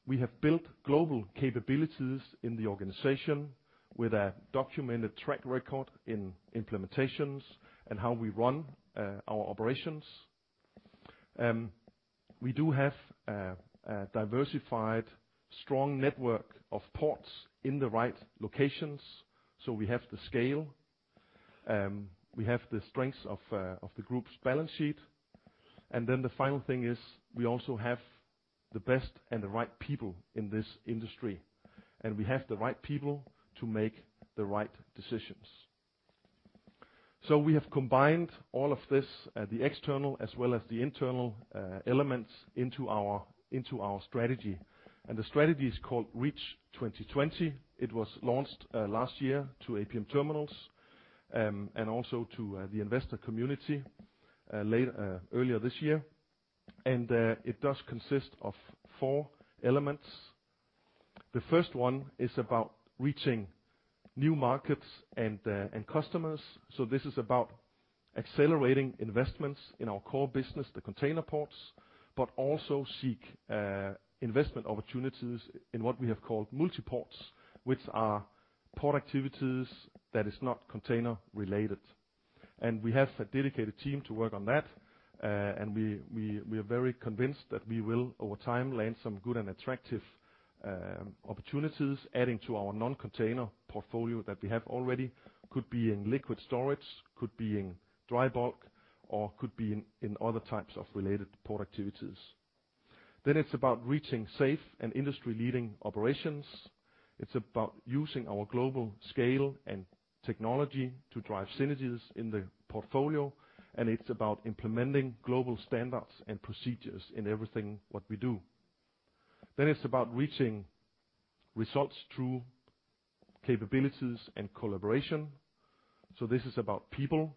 We have built global capabilities in the organization with a documented track record in implementations and how we run our operations. We do have a diversified, strong network of ports in the right locations, so we have the scale. We have the strengths of the group's balance sheet. Then the final thing is we also have the best and the right people in this industry, and we have the right people to make the right decisions. We have combined all of this, the external as well as the internal, elements into our strategy. The strategy is called Reach 2020. It was launched last year to APM Terminals, and also to the investor community earlier this year. It does consist of four elements. The first one is about reaching new markets and customers. This is about accelerating investments in our core business, the container ports, but also seek investment opportunities in what we have called multi-ports, which are port activities that is not container related. We have a dedicated team to work on that. We are very convinced that we will over time land some good and attractive opportunities adding to our non-container portfolio that we have already. Could be in liquid storage, could be in dry bulk, or could be in other types of related port activities. It's about reaching safe and industry-leading operations. It's about using our global scale and technology to drive synergies in the portfolio, and it's about implementing global standards and procedures in everything what we do. It's about reaching results through capabilities and collaboration. This is about people.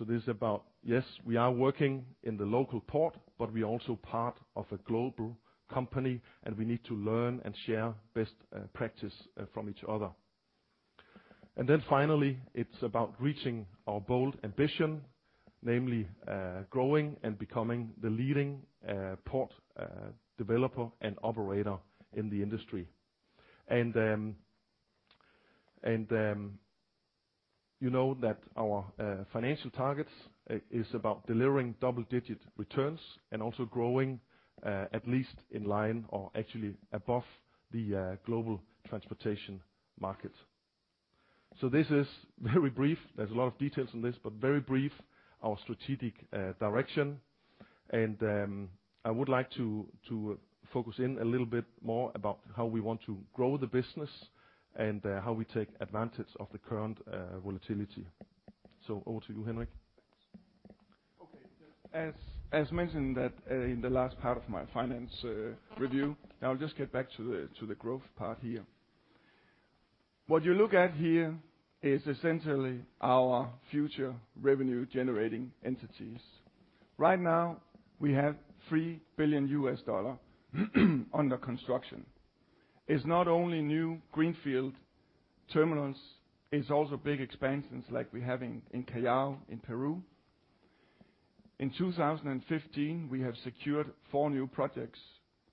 This is about, yes, we are working in the local port, but we are also part of a global company, and we need to learn and share best practice from each other. Finally, it's about reaching our bold ambition, namely, growing and becoming the leading port developer and operator in the industry. You know that our financial targets is about delivering double-digit returns and also growing at least in line or actually above the global transportation market. This is very brief. There's a lot of details on this, but very brief, our strategic direction. I would like to focus in a little bit more about how we want to grow the business and how we take advantage of the current volatility. Over to you, Henrik. Okay. As mentioned that in the last part of my finance review, I'll just get back to the growth part here. What you look at here is essentially our future revenue-generating entities. Right now, we have $3 billion under construction. It's not only new greenfield terminals, it's also big expansions like we have in Callao in Peru. In 2015, we have secured 4 new projects,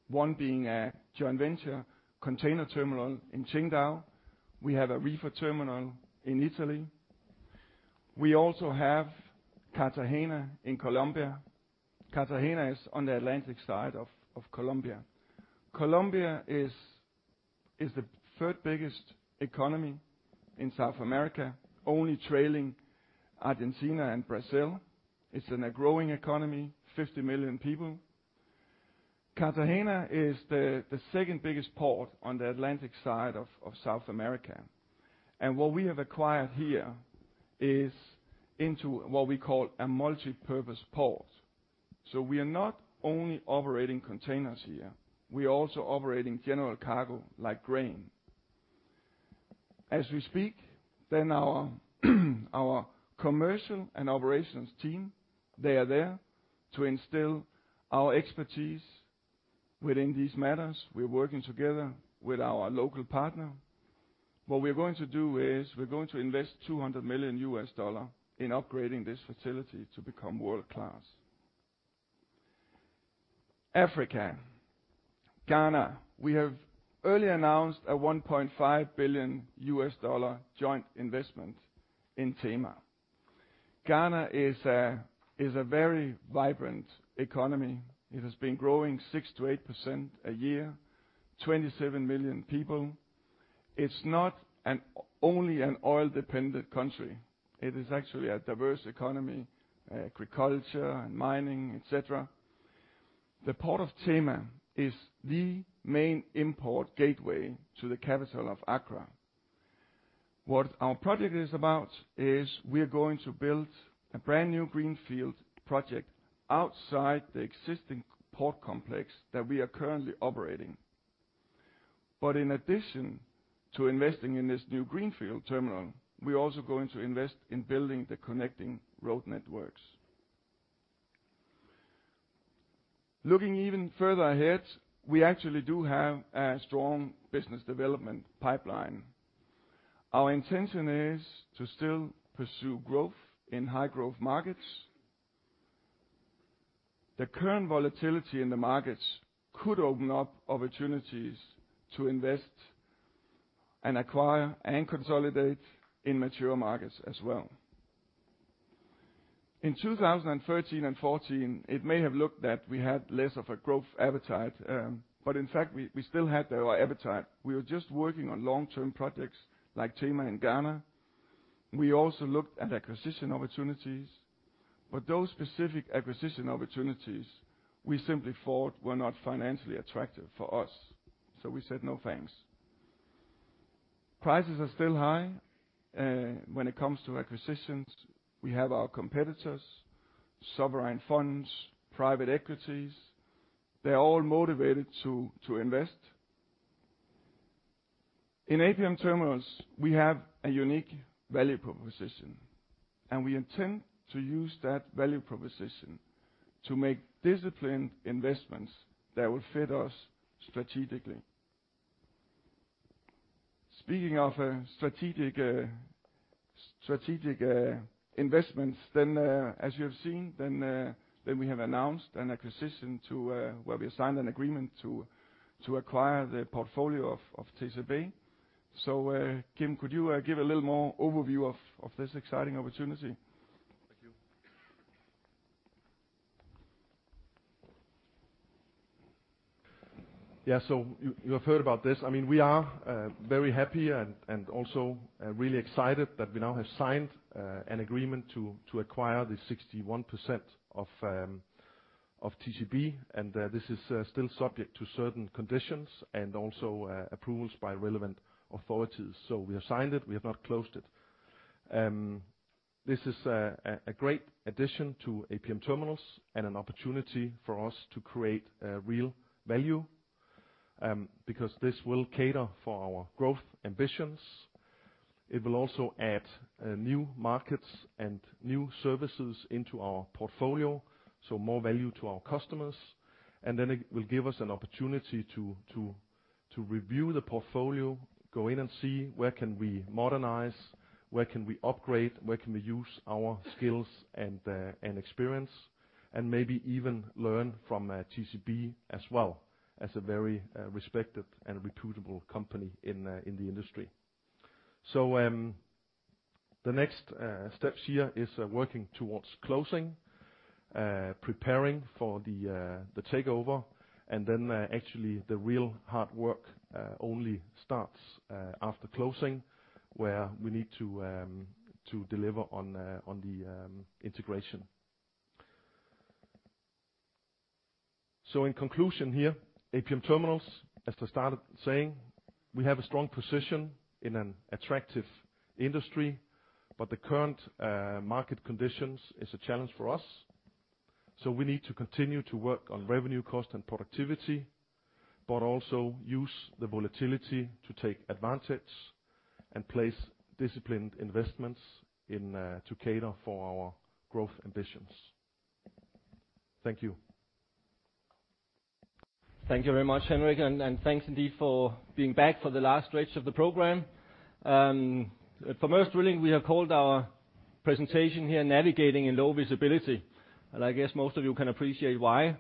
one being a joint venture container terminal in Qingdao. We have a reefer terminal in Italy. We also have Cartagena in Colombia. Cartagena is on the Atlantic side of Colombia. Colombia is the third biggest economy in South America, only trailing Argentina and Brazil. It's in a growing economy, 50 million people. Cartagena is the second biggest port on the Atlantic side of South America. What we have acquired here is into what we call a multipurpose port. We are not only operating containers here, we are also operating general cargo like grain. As we speak, our commercial and operations team, they are there to instill our expertise within these matters. We're working together with our local partner. What we're going to do is invest $200 million in upgrading this facility to become world-class. Africa. Ghana. We have earlier announced a $1.5 billion joint investment in Tema. Ghana is a very vibrant economy. It has been growing 6%-8% a year, 27 million people. It's not only an oil-dependent country. It is actually a diverse economy, agriculture and mining, et cetera. The Port of Tema is the main import gateway to the capital of Accra. What our project is about is we're going to build a brand-new greenfield project outside the existing port complex that we are currently operating. In addition to investing in this new greenfield terminal, we're also going to invest in building the connecting road networks. Looking even further ahead, we actually do have a strong business development pipeline. Our intention is to still pursue growth in high-growth markets. The current volatility in the markets could open up opportunities to invest and acquire and consolidate in mature markets as well. In 2013 and 2014, it may have looked that we had less of a growth appetite, but in fact we still had our appetite. We were just working on long-term projects like Tema in Ghana. We also looked at acquisition opportunities, but those specific acquisition opportunities we simply thought were not financially attractive for us. We said, "No, thanks." Prices are still high when it comes to acquisitions. We have our competitors, sovereign funds, private equities. They're all motivated to invest. In APM Terminals, we have a unique value proposition, and we intend to use that value proposition to make disciplined investments that will fit us strategically. Speaking of strategic investments, as you have seen, we have announced an acquisition where we signed an agreement to acquire the portfolio of TCB. Kim, could you give a little more overview of this exciting opportunity? Thank you. Yeah. You have heard about this. I mean, we are very happy and also really excited that we now have signed an agreement to acquire the 61% of TCB. This is still subject to certain conditions and also approvals by relevant authorities. We have signed it. We have not closed it. This is a great addition to APM Terminals and an opportunity for us to create real value because this will cater for our growth ambitions. It will also add new markets and new services into our portfolio, so more value to our customers. Then it will give us an opportunity to review the portfolio, go in and see where can we modernize, where can we upgrade, where can we use our skills and experience, and maybe even learn from TCB as well, as a very respected and reputable company in the industry. The next steps here is working towards closing, preparing for the takeover, and then actually the real hard work only starts after closing, where we need to deliver on the integration. In conclusion here, APM Terminals, as I started saying, we have a strong position in an attractive industry, but the current market conditions is a challenge for us. We need to continue to work on revenue, cost, and productivity, but also use the volatility to take advantage and place disciplined investments in to cater for our growth ambitions. Thank you. Thank you very much, Henrik, and thanks indeed for being back for the last stretch of the program. For Maersk Drilling, we have called our presentation here Navigating in Low Visibility, and I guess most of you can appreciate why.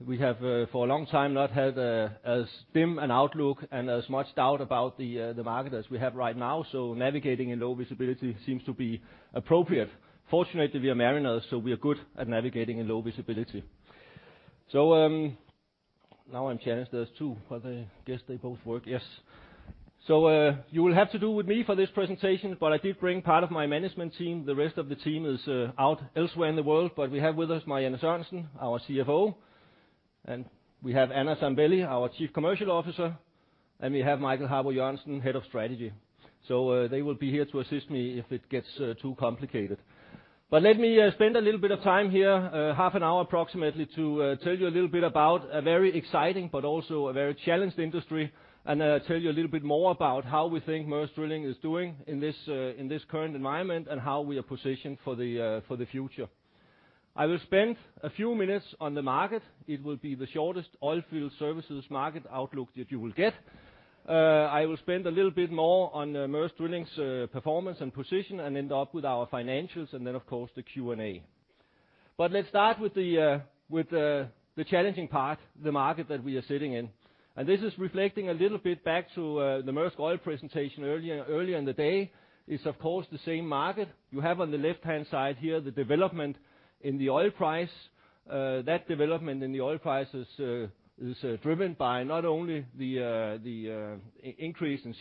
We have for a long time not had a dimmer outlook and as much doubt about the market as we have right now, so navigating in low visibility seems to be appropriate. Fortunately, we are mariners, so we are good at navigating in low visibility. Now I'm challenged. There's two, but I guess they both work. Yes. You will have to do with me for this presentation, but I did bring part of my management team. The rest of the team is out elsewhere in the world, but we have with us Trond Westlie, our CFO. We have Anna Zambelli, our Chief Commercial Officer, and we have Michael Harboe-Jørgensen, Head of Strategy. They will be here to assist me if it gets too complicated. Let me spend a little bit of time here, half an hour approximately, to tell you a little bit about a very exciting but also a very challenged industry, and tell you a little bit more about how we think Maersk Drilling is doing in this current environment and how we are positioned for the future. I will spend a few minutes on the market. It will be the shortest oil field services market outlook that you will get. I will spend a little bit more on Maersk Drilling's performance and position and end up with our financials and then of course the Q&A. Let's start with the challenging part, the market that we are sitting in. This is reflecting a little bit back to the Maersk Oil presentation earlier in the day. It's of course the same market. You have on the left-hand side here the development in the oil price. That development in the oil price is driven by not only the increase in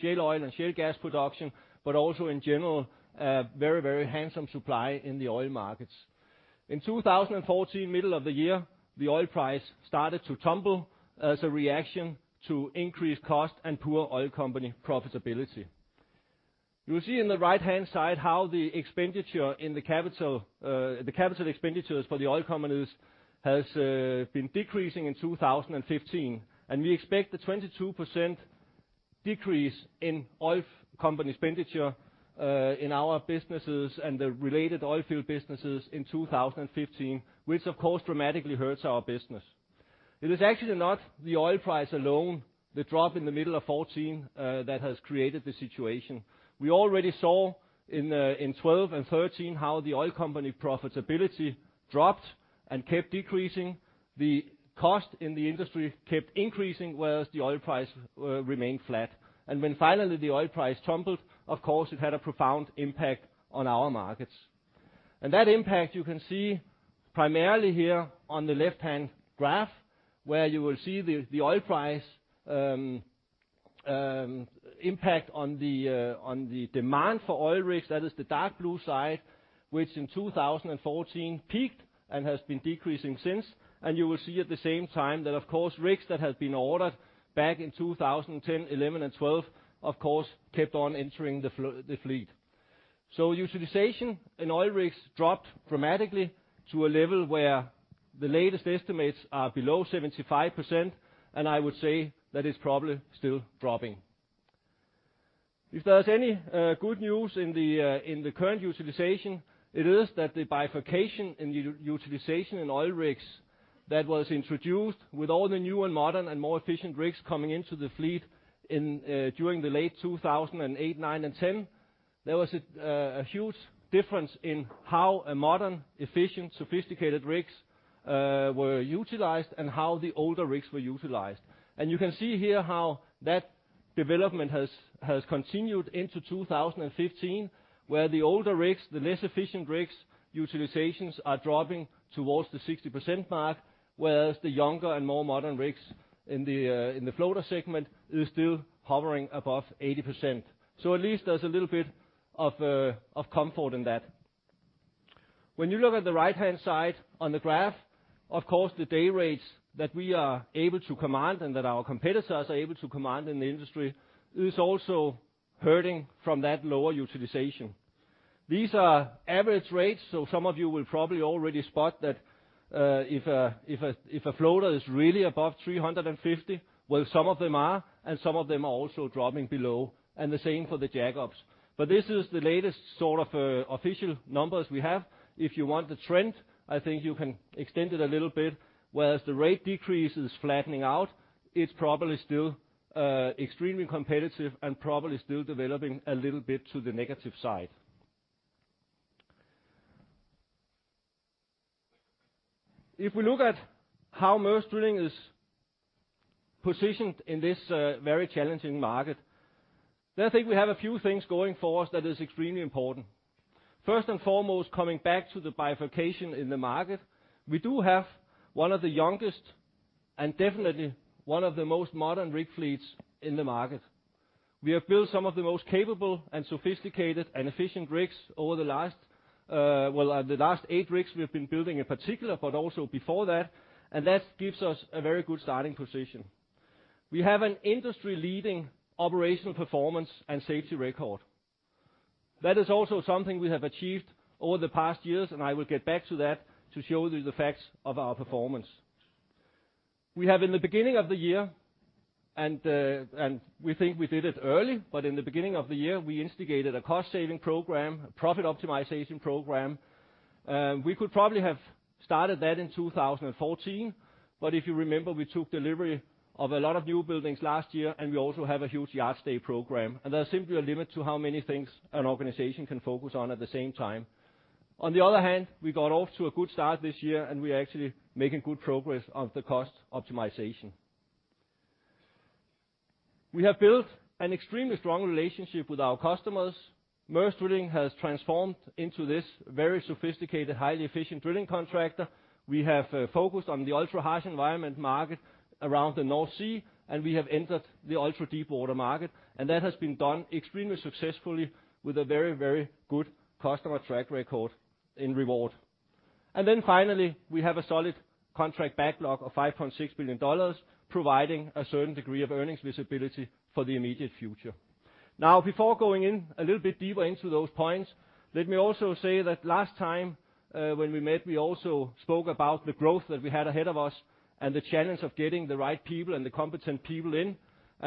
shale oil and shale gas production, but also in general, a very handsome supply in the oil markets. In 2014, middle of the year, the oil price started to tumble as a reaction to increased cost and poor oil company profitability. You'll see in the right-hand side how the capital expenditures for the oil companies has been decreasing in 2015. We expect a 22% decrease in oil company expenditure in our businesses and the related oil field businesses in 2015, which of course dramatically hurts our business. It is actually not the oil price alone, the drop in the middle of 2014, that has created the situation. We already saw in 2012 and 2013 how the oil company profitability dropped and kept decreasing. The cost in the industry kept increasing, whereas the oil price remained flat. When finally the oil price tumbled, of course, it had a profound impact on our markets. That impact you can see primarily here on the left-hand graph, where you will see the oil price impact on the demand for oil rigs, that is the dark blue side, which in 2014 peaked and has been decreasing since. You will see at the same time that of course, rigs that have been ordered back in 2010, 2011 and 2012, of course, kept on entering the fleet. Utilization in oil rigs dropped dramatically to a level where the latest estimates are below 75%, and I would say that it's probably still dropping. If there's any good news in the current utilization, it is that the bifurcation in utilization in oil rigs that was introduced with all the new and modern and more efficient rigs coming into the fleet in during the late 2008, 2009, and 2010, there was a huge difference in how a modern, efficient, sophisticated rigs were utilized and how the older rigs were utilized. You can see here how that development has continued into 2015, where the older rigs, the less efficient rigs utilizations are dropping towards the 60% mark, whereas the younger and more modern rigs in the floater segment is still hovering above 80%. At least there's a little bit of comfort in that. When you look at the right-hand side on the graph, of course, the day rates that we are able to command and that our competitors are able to command in the industry is also hurting from that lower utilization. These are average rates, so some of you will probably already spot that, if a floater is really above 350, well some of them are, and some of them are also dropping below, and the same for the jack-ups. This is the latest sort of official numbers we have. If you want the trend, I think you can extend it a little bit. Whereas the rate decrease is flattening out, it's probably still extremely competitive and probably still developing a little bit to the negative side. If we look at how Maersk Drilling is positioned in this, very challenging market, then I think we have a few things going for us that is extremely important. First and foremost, coming back to the bifurcation in the market, we do have one of the youngest and definitely one of the most modern rig fleets in the market. We have built some of the most capable and sophisticated and efficient rigs over the last, well, the last eight rigs we've been building in particular, but also before that, and that gives us a very good starting position. We have an industry-leading operational performance and safety record. That is also something we have achieved over the past years, and I will get back to that to show you the facts of our performance. We think we did it early, but in the beginning of the year, we instigated a cost-saving program, a profit optimization program. We could probably have started that in 2014. If you remember, we took delivery of a lot of newbuildings last year, and we also have a huge yard stay program. There's simply a limit to how many things an organization can focus on at the same time. On the other hand, we got off to a good start this year and we're actually making good progress on the cost optimization. We have built an extremely strong relationship with our customers. Maersk Drilling has transformed into this very sophisticated, highly efficient drilling contractor. We have focused on the ultra harsh environment market around the North Sea, and we have entered the ultra deepwater market. That has been done extremely successfully with a very, very good customer track record in reward. Finally, we have a solid contract backlog of $5.6 billion providing a certain degree of earnings visibility for the immediate future. Now before going in a little bit deeper into those points, let me also say that last time, when we met, we also spoke about the growth that we had ahead of us and the challenge of getting the right people and the competent people in.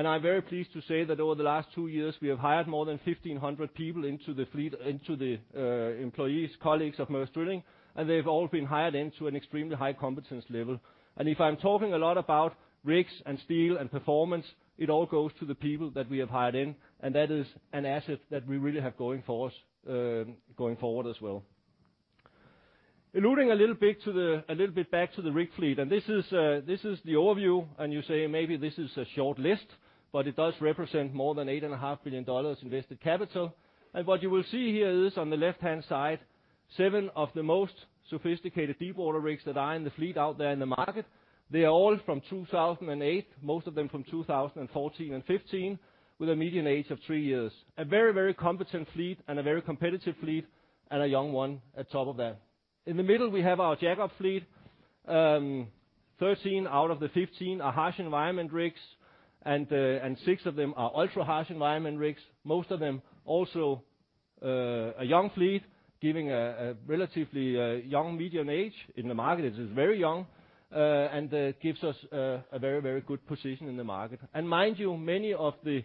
I'm very pleased to say that over the last two years, we have hired more than 1,500 people into the fleet, into the employees, colleagues of Maersk Drilling, and they've all been hired into an extremely high competence level. If I'm talking a lot about rigs and steel and performance, it all goes to the people that we have hired in. That is an asset that we really have going for us, going forward as well. Alluding a little bit back to the rig fleet, this is the overview, and you say maybe this is a short list, but it does represent more than $8.5 billion invested capital. What you will see here is on the left-hand side, 7 of the most sophisticated deepwater rigs that are in the fleet out there in the market. They are all from 2008, most of them from 2014 and 2015, with a median age of 3 years. A very, very competent fleet and a very competitive fleet, and a young one on top of that. In the middle, we have our jackup fleet. Thirteen out of the 15 are harsh environment rigs, and six of them are ultra harsh environment rigs. Most of them also a young fleet giving a relatively young median age in the market. It is very young, and gives us a very, very good position in the market. Mind you, many of the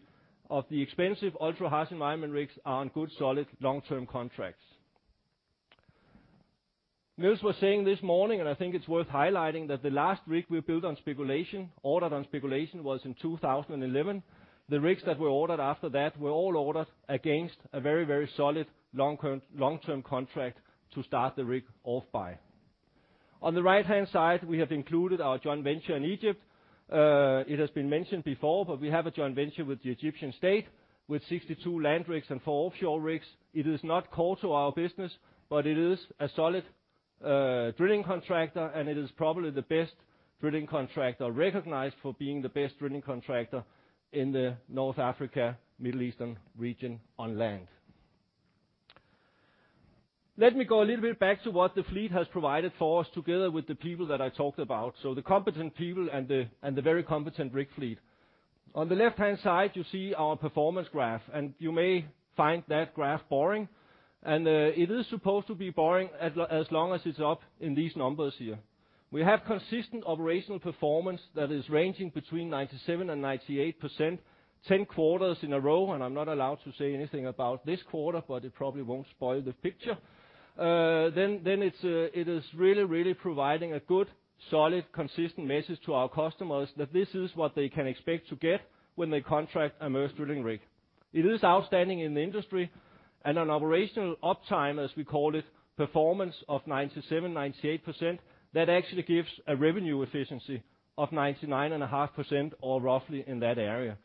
expensive ultra harsh environment rigs are on good, solid long-term contracts. Nils was saying this morning, and I think it's worth highlighting that the last rig we built on speculation, ordered on speculation, was in 2011. The rigs that were ordered after that were all ordered against a very, very solid long-term contract to start the rig off by. On the right-hand side, we have included our joint venture in Egypt. It has been mentioned before, but we have a joint venture with the Egyptian state with 62 land rigs and 4 offshore rigs. It is not core to our business, but it is a solid drilling contractor, and it is probably the best drilling contractor, recognized for being the best drilling contractor in the North Africa, Middle Eastern region on land. Let me go a little bit back to what the fleet has provided for us together with the people that I talked about, so the competent people and the very competent rig fleet. On the left-hand side, you see our performance graph, and you may find that graph boring, and it is supposed to be boring as long as it's up in these numbers here. We have consistent operational performance that is ranging between 97%-98% 10 quarters in a row, and I'm not allowed to say anything about this quarter, but it probably won't spoil the picture. It is really, really providing a good, solid, consistent message to our customers that this is what they can expect to get when they contract a Maersk Drilling rig. It is outstanding in the industry and an operational uptime, as we call it, performance of 97%-98%. That actually gives a revenue efficiency of 99.5% or roughly in that area.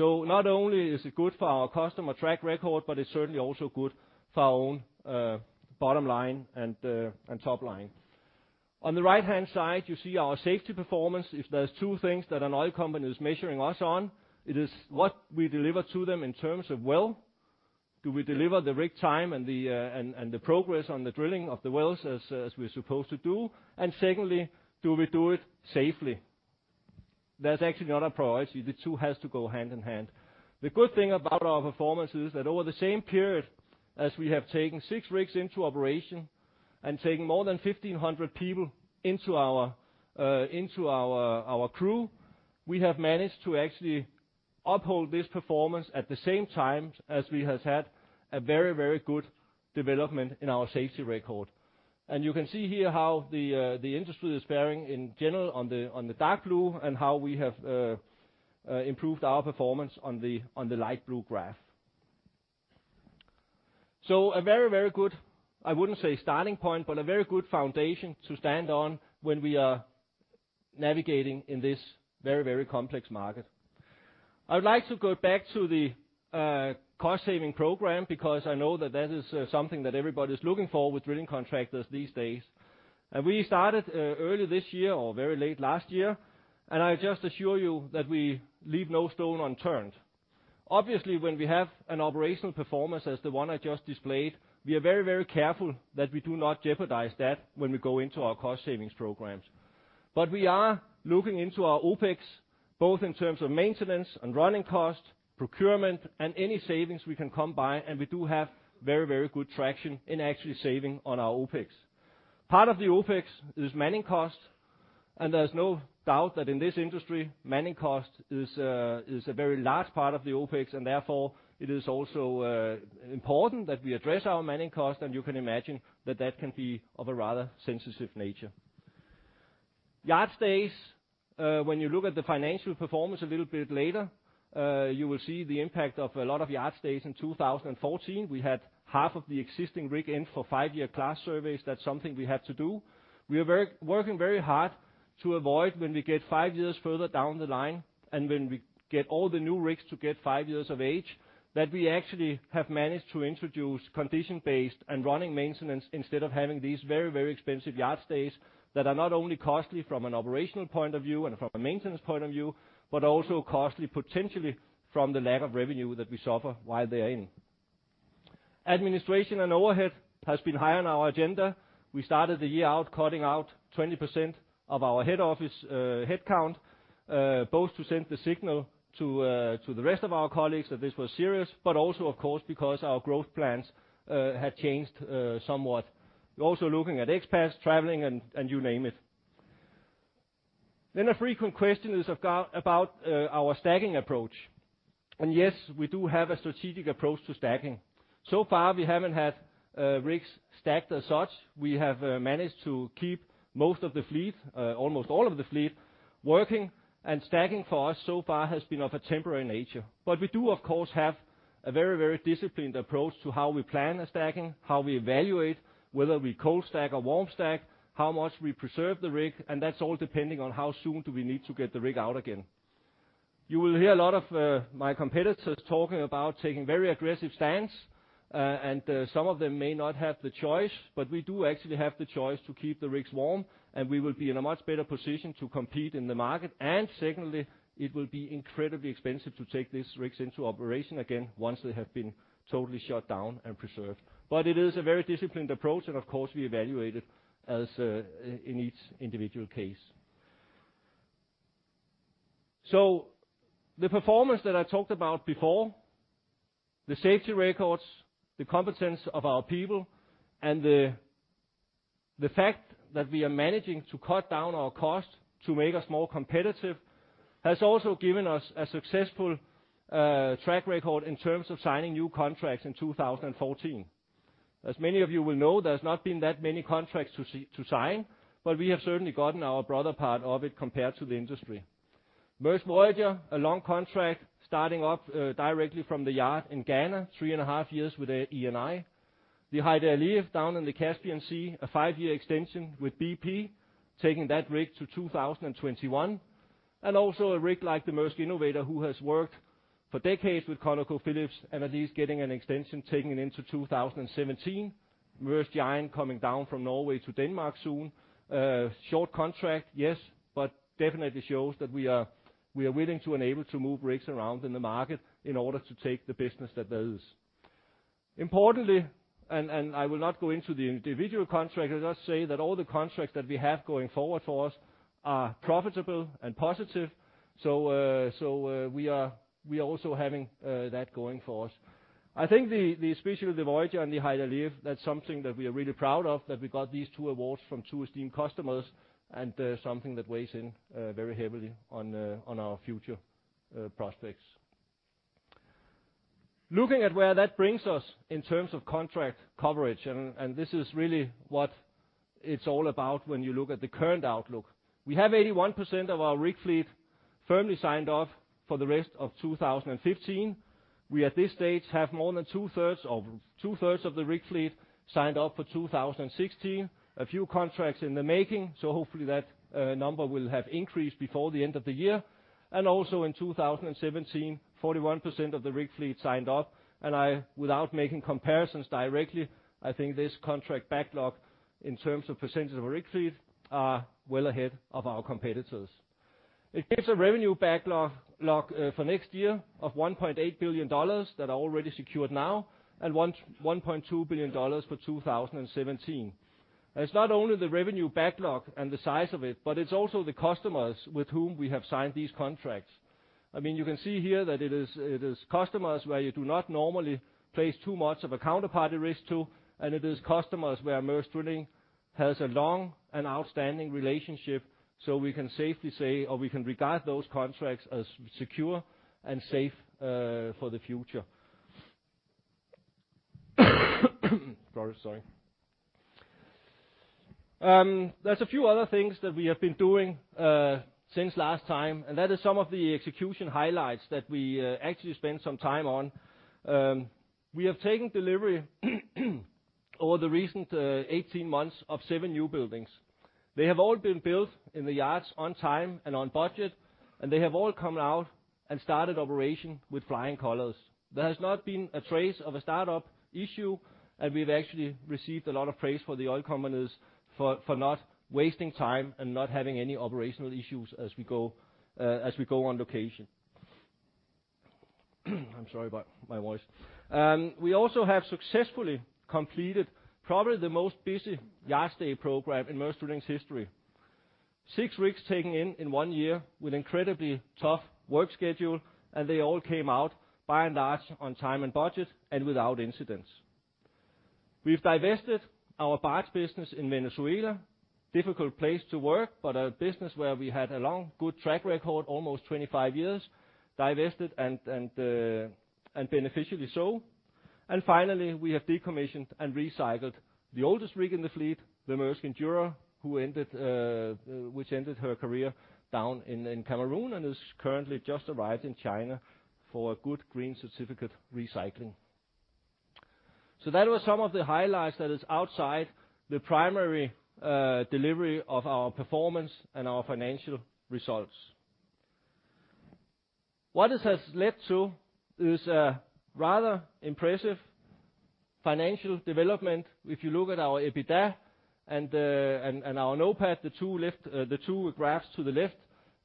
Not only is it good for our customer track record, but it's certainly also good for our own bottom line and top line. On the right-hand side, you see our safety performance. If there's two things that an oil company is measuring us on, it is what we deliver to them in terms of wells. Do we deliver the rig time and the progress on the drilling of the wells as we're supposed to do? Secondly, do we do it safely? That's actually not a priority. The two has to go hand in hand. The good thing about our performance is that over the same period, as we have taken 6 rigs into operation and taken more than 1,500 people into our crew, we have managed to actually uphold this performance at the same time as we have had a very, very good development in our safety record. You can see here how the industry is faring in general on the dark blue and how we have improved our performance on the light blue graph. A very, very good, I wouldn't say starting point, but a very good foundation to stand on when we are navigating in this very, very complex market. I would like to go back to the cost saving program because I know that is something that everybody's looking for with drilling contractors these days. We started early this year or very late last year, and I just assure you that we leave no stone unturned. Obviously, when we have an operational performance as the one I just displayed, we are very, very careful that we do not jeopardize that when we go into our cost savings programs. We are looking into our OpEx, both in terms of maintenance and running cost, procurement, and any savings we can come by. We do have very, very good traction in actually saving on our OpEx. Part of the OpEx is manning costs. There's no doubt that in this industry, manning cost is a very large part of the OpEx, and therefore it is also important that we address our manning costs, and you can imagine that that can be of a rather sensitive nature. Yard stays, when you look at the financial performance a little bit later, you will see the impact of a lot of yard stays in 2014. We had half of the existing rig in for five-year class surveys. That's something we have to do. We are working very hard to avoid when we get five years further down the line and when we get all the new rigs to get five years of age, that we actually have managed to introduce condition-based and running maintenance instead of having these very, very expensive yard stays that are not only costly from an operational point of view and from a maintenance point of view, but also costly potentially from the lack of revenue that we suffer while they're in. Administration and overhead has been high on our agenda. We started the year out cutting out 20% of our head office headcount both to send the signal to the rest of our colleagues that this was serious, but also, of course, because our growth plans had changed somewhat. We're also looking at expats, traveling, and you name it. A frequent question is about our stacking approach. Yes, we do have a strategic approach to stacking. So far, we haven't had rigs stacked as such. We have managed to keep most of the fleet, almost all of the fleet working, and stacking for us so far has been of a temporary nature. We do, of course, have a very, very disciplined approach to how we plan a stacking, how we evaluate whether we cold stack or warm stack, how much we preserve the rig, and that's all depending on how soon do we need to get the rig out again. You will hear a lot of my competitors talking about taking very aggressive stance, and some of them may not have the choice, but we do actually have the choice to keep the rigs warm, and we will be in a much better position to compete in the market. Secondly, it will be incredibly expensive to take these rigs into operation again once they have been totally shut down and preserved. It is a very disciplined approach and of course, we evaluate it as in each individual case. The performance that I talked about before, the safety records, the competence of our people, and the fact that we are managing to cut down our cost to make us more competitive has also given us a successful track record in terms of signing new contracts in 2014. As many of you will know, there's not been that many contracts to sign, but we have certainly gotten our better part of it compared to the industry. Maersk Voyager, a long contract starting up directly from the yard in Ghana, three and a half years with Eni. The Heydar Aliyev down in the Caspian Sea, a five-year extension with BP, taking that rig to 2021. A rig like the Maersk Innovator, who has worked for decades with ConocoPhillips and at least getting an extension, taking it into 2017. Maersk Giant coming down from Norway to Denmark soon. Short contract, yes, but definitely shows that we are willing and able to move rigs around in the market in order to take the business that there is. Importantly, I will not go into the individual contract. I'll just say that all the contracts that we have going forward for us are profitable and positive. We are also having that going for us. I think, especially the Voyager and the Maersk Innovator, that's something that we are really proud of, that we got these two awards from two esteemed customers, and something that weighs in very heavily on our future prospects. Looking at where that brings us in terms of contract coverage, this is really what it's all about when you look at the current outlook. We have 81% of our rig fleet firmly signed off for the rest of 2015. We, at this stage, have more than two-thirds of the rig fleet signed up for 2016. A few contracts in the making, so hopefully that number will have increased before the end of the year. Also in 2017, 41% of the rig fleet signed up. I, without making comparisons directly, I think this contract backlog in terms of percentage of a rig fleet are well ahead of our competitors. It gives a revenue backlog for next year of $1.8 billion that are already secured now and $1.2 billion for 2017. It's not only the revenue backlog and the size of it, but it's also the customers with whom we have signed these contracts. I mean, you can see here that it is customers where you do not normally place too much of a counterparty risk to, and it is customers where Maersk Drilling has a long and outstanding relationship. We can safely say, or we can regard those contracts as secure and safe for the future. There's a few other things that we have been doing since last time, and that is some of the execution highlights that we actually spent some time on. We have taken delivery over the recent 18 months of 7 new buildings. They have all been built in the yards on time and on budget, and they have all come out and started operation with flying colors. There has not been a trace of a startup issue, and we've actually received a lot of praise from the oil companies for not wasting time and not having any operational issues as we go on location. I'm sorry about my voice. We also have successfully completed probably the most busy yard stay program in Maersk Drilling's history. Six rigs taken in one year with incredibly tough work schedule, and they all came out by and large on time and budget and without incidents. We've divested our barge business in Venezuela, difficult place to work, but a business where we had a long, good track record almost 25 years, and beneficially so. Finally, we have decommissioned and recycled the oldest rig in the fleet, the Maersk Endurer, which ended her career down in Cameroon and has currently just arrived in China for a good green certificate recycling. That was some of the highlights that is outside the primary delivery of our performance and our financial results. What this has led to is a rather impressive financial development. If you look at our EBITDA and our NOPAT, the two graphs to the left,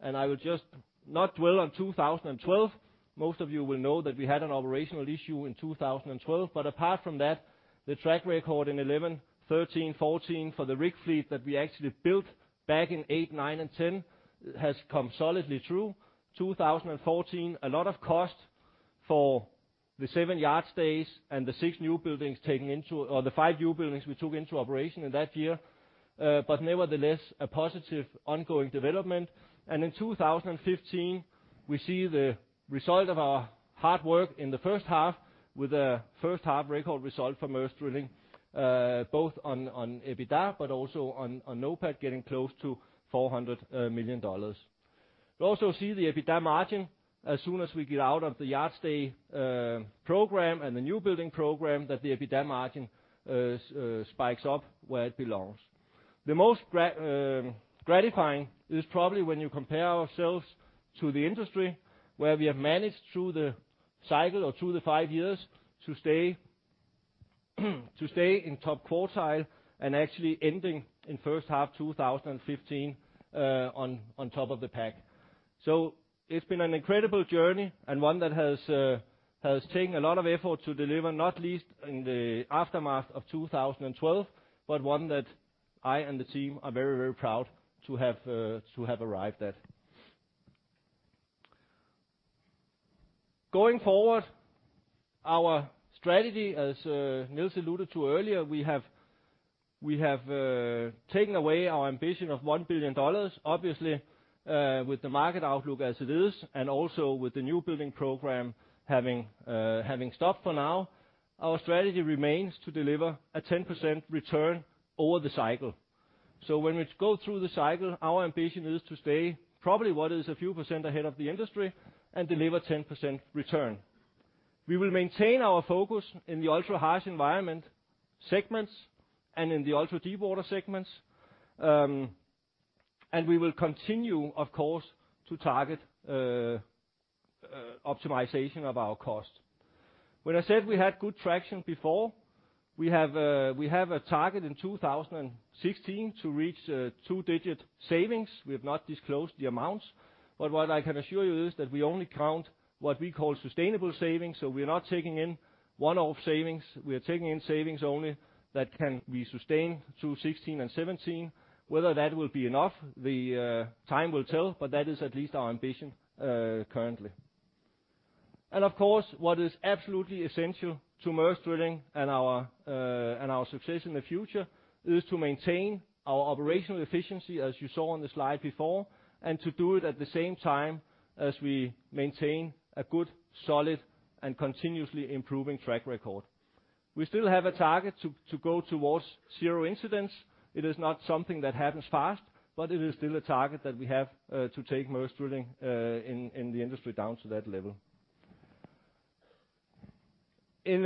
and I will just not dwell on 2012. Most of you will know that we had an operational issue in 2012, but apart from that, the track record in 2011, 2013, 2014 for the rig fleet that we actually built back in 2008, 2009 and 2010 has come solidly through. 2014, a lot of cost for the seven yard stays and the six new buildings taken into or the five new buildings we took into operation in that year. Nevertheless, a positive ongoing development. In 2015, we see the result of our hard work in the first half with a first half record result for Maersk Drilling, both on EBITDA, but also on NOPAT getting close to $400 million. We also see the EBITDA margin as soon as we get out of the yard stay program and the new building program that the EBITDA margin spikes up where it belongs. The most gratifying is probably when you compare ourselves to the industry where we have managed through the cycle or through the five years to stay in top quartile and actually ending in first half 2015 on top of the pack. It's been an incredible journey and one that has taken a lot of effort to deliver, not least in the aftermath of 2012, but one that I and the team are very proud to have arrived at. Going forward, our strategy, as Nils alluded to earlier, we have taken away our ambition of $1 billion, obviously, with the market outlook as it is, and also with the new building program having stopped for now. Our strategy remains to deliver a 10% return over the cycle. When we go through the cycle, our ambition is to stay probably what is a few % ahead of the industry and deliver 10% return. We will maintain our focus in the ultra-harsh environment segments and in the ultra-deepwater segments. We will continue, of course, to target optimization of our cost. When I said we had good traction before, we have a target in 2016 to reach two-digit savings. We have not disclosed the amounts, but what I can assure you is that we only count what we call sustainable savings. We are not taking in one-off savings. We are taking in savings only that can we sustain through 2016 and 2017. Whether that will be enough, the time will tell, but that is at least our ambition, currently. Of course, what is absolutely essential to Maersk Drilling and our success in the future is to maintain our operational efficiency, as you saw on the slide before, and to do it at the same time as we maintain a good, solid and continuously improving track record. We still have a target to go towards zero incidents. It is not something that happens fast, but it is still a target that we have to take Maersk Drilling in the industry down to that level. In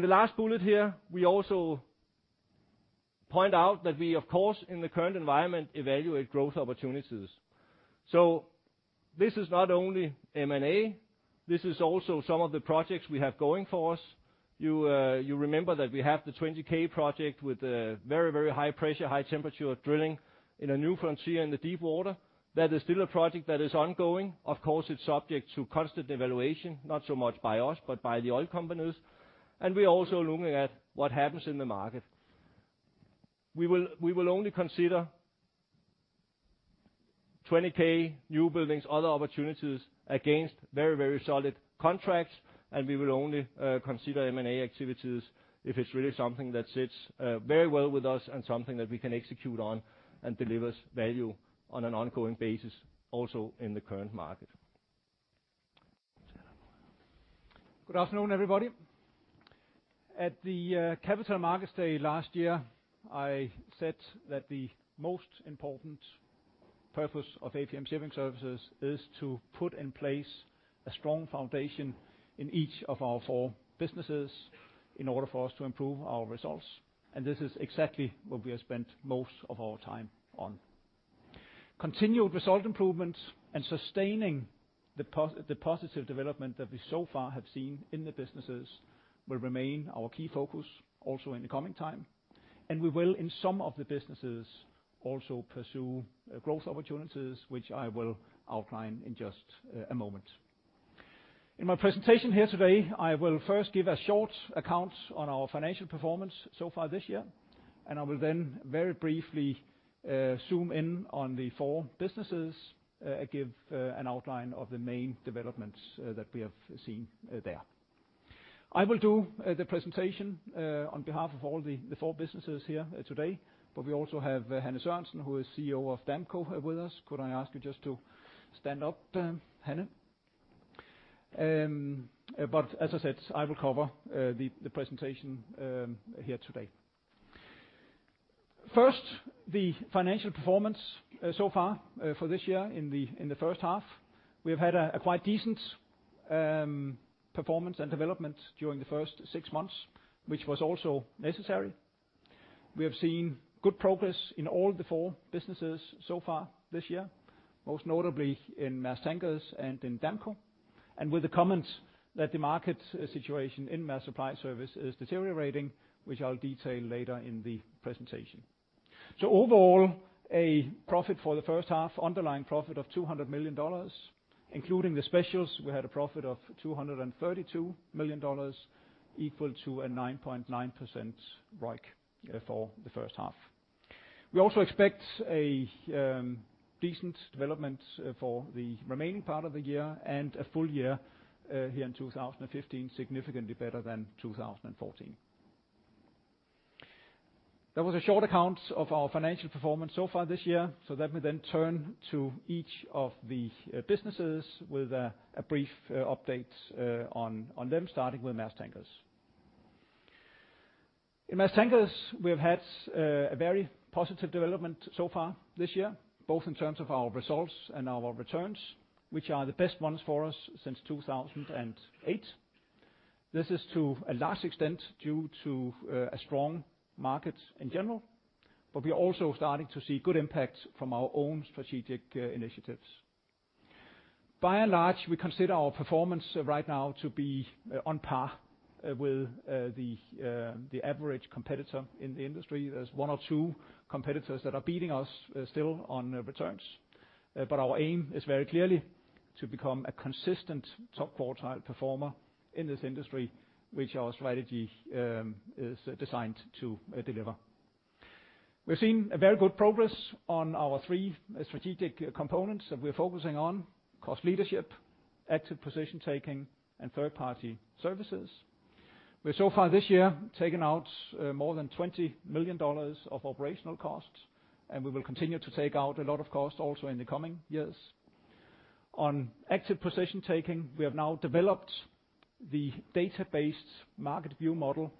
the last bullet here, we also point out that we, of course, in the current environment evaluate growth opportunities. This is not only M&A, this is also some of the projects we have going for us. You remember that we have the 20K project with very, very high pressure, high temperature drilling in a new frontier in the deep water. That is still a project that is ongoing. Of course, it's subject to constant evaluation, not so much by us, but by the oil companies. We're also looking at what happens in the market. We will only consider 20K new buildings, other opportunities against very, very solid contracts, and we will only consider M&A activities if it's really something that sits very well with us and something that we can execute on and delivers value on an ongoing basis also in the current market. Good afternoon, everybody. At the Capital Markets Day last year, I said that the most important purpose of APM Shipping Services is to put in place a strong foundation in each of our four businesses in order for us to improve our results, and this is exactly what we have spent most of our time on. Continued result improvements and sustaining the positive development that we so far have seen in the businesses will remain our key focus also in the coming time, and we will, in some of the businesses, also pursue growth opportunities, which I will outline in just a moment. In my presentation here today, I will first give a short account on our financial performance so far this year, and I will then very briefly zoom in on the four businesses, give an outline of the main developments that we have seen there. I will do the presentation on behalf of all the four businesses here today, but we also have Hanne Sørensen, who is CEO of Damco, with us. Could I ask you just to stand up, Hanne? As I said, I will cover the presentation here today. First, the financial performance so far for this year in the first half. We've had a quite decent performance and development during the first six months, which was also necessary. We have seen good progress in all four businesses so far this year, most notably in Maersk Tankers and in Damco, and with the comments that the market situation in Maersk Supply Service is deteriorating, which I'll detail later in the presentation. Overall, a profit for the first half, underlying profit of $200 million. Including the specials, we had a profit of $232 million, equal to a 9.9% ROIC for the first half. We also expect a decent development for the remaining part of the year and a full year here in 2015, significantly better than 2014. That was a short account of our financial performance so far this year. Let me then turn to each of the businesses with a brief update on them, starting with Maersk Tankers. In Maersk Tankers, we have had a very positive development so far this year, both in terms of our results and our returns, which are the best ones for us since 2008. This is to a large extent due to a strong market in general, but we're also starting to see good impact from our own strategic initiatives. By and large, we consider our performance right now to be on par with the average competitor in the industry. There's one or two competitors that are beating us still on returns. Our aim is very clearly to become a consistent top quartile performer in this industry, which our strategy is designed to deliver. We've seen a very good progress on our three strategic components that we're focusing on: cost leadership, active position taking, and third-party services. We've so far this year taken out more than $20 million of operational costs, and we will continue to take out a lot of costs also in the coming years. On active position taking, we have now developed the database market view model,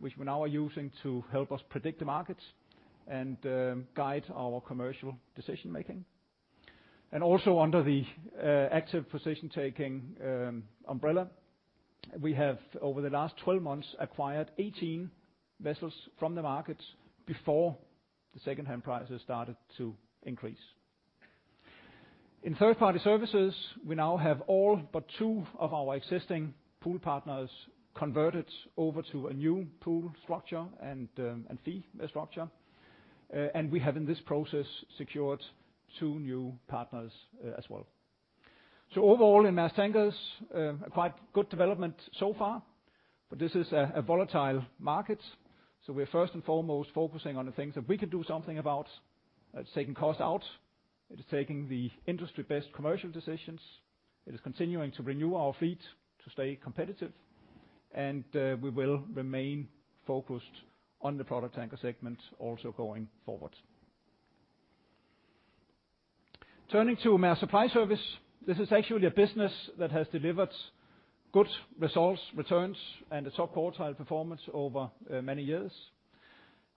which we now are using to help us predict the markets and guide our commercial decision-making. Under the active position taking umbrella, we have over the last 12 months acquired 18 vessels from the markets before the secondhand prices started to increase. In third-party services, we now have all but two of our existing pool partners converted over to a new pool structure and fee structure. We have in this process secured two new partners as well. Overall in Maersk Tankers, a quite good development so far, but this is a volatile market, so we're first and foremost focusing on the things that we can do something about. That's taking costs out. It is taking the industry-best commercial decisions. It is continuing to renew our fleet to stay competitive, and we will remain focused on the product tanker segment also going forward. Turning to Maersk Supply Service, this is actually a business that has delivered good results, returns, and a top quartile performance over many years.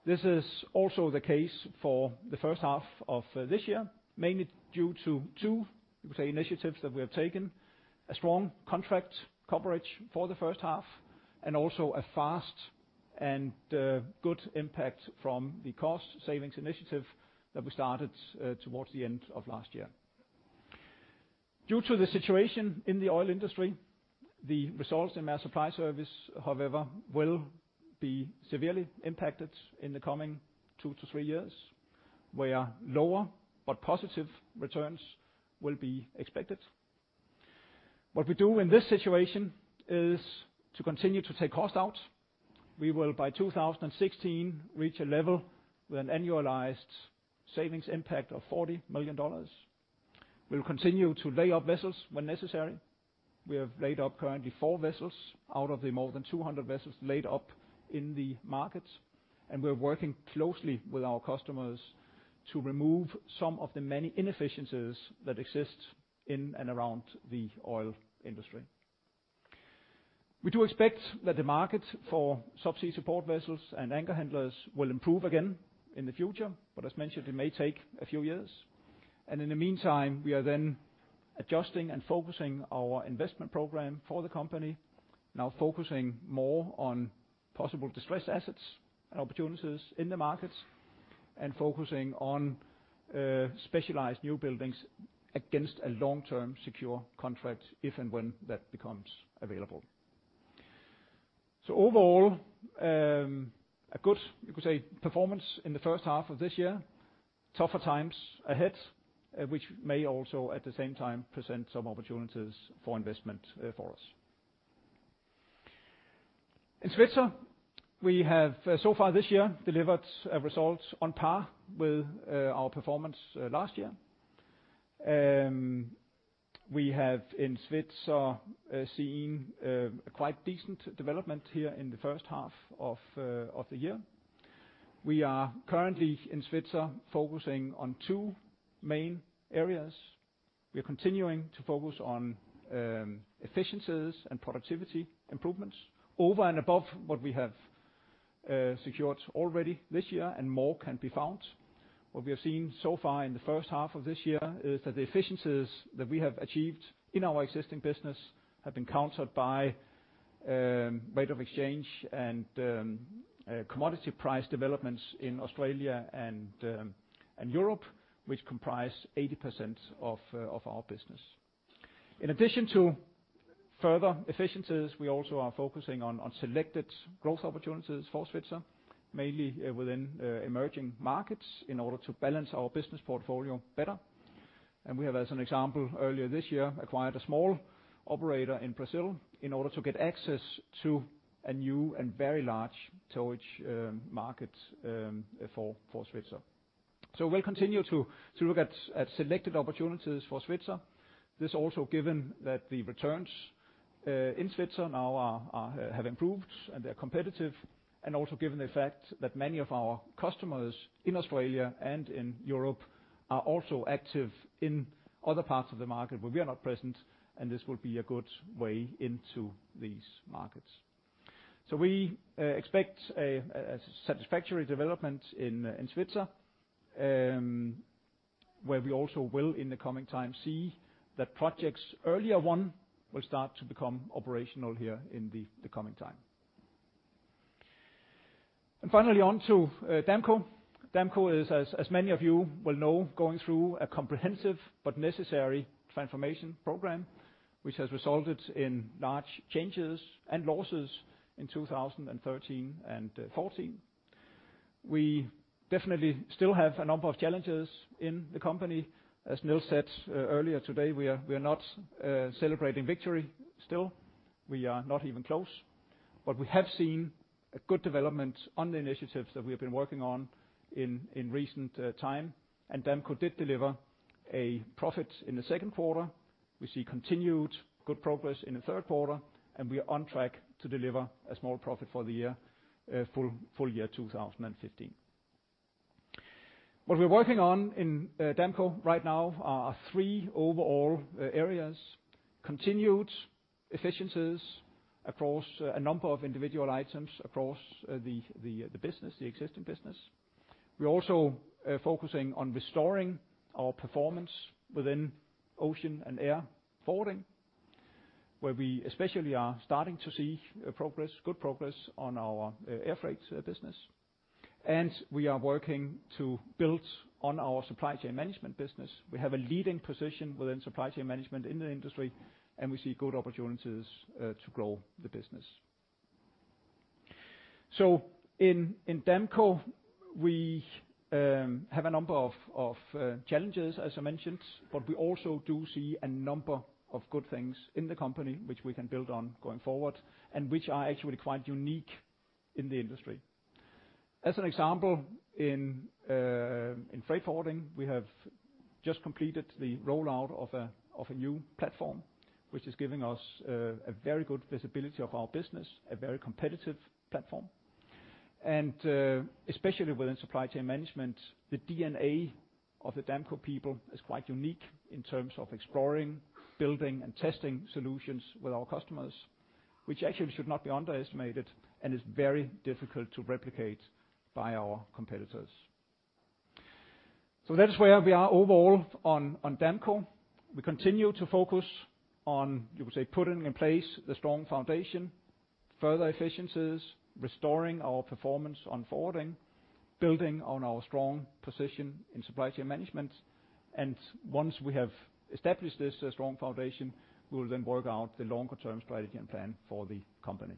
This is also the case for the first half of this year, mainly due to 2, you could say, initiatives that we have taken, a strong contract coverage for the first half and also a fast and good impact from the cost savings initiative that we started towards the end of last year. Due to the situation in the oil industry, the results in Maersk Supply Service, however, will be severely impacted in the coming 2-3 years, where lower but positive returns will be expected. What we do in this situation is to continue to take cost out. We will, by 2016, reach a level with an annualized savings impact of $40 million. We'll continue to lay up vessels when necessary. We have laid up currently 4 vessels out of the more than 200 vessels laid up in the market, and we're working closely with our customers to remove some of the many inefficiencies that exist in and around the oil industry. We do expect that the market for subsea support vessels and anchor handlers will improve again in the future. As mentioned, it may take a few years. In the meantime, we are then adjusting and focusing our investment program for the company. Now focusing more on possible distressed assets and opportunities in the market and focusing on specialized new buildings against a long-term secure contract, if and when that becomes available. Overall, a good, you could say, performance in the first half of this year. Tougher times ahead, which may also, at the same time, present some opportunities for investment, for us. In Svitzer, we have so far this year delivered a result on par with our performance last year. We have in Svitzer seen a quite decent development here in the first half of the year. We are currently in Svitzer, focusing on two main areas. We are continuing to focus on efficiencies and productivity improvements over and above what we have secured already this year, and more can be found. What we have seen so far in the first half of this year is that the efficiencies that we have achieved in our existing business have been countered by rate of exchange and commodity price developments in Australia and Europe, which comprise 80% of our business. In addition to further efficiencies, we also are focusing on selected growth opportunities for Svitzer, mainly within emerging markets in order to balance our business portfolio better. We have, as an example, earlier this year, acquired a small operator in Brazil in order to get access to a new and very large towage market for Svitzer. We'll continue to look at selected opportunities for Svitzer. This also given that the returns in Svitzer now have improved and they're competitive, and also given the fact that many of our customers in Australia and in Europe are also active in other parts of the market where we are not present, and this will be a good way into these markets. We expect a satisfactory development in Svitzer, where we also will, in the coming time, see that projects earlier won will start to become operational here in the coming time. Finally, on to Damco. Damco is, as many of you will know, going through a comprehensive but necessary transformation program, which has resulted in large charges and losses in 2013 and 2014. We definitely still have a number of challenges in the company. As Nils said earlier today, we are not celebrating victory still. We are not even close. We have seen a good development on the initiatives that we have been working on in recent time. Damco did deliver a profit in the Q2. We see continued good progress in the Q3, and we are on track to deliver a small profit for the year, full year 2015. What we're working on in Damco right now are three overall areas. Continued efficiencies across a number of individual items across the business, the existing business. We're also focusing on restoring our performance within ocean and air forwarding, where we especially are starting to see progress, good progress on our air freight business. We are working to build on our supply chain management business. We have a leading position within supply chain management in the industry, and we see good opportunities to grow the business. In Damco, we have a number of challenges, as I mentioned, but we also do see a number of good things in the company, which we can build on going forward, and which are actually quite unique in the industry. As an example, in freight forwarding, we have just completed the rollout of a new platform, which is giving us a very good visibility of our business, a very competitive platform. especially within supply chain management, the DNA of the Damco people is quite unique in terms of exploring, building and testing solutions with our customers, which actually should not be underestimated and is very difficult to replicate by our competitors. So that's where we are overall on Damco. We continue to focus on, you could say, putting in place the strong foundation, further efficiencies, restoring our performance on forwarding, building on our strong position in supply chain management. Once we have established this strong foundation, we will then work out the longer term strategy and plan for the company.